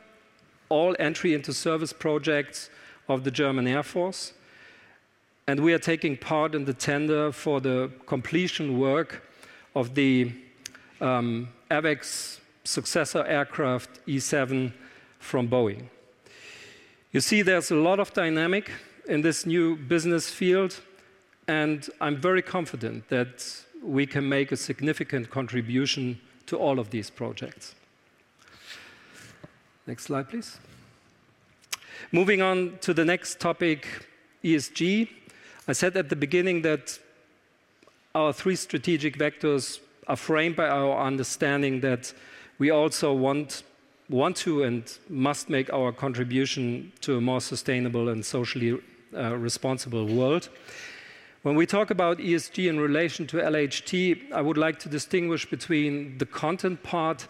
all entry into service projects of the German Air Force. and we are taking part in the tender for the completion work of the AWACS successor aircraft, E-7, from Boeing. You see, there's a lot of dynamic in this new business field, and I'm very confident that we can make a significant contribution to all of these projects. Next slide, please. Moving on to the next topic, ESG. I said at the beginning that our three strategic vectors are framed by our understanding that we also want to and must make our contribution to a more sustainable and socially responsible world. When we talk about ESG in relation to LHT, I would like to distinguish between the content part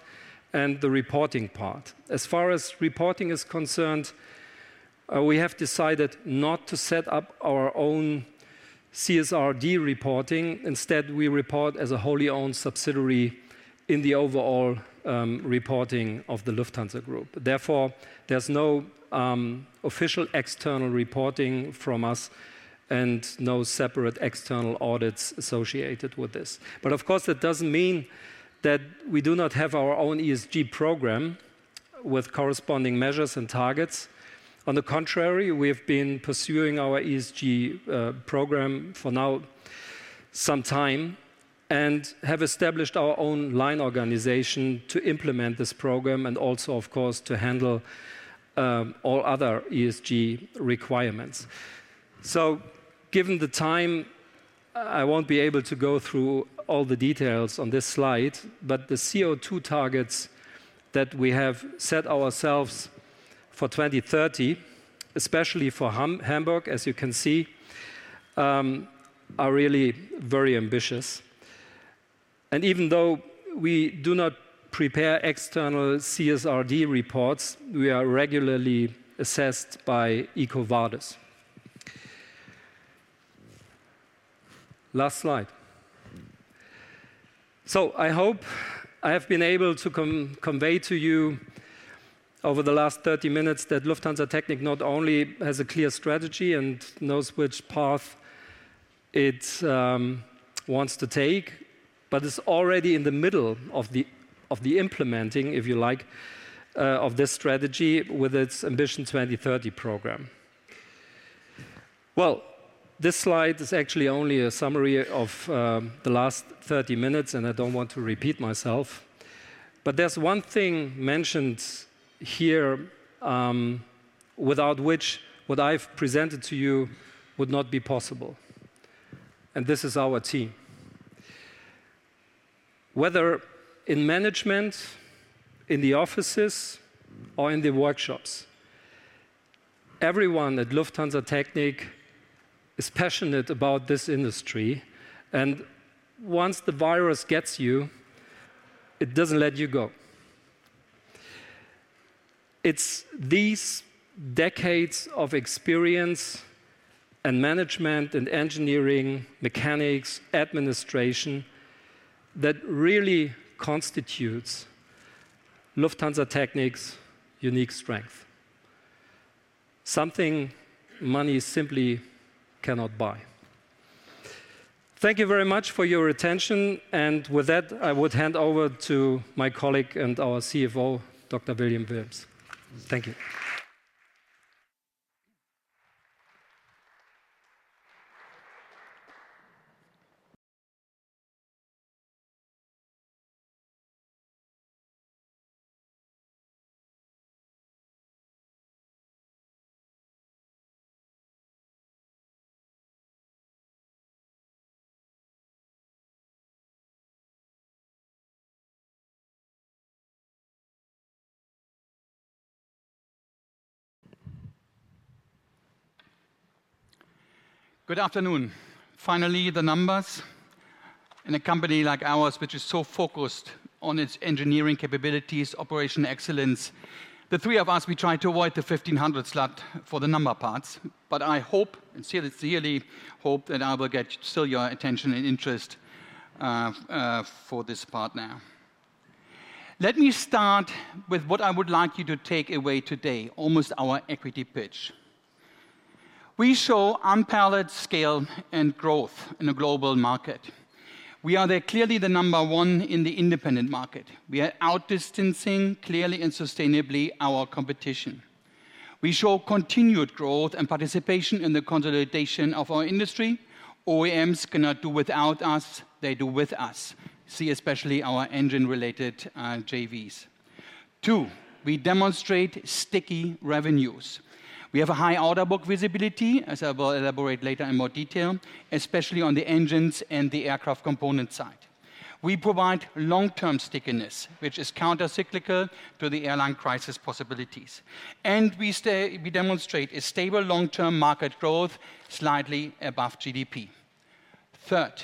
and the reporting part. As far as reporting is concerned, we have decided not to set up our own CSRD reporting. Instead, we report as a wholly owned subsidiary in the overall reporting of the Lufthansa Group. Therefore, there's no official external reporting from us and no separate external audits associated with this. But of course, that doesn't mean that we do not have our own ESG program with corresponding measures and targets. On the contrary, we have been pursuing our ESG program for some time now and have established our own line organization to implement this program and also, of course, to handle all other ESG requirements. So given the time, I won't be able to go through all the details on this slide, but the CO2 targets that we have set ourselves for 2030, especially for Hamburg, as you can see, are really very ambitious. And even though we do not prepare external CSRD reports, we are regularly assessed by EcoVadis. Last slide. I hope I have been able to convey to you over the last 30 minutes that Lufthansa Technik not only has a clear strategy and knows which path it wants to take, but is already in the middle of the implementing, if you like, of this strategy with its Ambition 2030 program. This slide is actually only a summary of the last 30 minutes, and I don't want to repeat myself, but there's one thing mentioned here without which what I've presented to you would not be possible. This is our team. Whether in management, in the offices, or in the workshops, everyone at Lufthansa Technik is passionate about this industry. Once the virus gets you, it doesn't let you go. It's these decades of experience and management and engineering, mechanics, administration that really constitutes Lufthansa Technik's unique strength, something money simply cannot buy. Thank you very much for your attention. And with that, I would hand over to my colleague and our CFO, Dr. William Willms. Thank you. Good afternoon. Finally, the numbers in a company like ours, which is so focused on its engineering capabilities, operational excellence, the three of us, we try to avoid the 3:00 P.M. slot for the numbers part, but I hope and sincerely hope that I will get still your attention and interest for this part now. Let me start with what I would like you to take away today, almost our equity pitch. We show unparalleled scale and growth in a global market. We are clearly the number one in the independent market. We are outdistancing clearly and sustainably our competition. We show continued growth and participation in the consolidation of our industry. OEMs cannot do without us. They do with us. See, especially our engine-related JVs. Two, we demonstrate sticky revenues. We have a high order book visibility, as I will elaborate later in more detail, especially on the engines and the aircraft component side. We provide long-term stickiness, which is countercyclical to the airline crisis possibilities. And we demonstrate a stable long-term market growth slightly above GDP. Third,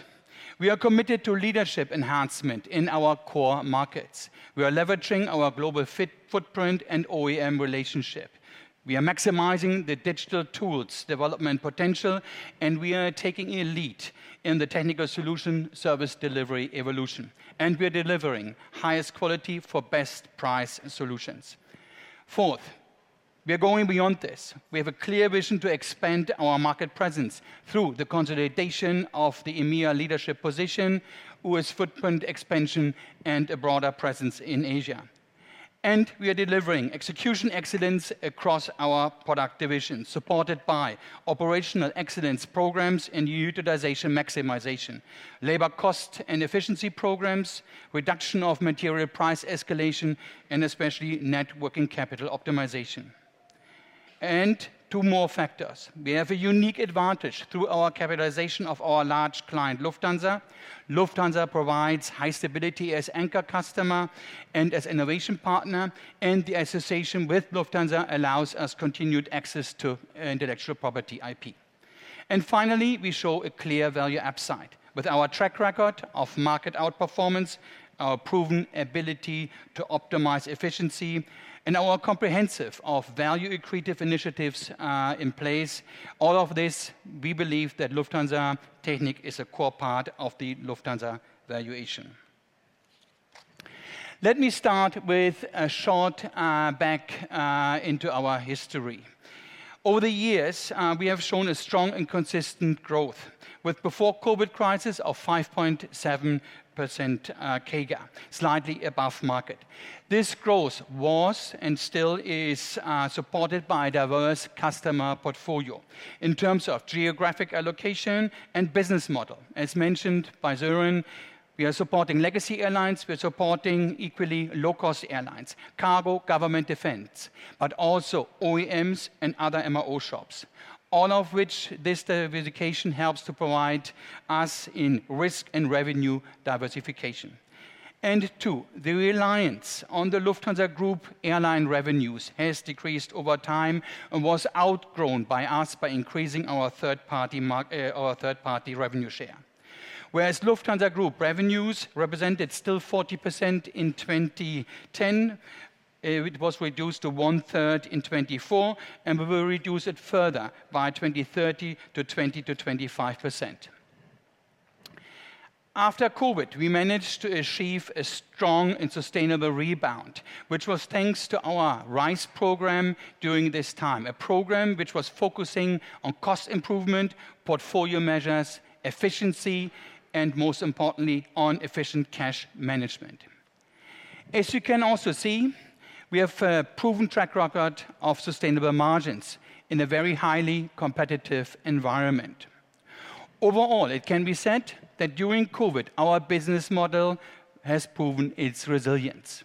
we are committed to leadership enhancement in our core markets. We are leveraging our global footprint and OEM relationship. We are maximizing the digital tools development potential, and we are taking a lead in the technical solution service delivery evolution. And we are delivering highest quality for best price solutions. Fourth, we are going beyond this. We have a clear vision to expand our market presence through the consolidation of the EMEA leadership position, U.S. footprint expansion, and a broader presence in Asia. We are delivering execution excellence across our product division, supported by operational excellence programs and utilization maximization, labor cost and efficiency programs, reduction of material price escalation, and especially networking capital optimization. Two more factors. We have a unique advantage through our capitalization of our large client, Lufthansa. Lufthansa provides high stability as anchor customer and as innovation partner, and the association with Lufthansa allows us continued access to intellectual property IP. Finally, we show a clear value upside with our track record of market outperformance, our proven ability to optimize efficiency, and our comprehensive value-accretive initiatives in place. All of this, we believe that Lufthansa Technik is a core part of the Lufthansa valuation. Let me start with a short back into our history. Over the years, we have shown a strong and consistent growth with before COVID crisis of 5.7% CAGR, slightly above market. This growth was and still is supported by a diverse customer portfolio in terms of geographic allocation and business model. As mentioned by Sören, we are supporting legacy airlines. We are supporting equally low-cost airlines, cargo, government defense, but also OEMs and other MRO shops, all of which this diversification helps to provide us in risk and revenue diversification. And two, the reliance on the Lufthansa Group airline revenues has decreased over time and was outgrown by us by increasing our third-party revenue share. Whereas Lufthansa Group revenues represented still 40% in 2010, it was reduced to one-third in 2024, and we will reduce it further by 2030 to 20%-25%. After COVID, we managed to achieve a strong and sustainable rebound, which was thanks to our RISE program during this time, a program which was focusing on cost improvement, portfolio measures, efficiency, and most importantly, on efficient cash management. As you can also see, we have a proven track record of sustainable margins in a very highly competitive environment. Overall, it can be said that during COVID, our business model has proven its resilience.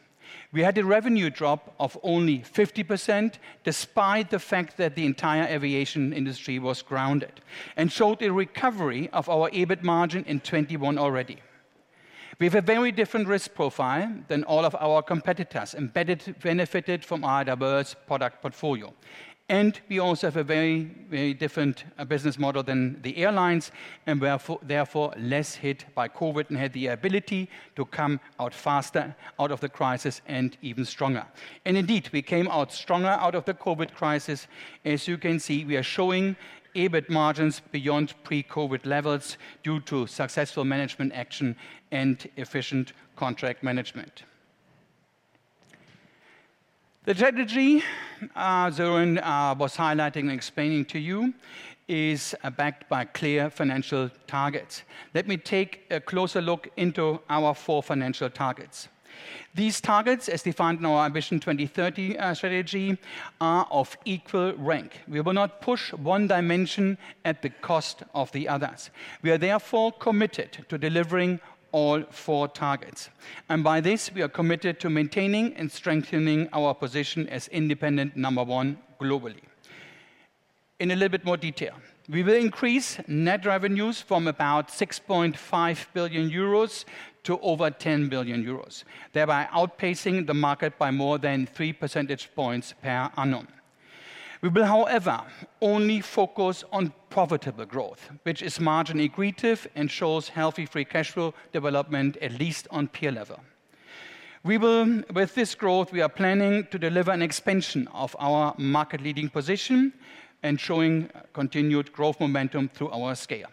We had a revenue drop of only 50% despite the fact that the entire aviation industry was grounded, and showed a recovery of our EBIT margin in 2021 already. We have a very different risk profile than all of our competitors. We benefited from our diverse product portfolio. And we also have a very, very different business model than the airlines and were therefore less hit by COVID and had the ability to come out faster out of the crisis and even stronger. And indeed, we came out stronger out of the COVID crisis. As you can see, we are showing EBIT margins beyond pre-COVID levels due to successful management action and efficient contract management. The strategy Sören was highlighting and explaining to you is backed by clear financial targets. Let me take a closer look into our four financial targets. These targets, as defined in our Ambition 2030 strategy, are of equal rank. We will not push one dimension at the cost of the others. We are therefore committed to delivering all four targets. And by this, we are committed to maintaining and strengthening our position as independent number one globally. In a little bit more detail, we will increase net revenues from about 6.5 billion euros to over 10 billion euros, thereby outpacing the market by more than three percentage points per annum. We will, however, only focus on profitable growth, which is margin-accretive and shows healthy free cash flow development at least on peer level. With this growth, we are planning to deliver an expansion of our market-leading position and showing continued growth momentum through our scale.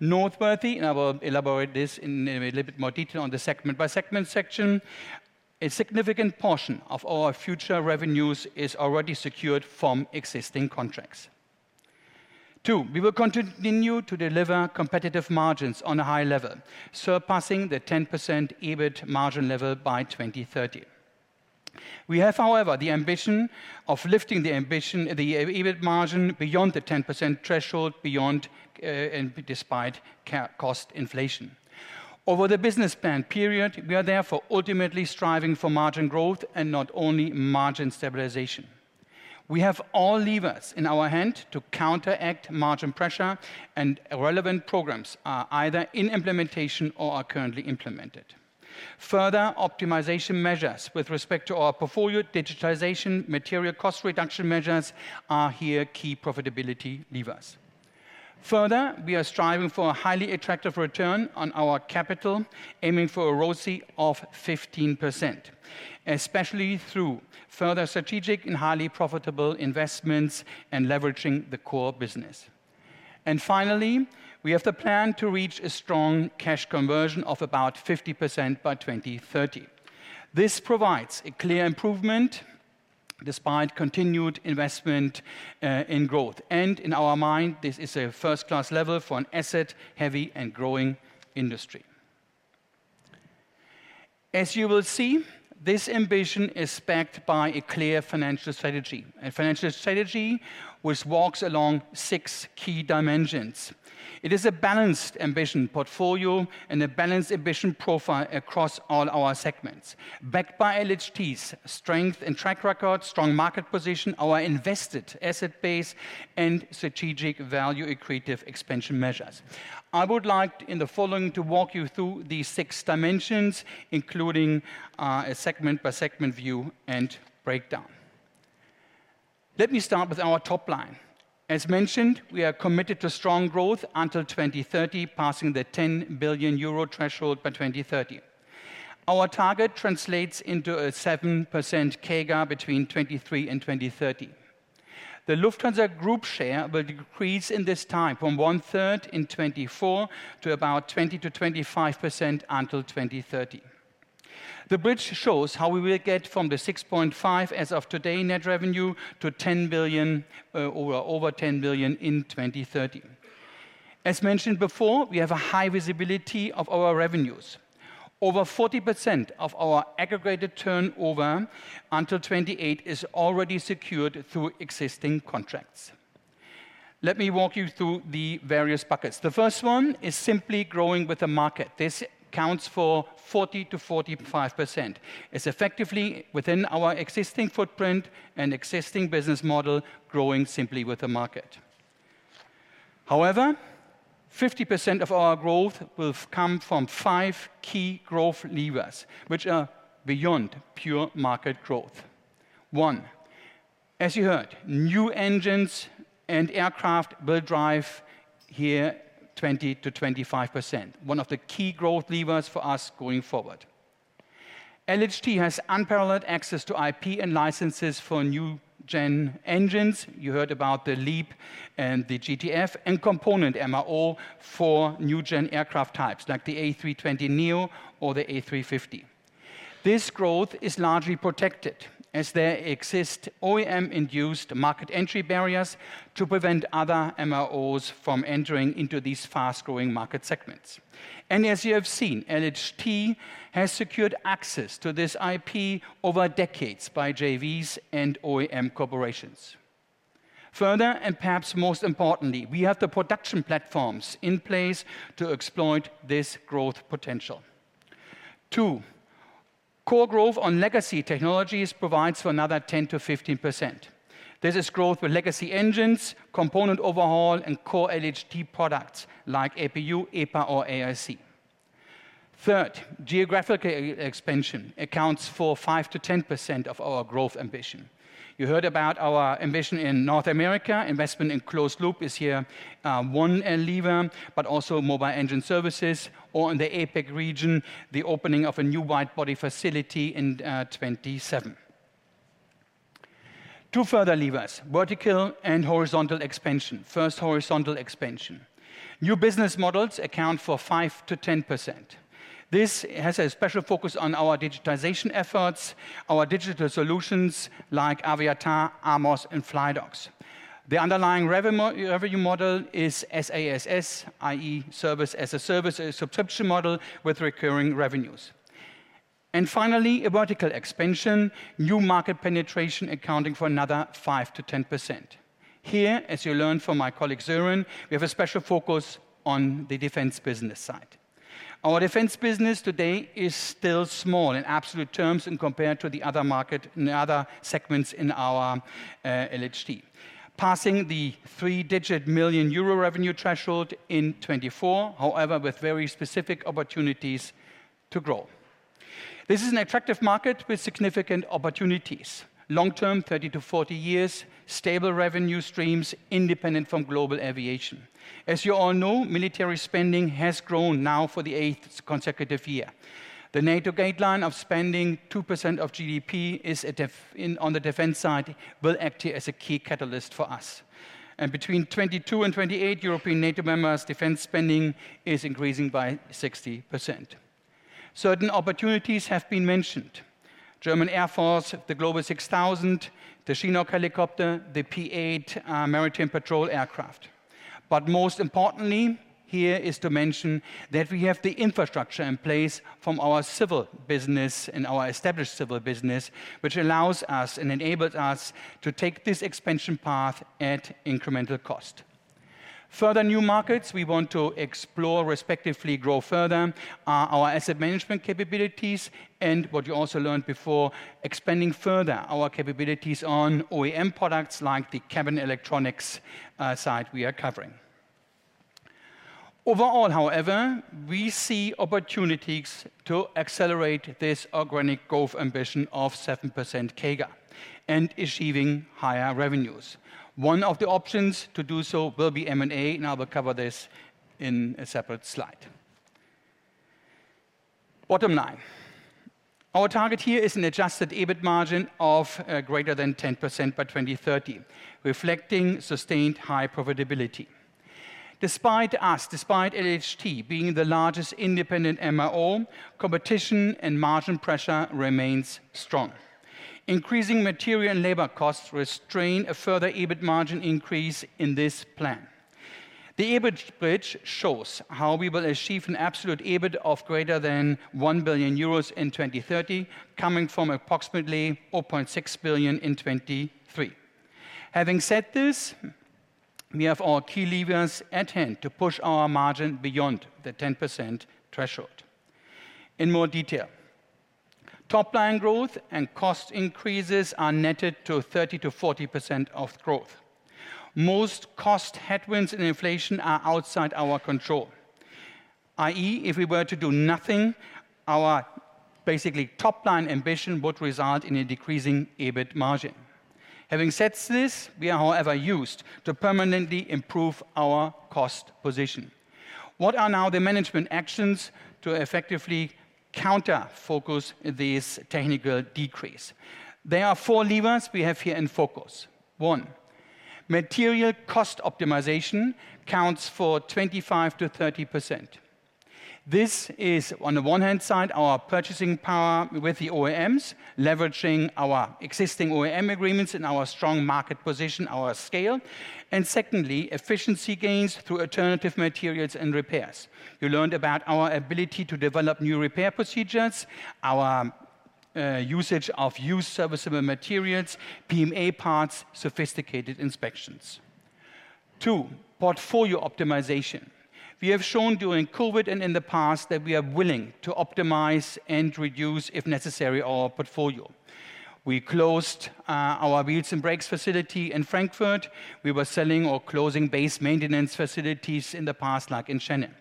Noteworthy, and I will elaborate this in a little bit more detail on the segment-by-segment section, a significant portion of our future revenues is already secured from existing contracts. Two, we will continue to deliver competitive margins on a high level, surpassing the 10% EBIT margin level by 2030. We have, however, the ambition of lifting the EBIT margin beyond the 10% threshold despite cost inflation. Over the business plan period, we are therefore ultimately striving for margin growth and not only margin stabilization. We have all levers in our hand to counteract margin pressure, and relevant programs are either in implementation or are currently implemented. Further optimization measures with respect to our portfolio, digitization, material cost reduction measures are here key profitability levers. Further, we are striving for a highly attractive return on our capital, aiming for a ROCE of 15%, especially through further strategic and highly profitable investments and leveraging the core business. And finally, we have the plan to reach a strong cash conversion of about 50% by 2030. This provides a clear improvement despite continued investment in growth. And in our mind, this is a first-class level for an asset-heavy and growing industry. As you will see, this ambition is backed by a clear financial strategy, a financial strategy which walks along six key dimensions. It is a balanced ambition portfolio and a balanced ambition profile across all our segments, backed by LHT's strength and track record, strong market position, our invested asset base, and strategic value-accretive expansion measures. I would like in the following to walk you through these six dimensions, including a segment-by-segment view and breakdown. Let me start with our top line. As mentioned, we are committed to strong growth until 2030, passing the 10 billion euro threshold by 2030. Our target translates into a 7% CAGR between 2023 and 2030. The Lufthansa Group share will decrease in this time from one-third in 2024 to about 20%-25% until 2030. The bridge shows how we will get from the 6.5 billion as of today net revenue to 10 billion or over 10 billion in 2030. As mentioned before, we have a high visibility of our revenues. Over 40% of our aggregated turnover until 2028 is already secured through existing contracts. Let me walk you through the various buckets. The first one is simply growing with the market. This accounts for 40%-45%. It's effectively within our existing footprint and existing business model growing simply with the market. However, 50% of our growth will come from five key growth levers, which are beyond pure market growth. One, as you heard, new engines and aircraft will drive here 20%-25%, one of the key growth levers for us going forward. LHT has unparalleled access to IP and licenses for new-gen engines. You heard about the LEAP and the GTF and component MRO for new-gen aircraft types like the A320neo or the A350. This growth is largely protected as there exist OEM-induced market entry barriers to prevent other MROs from entering into these fast-growing market segments. And as you have seen, LHT has secured access to this IP over decades by JVs and OEM corporations. Further, and perhaps most importantly, we have the production platforms in place to exploit this growth potential. Two, core growth on legacy technologies provides for another 10%-15%. This is growth with legacy engines, component overhaul, and core LHT products like APU, EPAR, or AERQ. Third, geographical expansion accounts for 5%-10% of our growth ambition. You heard about our ambition in North America. Investment in closed loop is here one lever, but also Mobile Engine Services or in the APAC region, the opening of a new widebody facility in 2027. Two further levers, vertical and horizontal expansion. First, horizontal expansion. New business models account for 5%-10%. This has a special focus on our digitization efforts, our digital solutions like AVIATAR, AMOS, and flydocs. The underlying revenue model is SaaS, i.e., software as a service subscription model with recurring revenues. And finally, a vertical expansion, new market penetration accounting for another 5%-10%. Here, as you learned from my colleague Sören, we have a special focus on the defense business side. Our defense business today is still small in absolute terms and compared to the other market and other segments in our LHT, passing the three-digit million euro revenue threshold in 2024, however, with very specific opportunities to grow. This is an attractive market with significant opportunities, long-term, 30 to 40 years, stable revenue streams independent from global aviation. As you all know, military spending has grown now for the eighth consecutive year. The NATO guideline of spending 2% of GDP is on the defense side will act here as a key catalyst for us. Between 22 and 28 European NATO members, defense spending is increasing by 60%. Certain opportunities have been mentioned: German Air Force, the Global 6000, the Chinook helicopter, the P-8 maritime patrol aircraft. But most importantly, here is to mention that we have the infrastructure in place from our civil business and our established civil business, which allows us and enables us to take this expansion path at incremental cost. Further new markets we want to explore respectively grow further are our asset management capabilities and what you also learned before, expanding further our capabilities on OEM products like the cabin electronics side we are covering. Overall, however, we see opportunities to accelerate this organic growth ambition of 7% CAGR and achieving higher revenues. One of the options to do so will be M&A, and I will cover this in a separate slide. Bottom line, our target here is an adjusted EBIT margin of greater than 10% by 2030, reflecting sustained high profitability. Despite us, despite LHT being the largest independent MRO, competition and margin pressure remains strong. Increasing material and labor costs restrain a further EBIT margin increase in this plan. The EBIT bridge shows how we will achieve an absolute EBIT of greater than 1 billion euros in 2030, coming from approximately 0.6 billion in 2023. Having said this, we have our key levers at hand to push our margin beyond the 10% threshold. In more detail, top line growth and cost increases are netted to 30%-40% of growth. Most cost headwinds and inflation are outside our control, i.e., if we were to do nothing, our basically top line ambition would result in a decreasing EBIT margin. Having said this, we are, however, used to permanently improve our cost position. What are now the management actions to effectively counter focus this technical decrease? There are four levers we have here in focus. One, material cost optimization counts for 25%-30%. This is on the one hand side, our purchasing power with the OEMs, leveraging our existing OEM agreements and our strong market position, our scale. And secondly, efficiency gains through alternative materials and repairs. You learned about our ability to develop new repair procedures, our usage of used serviceable materials, PMA parts, sophisticated inspections. Two, portfolio optimization. We have shown during COVID and in the past that we are willing to optimize and reduce, if necessary, our portfolio. We closed our wheels and brakes facility in Frankfurt. We were selling or closing base maintenance facilities in the past, like in Shannon.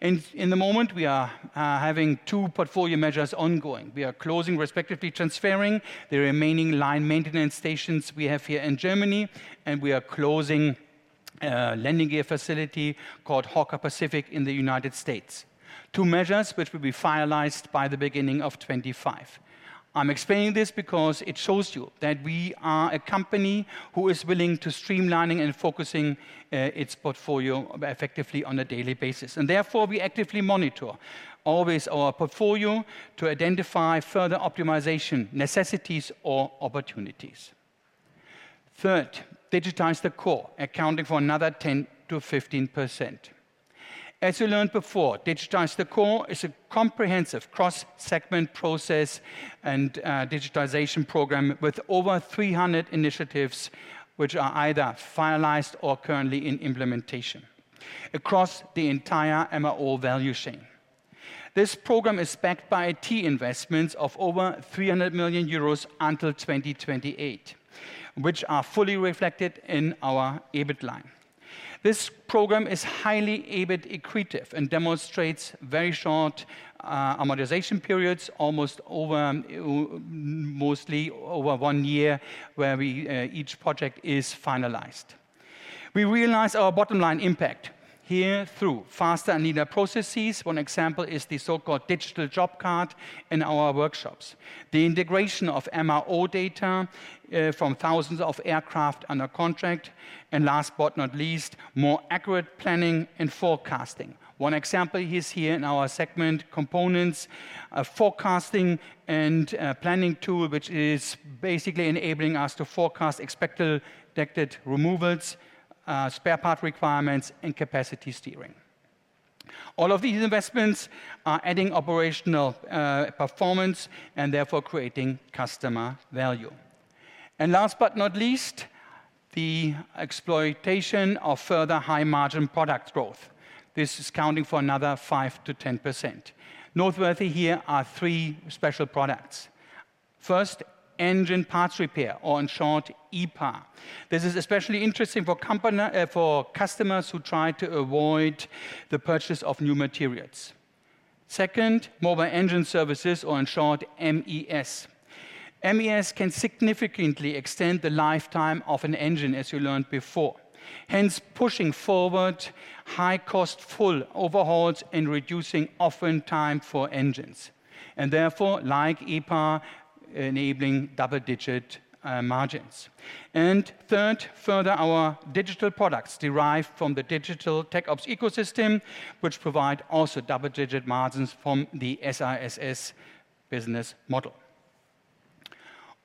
In the moment, we are having two portfolio measures ongoing. We are closing respectively transferring the remaining line maintenance stations we have here in Germany, and we are closing a landing gear facility called Hawker Pacific in the United States. Two measures which will be finalized by the beginning of 2025. I'm explaining this because it shows you that we are a company who is willing to streamline and focus its portfolio effectively on a daily basis. Therefore, we actively monitor always our portfolio to identify further optimization necessities or opportunities. Third, Digitize the Core, accounting for another 10%-15%. As you learned before, Digitize the Core is a comprehensive cross-segment process and digitization program with over 300 initiatives which are either finalized or currently in implementation across the entire MRO value chain. This program is backed by IT investments of over 300 million euros until 2028, which are fully reflected in our EBIT line. This program is highly EBIT accretive and demonstrates very short amortization periods, almost mostly over one year where each project is finalized. We realize our bottom line impact here through faster and neater processes. One example is the so-called digital job card in our workshops, the integration of MRO data from thousands of aircraft under contract, and last but not least, more accurate planning and forecasting. One example is here in our segment components, a forecasting and planning tool, which is basically enabling us to forecast expected removals, spare part requirements, and capacity steering. All of these investments are adding operational performance and therefore creating customer value, and last but not least, the exploitation of further high margin product growth. This is accounting for another 5%-10%. Noteworthy here are three special products. First, engine parts repair, or in short, EPAR. This is especially interesting for customers who try to avoid the purchase of new materials. Second, Mobile Engine Services, or in short, MES. MES can significantly extend the lifetime of an engine, as you learned before. Hence, pushing forward high cost full overhauls and reducing downtime for engines, and therefore, like EPAR, enabling double-digit margins. Third, further our digital products derived from the Digital Tech Ops Ecosystem, which provide also double-digit margins from the SaaS business model.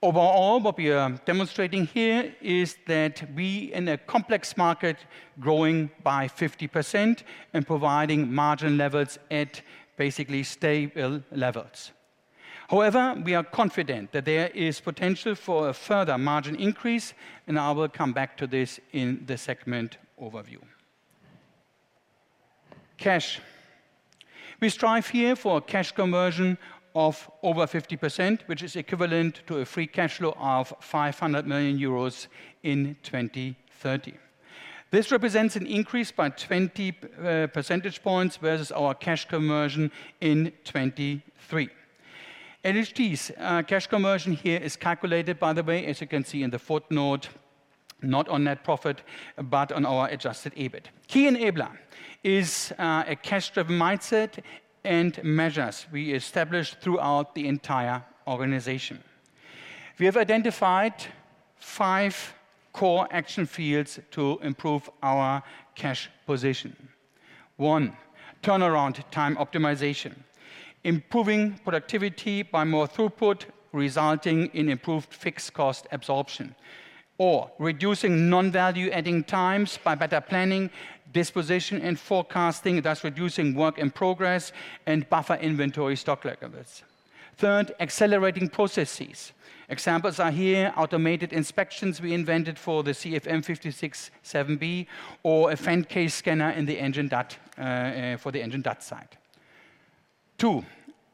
Overall, what we are demonstrating here is that we in a complex market growing by 50% and providing margin levels at basically stable levels. However, we are confident that there is potential for a further margin increase, and I will come back to this in the segment overview. Cash. We strive here for a cash conversion of over 50%, which is equivalent to a free cash flow of 500 million euros in 2030. This represents an increase by 20 percentage points versus our cash conversion in 2023. LHT's cash conversion here is calculated, by the way, as you can see in the footnote, not on net profit, but on our adjusted EBIT. Key enabler is a cash-driven mindset and measures we establish throughout the entire organization. We have identified five core action fields to improve our cash position. One, turnaround time optimization. Improving productivity by more throughput, resulting in improved fixed cost absorption, or reducing non-value adding times by better planning, disposition, and forecasting, thus reducing work in progress and buffer inventory stock levels. Third, accelerating processes. Examples are here automated inspections we invented for the CFM56-7B or a fan case scanner in the engine shop for the engine shop site. Two,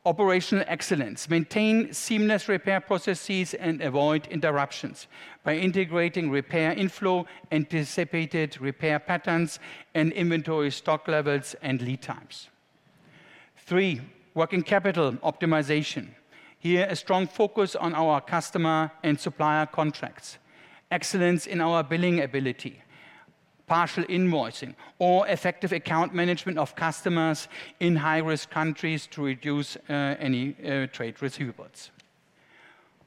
operational excellence. Maintain seamless repair processes and avoid interruptions by integrating repair inflow, anticipated repair patterns, and inventory stock levels and lead times. Three, working capital optimization. Here, a strong focus on our customer and supplier contracts. Excellence in our billing ability, partial invoicing, or effective account management of customers in high-risk countries to reduce any trade receivables.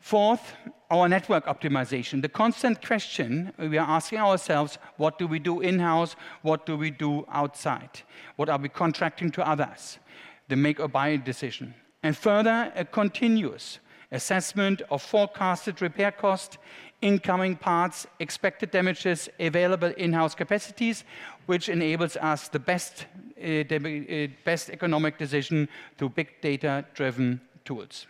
Fourth, our network optimization. The constant question we are asking ourselves, what do we do in-house? What do we do outside? What are we contracting to others? The make or buy decision. Further, a continuous assessment of forecasted repair cost, incoming parts, expected damages, available in-house capacities, which enables us the best economic decision through big data-driven tools.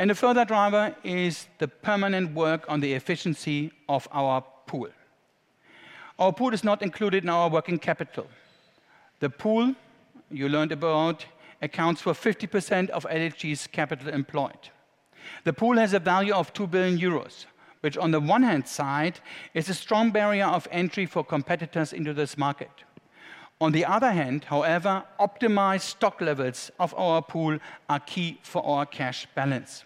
A further driver is the permanent work on the efficiency of our pool. Our pool is not included in our working capital. The pool you learned about accounts for 50% of LHT's capital employed. The pool has a value of 2 billion euros, which on the one hand side is a strong barrier of entry for competitors into this market. On the other hand, however, optimized stock levels of our pool are key for our cash balance.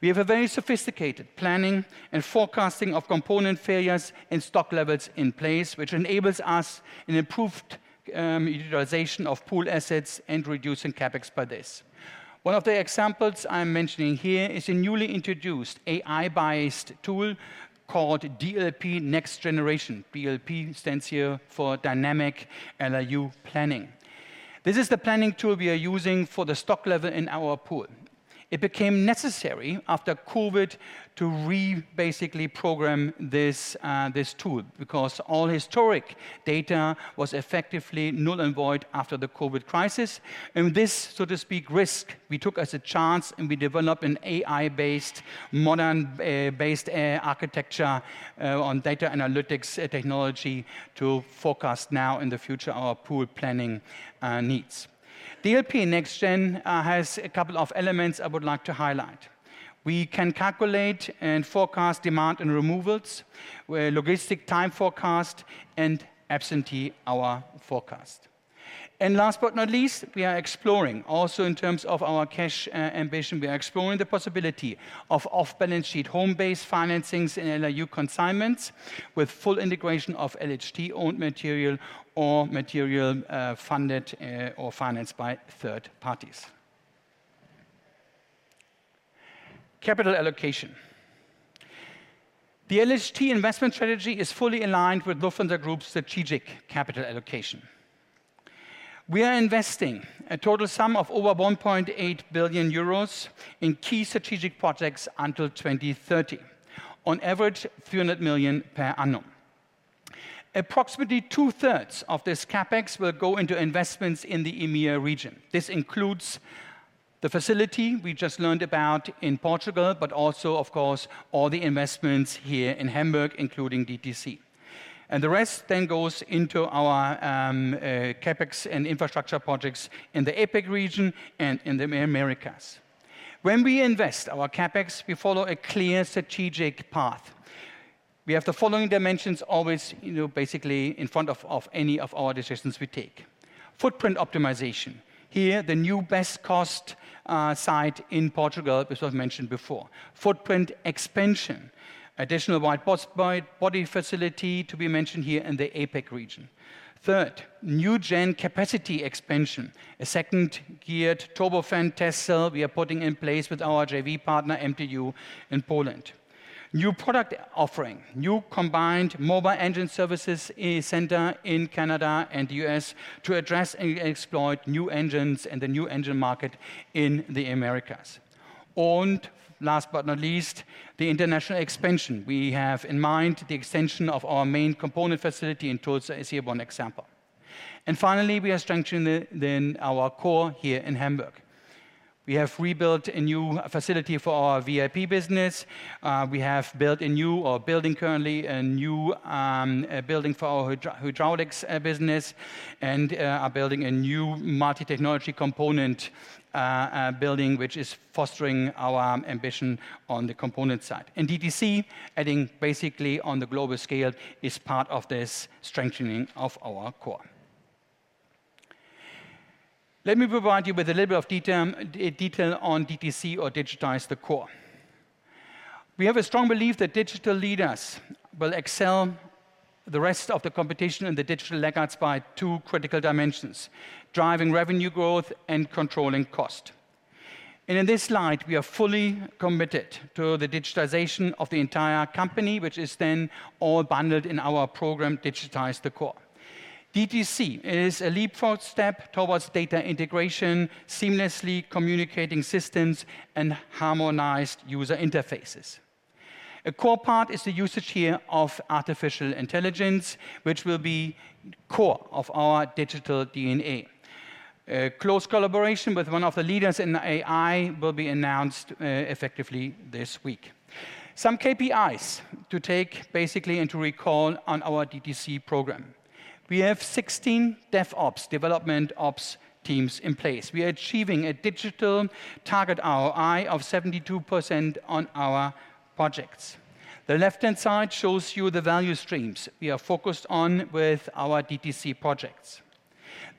We have a very sophisticated planning and forecasting of component failures and stock levels in place, which enables us an improved utilization of pool assets and reducing CapEx by this. One of the examples I'm mentioning here is a newly introduced AI-based tool called DLP Next Generation. DLP stands here for Dynamic LRU Planning. This is the planning tool we are using for the stock level in our pool. It became necessary after COVID to re-basically program this tool because all historic data was effectively null and void after the COVID crisis, and this, so to speak, risk we took as a chance and we developed an AI-based, modern-based architecture on data analytics technology to forecast now in the future our pool planning needs. DLP Next Gen has a couple of elements I would like to highlight. We can calculate and forecast demand and removals, logistic time forecast, and absentee hour forecast. And last but not least, we are exploring also in terms of our cash ambition, we are exploring the possibility of off-balance sheet home-based financings and LRU consignments with full integration of LHT-owned material or material funded or financed by third parties. Capital allocation. The LHT investment strategy is fully aligned with Lufthansa Group's strategic capital allocation. We are investing a total sum of over 1.8 billion euros in key strategic projects until 2030, on average 300 million per annum. Approximately two-thirds of this CapEx will go into investments in the EMEA region. This includes the facility we just learned about in Portugal, but also, of course, all the investments here in Hamburg, including DTC. And the rest then goes into our CapEx and infrastructure projects in the APAC region and in the Americas. When we invest our CapEx, we follow a clear strategic path. We have the following dimensions always basically in front of any of our decisions we take. Footprint optimization. Here, the new best cost site in Portugal, which I've mentioned before. Footprint expansion. Additional wide body facility to be mentioned here in the APAC region. Third, new gen capacity expansion. A second Geared Turbofan test cell we are putting in place with our JV partner MTU in Poland. New product offering. New combined Mobile Engine Services center in Canada and the US to address and exploit new engines and the new engine market in the Americas. And last but not least, the international expansion. We have in mind the extension of our main component facility in Tulsa is here one example. And finally, we are strengthening our core here in Hamburg. We have rebuilt a new facility for our VIP business. We have built a new or building currently a new building for our hydraulics business and are building a new multi-technology component building, which is fostering our ambition on the component side. And DTC, adding basically on the global scale, is part of this strengthening of our core. Let me provide you with a little bit of detail on DTC or Digitize the Core. We have a strong belief that digital leaders will excel the rest of the competition and the digital laggards by two critical dimensions: driving revenue growth and controlling cost. And in this slide, we are fully committed to the digitization of the entire company, which is then all bundled in our program, Digitize the Core. DTC is a leapfrog step towards data integration, seamlessly communicating systems, and harmonized user interfaces. A core part is the usage here of artificial intelligence, which will be core of our digital DNA. Close collaboration with one of the leaders in AI will be announced effectively this week. Some KPIs to take basically and to recall on our DTC program. We have 16 DevOps, development ops teams in place. We are achieving a digital target ROI of 72% on our projects. The left-hand side shows you the value streams we are focused on with our DTC projects.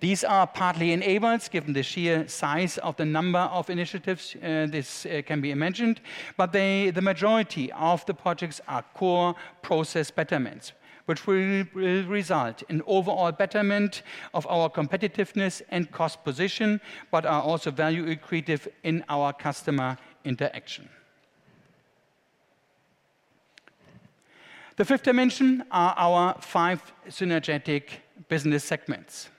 These are partly enabled given the sheer size of the number of initiatives this can be imagined, but the majority of the projects are core process betterments, which will result in overall betterment of our competitiveness and cost position, but are also value accretive in our customer interaction. The fifth dimension are our five synergetic business segments.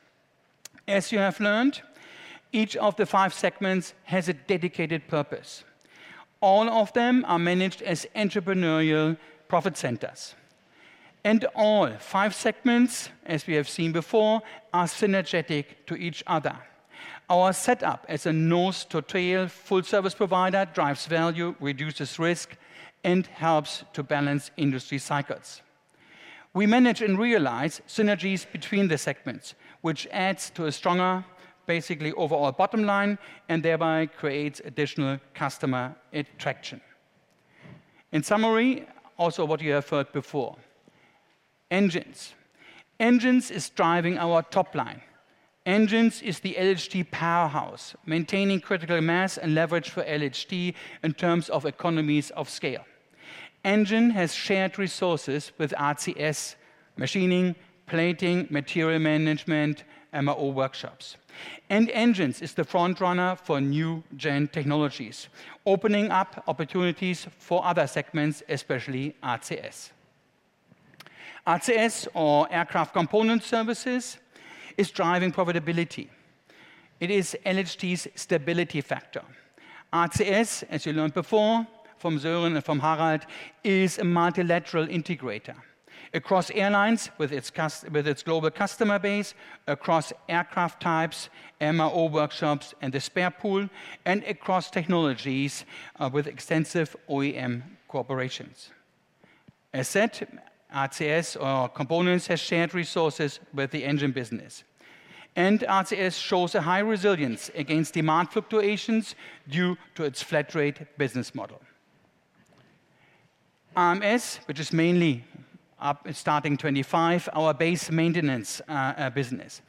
As you have learned, each of the five segments has a dedicated purpose. All of them are managed as entrepreneurial profit centers, and all five segments, as we have seen before, are synergetic to each other. Our setup as a nose-to-tail full-service provider drives value, reduces risk, and helps to balance industry cycles. We manage and realize synergies between the segments, which adds to a stronger, basically overall bottom line, and thereby creates additional customer attraction. In summary, also what you have heard before. Engines. Engines is driving our top line. Engines is the LHT powerhouse, maintaining critical mass and leverage for LHT in terms of economies of scale. Engine has shared resources with ACS, machining, plating, material management, MRO workshops, and engines is the front runner for new gen technologies, opening up opportunities for other segments, especially ACS. ACS, or Aircraft Component Services, is driving profitability. It is LHT's stability factor. ACS, as you learned before from Søren and from Harald, is a multilateral integrator across airlines with its global customer base, across aircraft types, MRO workshops, and the spare pool, and across technologies with extensive OEM corporations. As said, ACS or components has shared resources with the engine business, and ACS shows a high resilience against demand fluctuations due to its flat rate business model. AMS, which is mainly starting 25, our base maintenance business.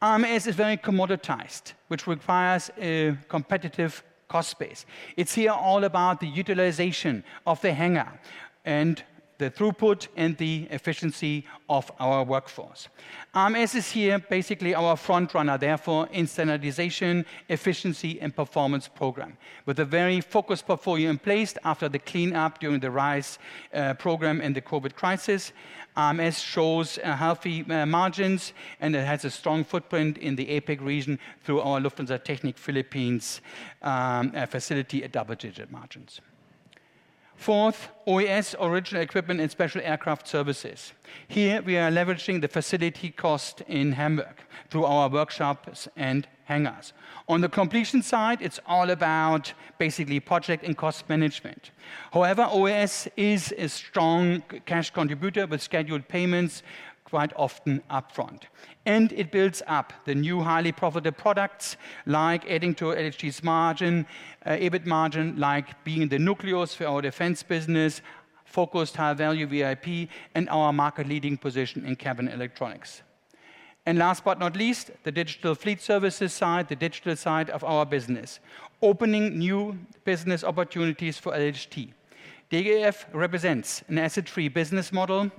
AMS is very commoditized, which requires a competitive cost base. It's here all about the utilization of the hangar and the throughput and the efficiency of our workforce. AMS is here basically our front runner, therefore in standardization, efficiency, and performance program. With a very focused portfolio in place after the cleanup during the RISE program and the COVID crisis, AMS shows healthy margins and it has a strong footprint in the APAC region through our Lufthansa Technik Philippines facility at double-digit margins. Fourth, OES, original equipment and special aircraft services. Here we are leveraging the facility cost in Hamburg through our workshops and hangars. On the completion side, it's all about basically project and cost management. However, OES is a strong cash contributor with scheduled payments quite often upfront. And it builds up the new highly profitable products like adding to LHT's margin, EBIT margin, like being the nucleus for our defense business, focused high value VIP, and our market leading position in cabin electronics. And last but not least, the Digital Fleet Services side, the digital side of our business, opening new business opportunities for LHT. DFS represents an asset-free business model,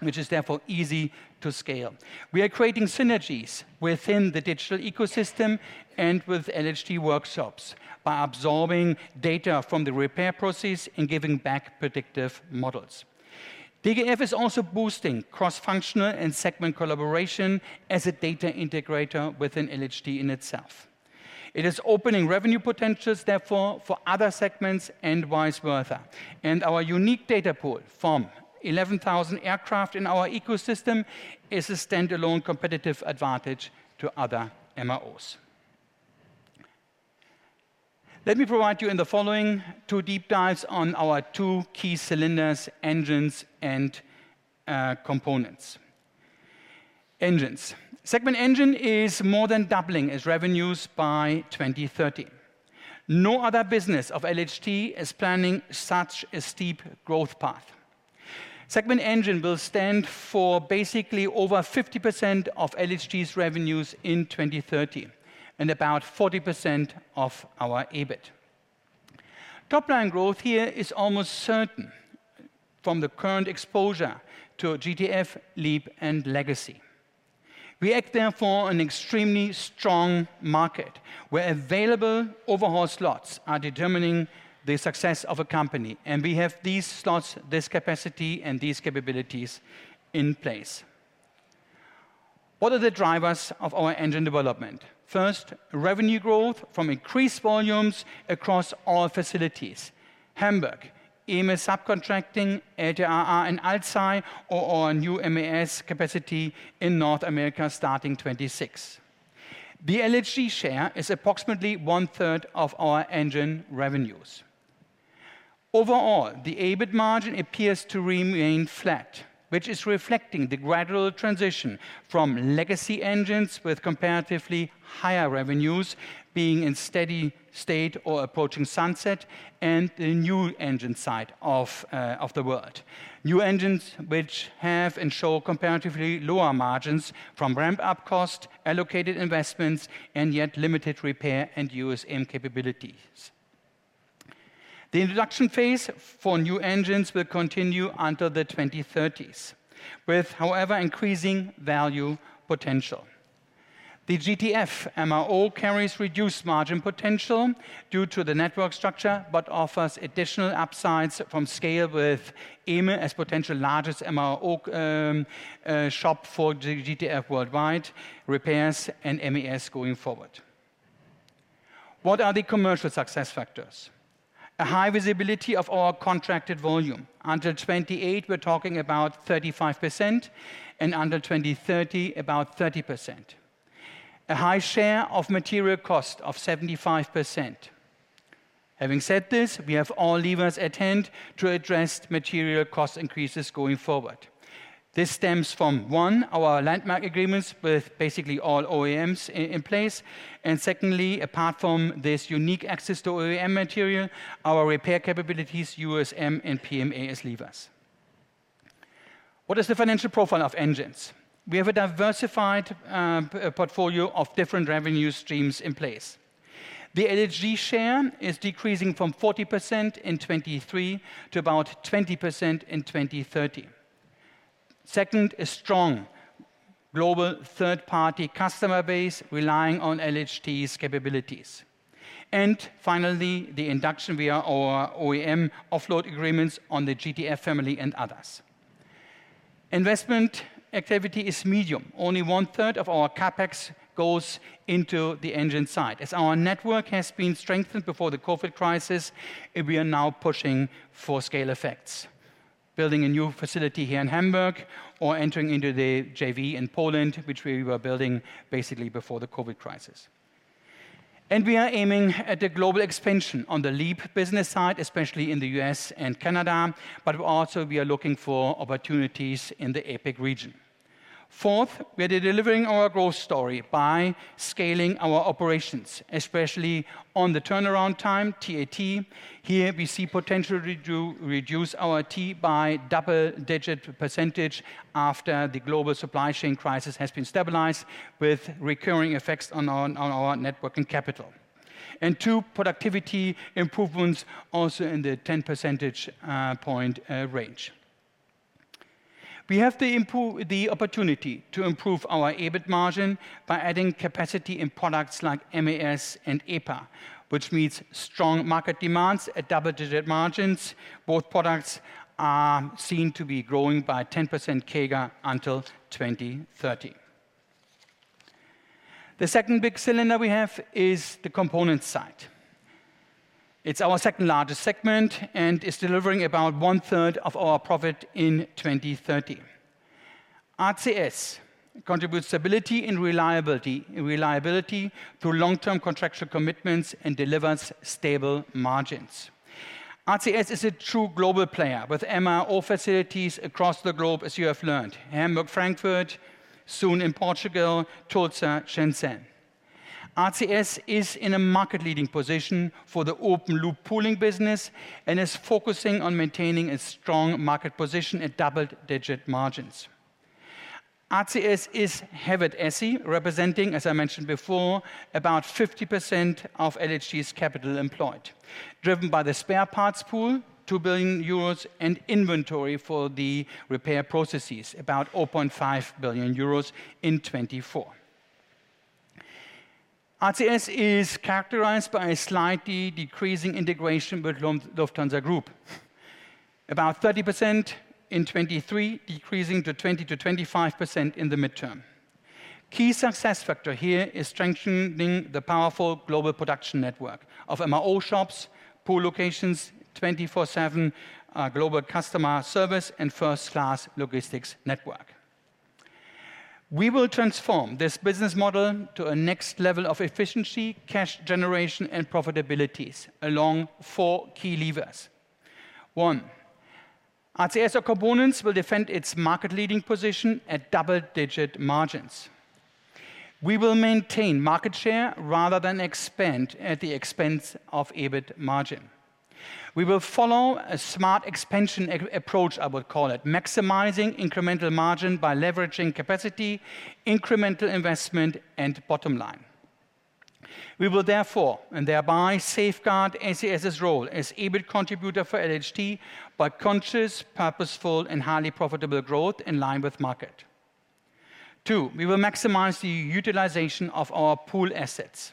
which is therefore easy to scale. We are creating synergies within the digital ecosystem and with LHT workshops by absorbing data from the repair process and giving back predictive models. DFS is also boosting cross-functional and segment collaboration as a data integrator within LHT in itself. It is opening revenue potentials therefore for other segments and vice versa, and our unique data pool from 11,000 aircraft in our ecosystem is a standalone competitive advantage to other MROs. Let me provide you in the following two deep dives on our two key segments, engines, and components. Engines. Engine segment is more than doubling its revenues by 2030. No other business of LHT is planning such a steep growth path. Engine segment will stand for basically over 50% of LHT's revenues in 2030 and about 40% of our EBIT. Top line growth here is almost certain from the current exposure to GTF, LEAP, and legacy. We act therefore on an extremely strong market where available overhaul slots are determining the success of a company and we have these slots, this capacity, and these capabilities in place. What are the drivers of our engine development? First, revenue growth from increased volumes across all facilities. Hamburg, EMEA subcontracting, LTAA in Alzey are our new MES capacity in North America starting 2026. The LHT share is approximately one-third of our engine revenues. Overall, the EBIT margin appears to remain flat, which is reflecting the gradual transition from legacy engines with comparatively higher revenues being in steady state or approaching sunset and the new engine side of the world. New engines which have and show comparatively lower margins from ramp-up cost, allocated investments, and yet limited repair and USM capabilities. The introduction phase for new engines will continue until the 2030s, with, however, increasing value potential. The GTF MO carries reduced margin potential due to the network structure, but offers additional upsides from scale with EMEA as potential largest MO shop for the GTF worldwide, repairs, and MES going forward. What are the commercial success factors? A high visibility of our contracted volume. Under 28, we're talking about 35%, and under 2030, about 30%. A high share of material cost of 75%. Having said this, we have all levers at hand to address material cost increases going forward. This stems from, one, our landmark agreements with basically all OEMs in place, and secondly, apart from this unique access to OEM material, our repair capabilities, USM, and PMA levers. What is the financial profile of engines? We have a diversified portfolio of different revenue streams in place. The LHG share is decreasing from 40% in 2023 to about 20% in 2030. Second, a strong global third-party customer base relying on LHT's capabilities. And finally, the induction via our OEM offload agreements on the GTF family and others. Investment activity is medium. Only one-third of our CapEx goes into the engine side. As our network has been strengthened before the COVID crisis, we are now pushing for scale effects. Building a new facility here in Hamburg or entering into the JV in Poland, which we were building basically before the COVID crisis. And we are aiming at the global expansion on the LEAP business side, especially in the U.S. and Canada, but also we are looking for opportunities in the APAC region. Fourth, we are delivering our growth story by scaling our operations, especially on the turnaround time, TAT. Here we see potential to reduce our T by double-digit % after the global supply chain crisis has been stabilized with recurring effects on our network and capital, and two productivity improvements also in the 10 percentage point range. We have the opportunity to improve our EBIT margin by adding capacity in products like MES and EPAR, which meets strong market demands at double-digit margins. Both products are seen to be growing by 10% CAGR until 2030. The second big pillar we have is the component side. It's our second largest segment and is delivering about one-third of our profit in 2030. ACS contributes stability and reliability through long-term contractual commitments and delivers stable margins. ACS is a true global player with MRO facilities across the globe, as you have learned. Hamburg, Frankfurt, soon in Portugal, Tulsa, Shenzhen. ACS is in a market-leading position for the open loop pooling business and is focusing on maintaining a strong market position at double-digit margins. ACS is heavily asset-intensive, representing, as I mentioned before, about 50% of LHT's capital employed, driven by the spare parts pool, 2 billion euros, and inventory for the repair processes, about 0.5 billion euros in 2024. ACS is characterized by a slightly decreasing integration with Lufthansa Group, about 30% in 2023, decreasing to 20%-25% in the midterm. Key success factor here is strengthening the powerful global production network of MRO shops, pool locations, 24/7 global customer service, and first-class logistics network. We will transform this business model to a next level of efficiency, cash generation, and profitabilities along four key levers. One, ACS or components will defend its market-leading position at double-digit margins. We will maintain market share rather than expand at the expense of EBIT margin. We will follow a smart expansion approach, I would call it, maximizing incremental margin by leveraging capacity, incremental investment, and bottom line. We will therefore and thereby safeguard ACS's role as EBIT contributor for LHT by conscious, purposeful, and highly profitable growth in line with market. Two, we will maximize the utilization of our pool assets.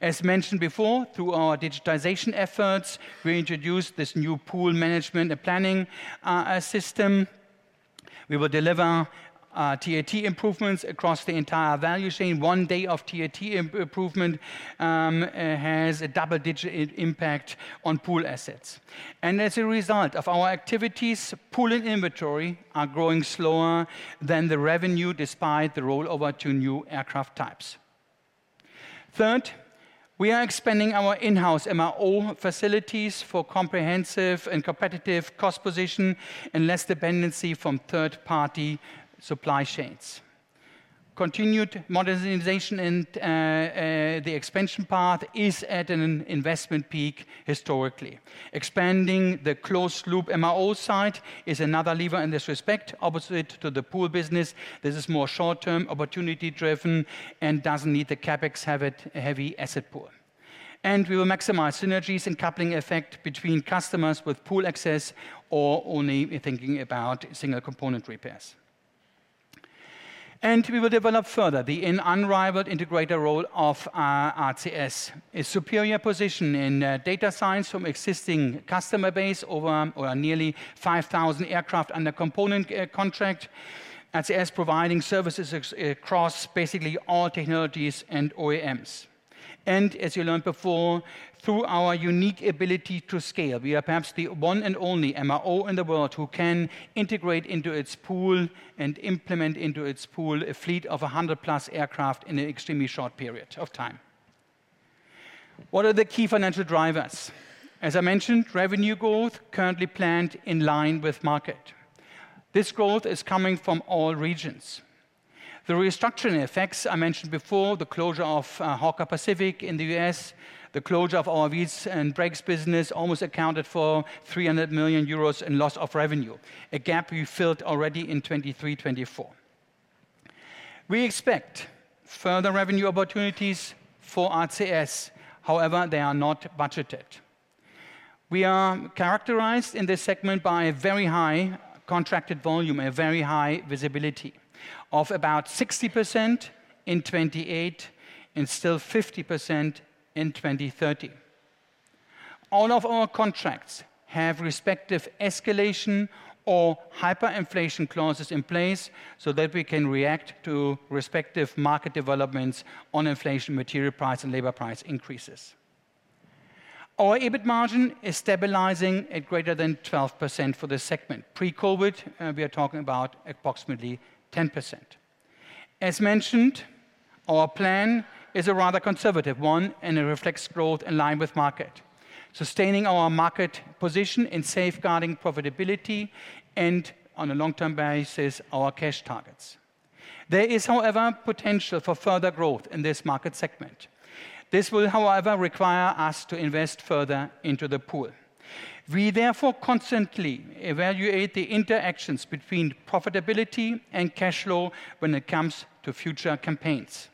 As mentioned before, through our digitization efforts, we introduced this new pool management and planning system. We will deliver TAT improvements across the entire value chain. One day of TAT improvement has a double-digit impact on pool assets, and as a result of our activities, pool and inventory are growing slower than the revenue despite the rollover to new aircraft types. Third, we are expanding our in-house MRO facilities for comprehensive and competitive cost position and less dependency from third-party supply chains. Continued modernization and the expansion path is at an investment peak historically. Expanding the closed-loop MRO site is another lever in this respect, opposite to the pool business. This is more short-term opportunity-driven and doesn't need the CapEx heavy asset pool. And we will maximize synergies and coupling effect between customers with pool access or only thinking about single component repairs. And we will develop further the unrivaled integrator role of ACS, a superior position in data science from existing customer base over nearly 5,000 aircraft under component contract, ACS providing services across basically all technologies and OEMs. And as you learned before, through our unique ability to scale, we are perhaps the one and only MRO in the world who can integrate into its pool and implement into its pool a fleet of 100 plus aircraft in an extremely short period of time. What are the key financial drivers? As I mentioned, revenue growth currently planned in line with market. This growth is coming from all regions. The restructuring effects I mentioned before, the closure of Hawker Pacific in the US, the closure of our Wheels and Brakes business almost accounted for 300 million euros in loss of revenue, a gap we filled already in 2023-2024. We expect further revenue opportunities for ACS. However, they are not budgeted. We are characterized in this segment by a very high contracted volume, a very high visibility of about 60% in 2028 and still 50% in 2030. All of our contracts have respective escalation or hyperinflation clauses in place so that we can react to respective market developments on inflation, material price, and labor price increases. Our EBIT margin is stabilizing at greater than 12% for this segment. Pre-COVID, we are talking about approximately 10%. As mentioned, our plan is a rather conservative one and it reflects growth in line with market, sustaining our market position in safeguarding profitability and, on a long-term basis, our cash targets. There is, however, potential for further growth in this market segment. This will, however, require us to invest further into the pool. We therefore constantly evaluate the interactions between profitability and cash flow when it comes to future campaigns.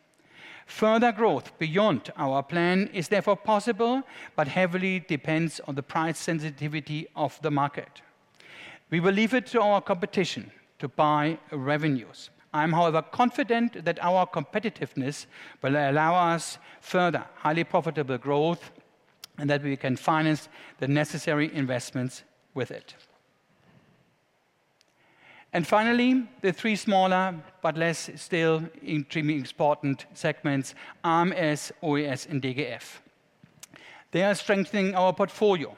Further growth beyond our plan is therefore possible but heavily depends on the price sensitivity of the market. We will leave it to our competition to buy revenues. I'm, however, confident that our competitiveness will allow us further highly profitable growth and that we can finance the necessary investments with it. And finally, the three smaller but less still extremely important segments: AMS, OES, and DFS. They are strengthening our portfolio.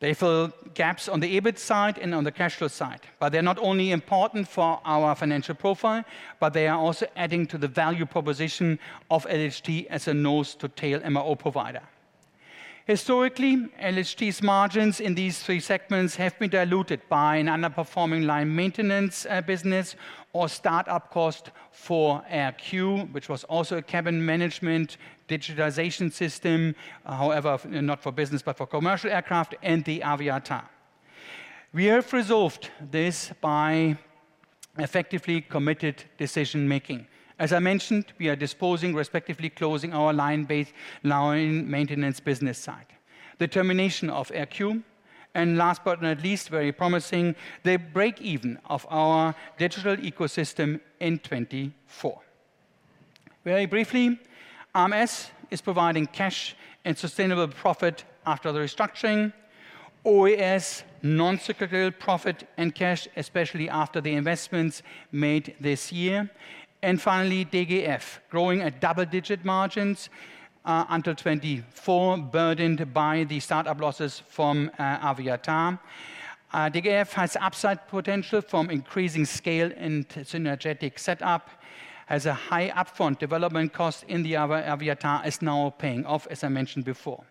They fill gaps on the EBIT side and on the cash flow side, but they're not only important for our financial profile, but they are also adding to the value proposition of LHT as a nose-to-tail MRO provider. Historically, LHT's margins in these three segments have been diluted by an underperforming line maintenance business or startup cost for AERQ, which was also a cabin management digitization system, however, not for business but for commercial aircraft, and the AVIATAR. We have resolved this by effectively committed decision-making. As I mentioned, we are disposing, respectively closing our line-based line maintenance business site. The termination of ARC, and last but not least, very promising, the break-even of our digital ecosystem in 2024. Very briefly, AMS is providing cash and sustainable profit after the restructuring, OES non-recurring profit and cash, especially after the investments made this year, and finally, DFS growing at double-digit margins until 2024, burdened by the startup losses from AVIATAR. DFS has upside potential from increasing scale and synergistic setup, has a high upfront development cost in the AVIATAR as now paying off, as I mentioned before.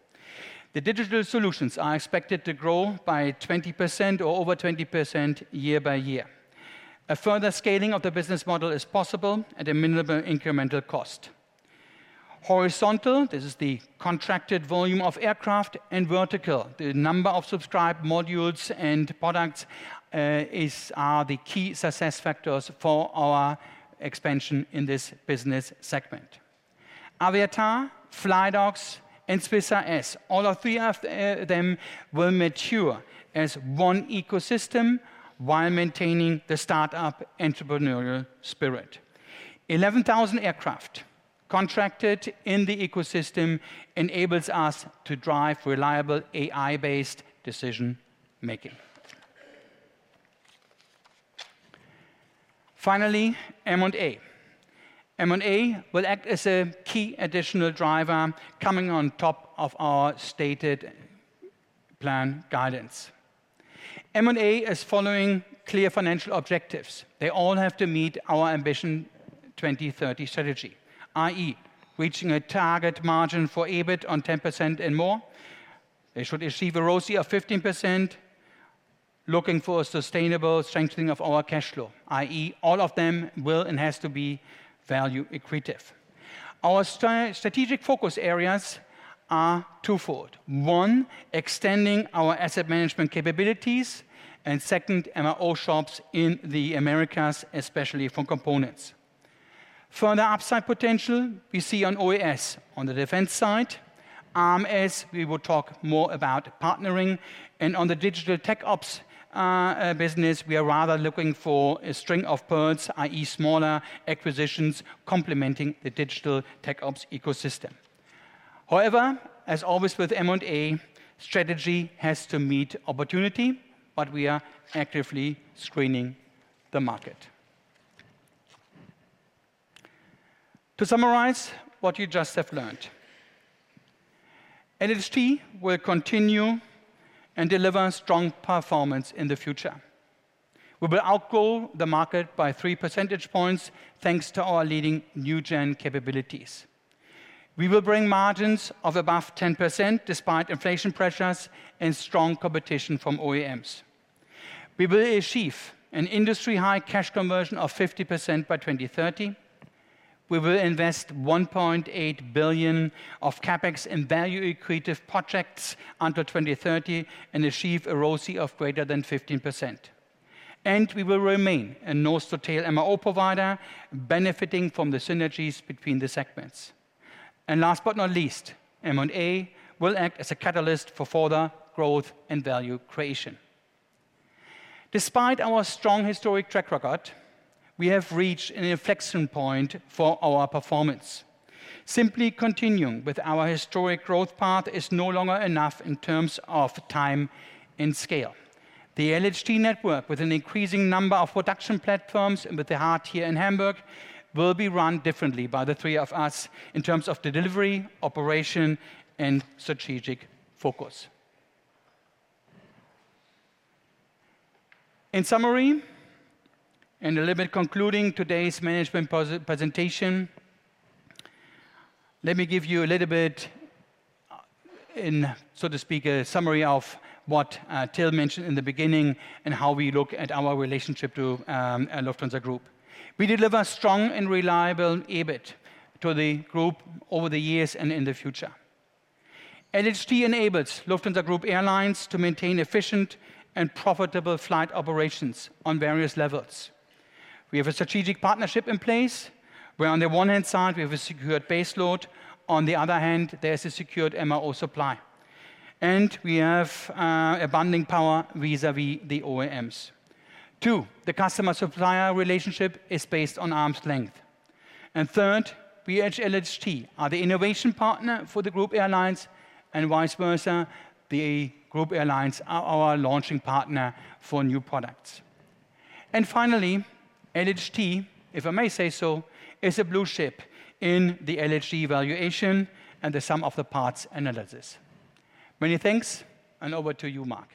The digital solutions are expected to grow by 20% or over 20% year by year. A further scaling of the business model is possible at a minimal incremental cost. Horizontally, this is the contracted volume of aircraft, and vertically, the number of subscribed modules and products are the key success factors for our expansion in this business segment. AVIATAR, flydocs, and Swiss AS, all three of them will mature as one ecosystem while maintaining the startup entrepreneurial spirit. 11,000 aircraft contracted in the ecosystem enables us to drive reliable AI-based decision-making. Finally, M&A. M&A will act as a key additional driver coming on top of our stated plan guidance. M&A is following clear financial objectives. They all have to meet our Ambition 2030 strategy, i.e., reaching a target margin for EBIT on 10% and more. They should achieve a ROCE of 15%, looking for a sustainable strengthening of our cash flow, i.e., all of them will and has to be value-accretive. Our strategic focus areas are twofold. One, extending our asset management capabilities, and second, MRO shops in the Americas, especially for components. Further upside potential we see on OES on the defense side. AMS, we will talk more about partnering, and on the digital Tech Ops business, we are rather looking for a string of pearls, i.e., smaller acquisitions complementing the digital Tech Ops ecosystem. However, as always with M&A, strategy has to meet opportunity, but we are actively screening the market. To summarize what you just have learned, LHT will continue and deliver strong performance in the future. We will outgrow the market by three percentage points thanks to our leading new-gen capabilities. We will bring margins of above 10% despite inflation pressures and strong competition from OEMs. We will achieve an industry-high cash conversion of 50% by 2030. We will invest €1.8 billion of CapEx in value-accretive projects until 2030 and achieve a ROCE of greater than 15%. And we will remain a nose-to-tail MRO provider benefiting from the synergies between the segments. Last but not least, M&A will act as a catalyst for further growth and value creation. Despite our strong historic track record, we have reached an inflection point for our performance. Simply continuing with our historic growth path is no longer enough in terms of time and scale. The LHT network, with an increasing number of production platforms and with the heart here in Hamburg, will be run differently by the three of us in terms of the delivery, operation, and strategic focus. In summary, and a little bit concluding today's management presentation, let me give you a little bit, so to speak, a summary of what Till mentioned in the beginning and how we look at our relationship to Lufthansa Group. We deliver strong and reliable EBIT to the group over the years and in the future. LHT enables Lufthansa Group Airlines to maintain efficient and profitable flight operations on various levels. We have a strategic partnership in place. On the one hand side, we have a secured base load. On the other hand, there is a secured MRO supply. And we have a bundling power vis-à-vis the OEMs. Two, the customer-supplier relationship is based on arm's length. And third, we at LHT are the innovation partner for the group airlines and vice versa, the group airlines are our launching partner for new products. And finally, LHT, if I may say so, is a blue chip in the LHT valuation and the sum of the parts analysis. Many thanks, and over to you, Marc.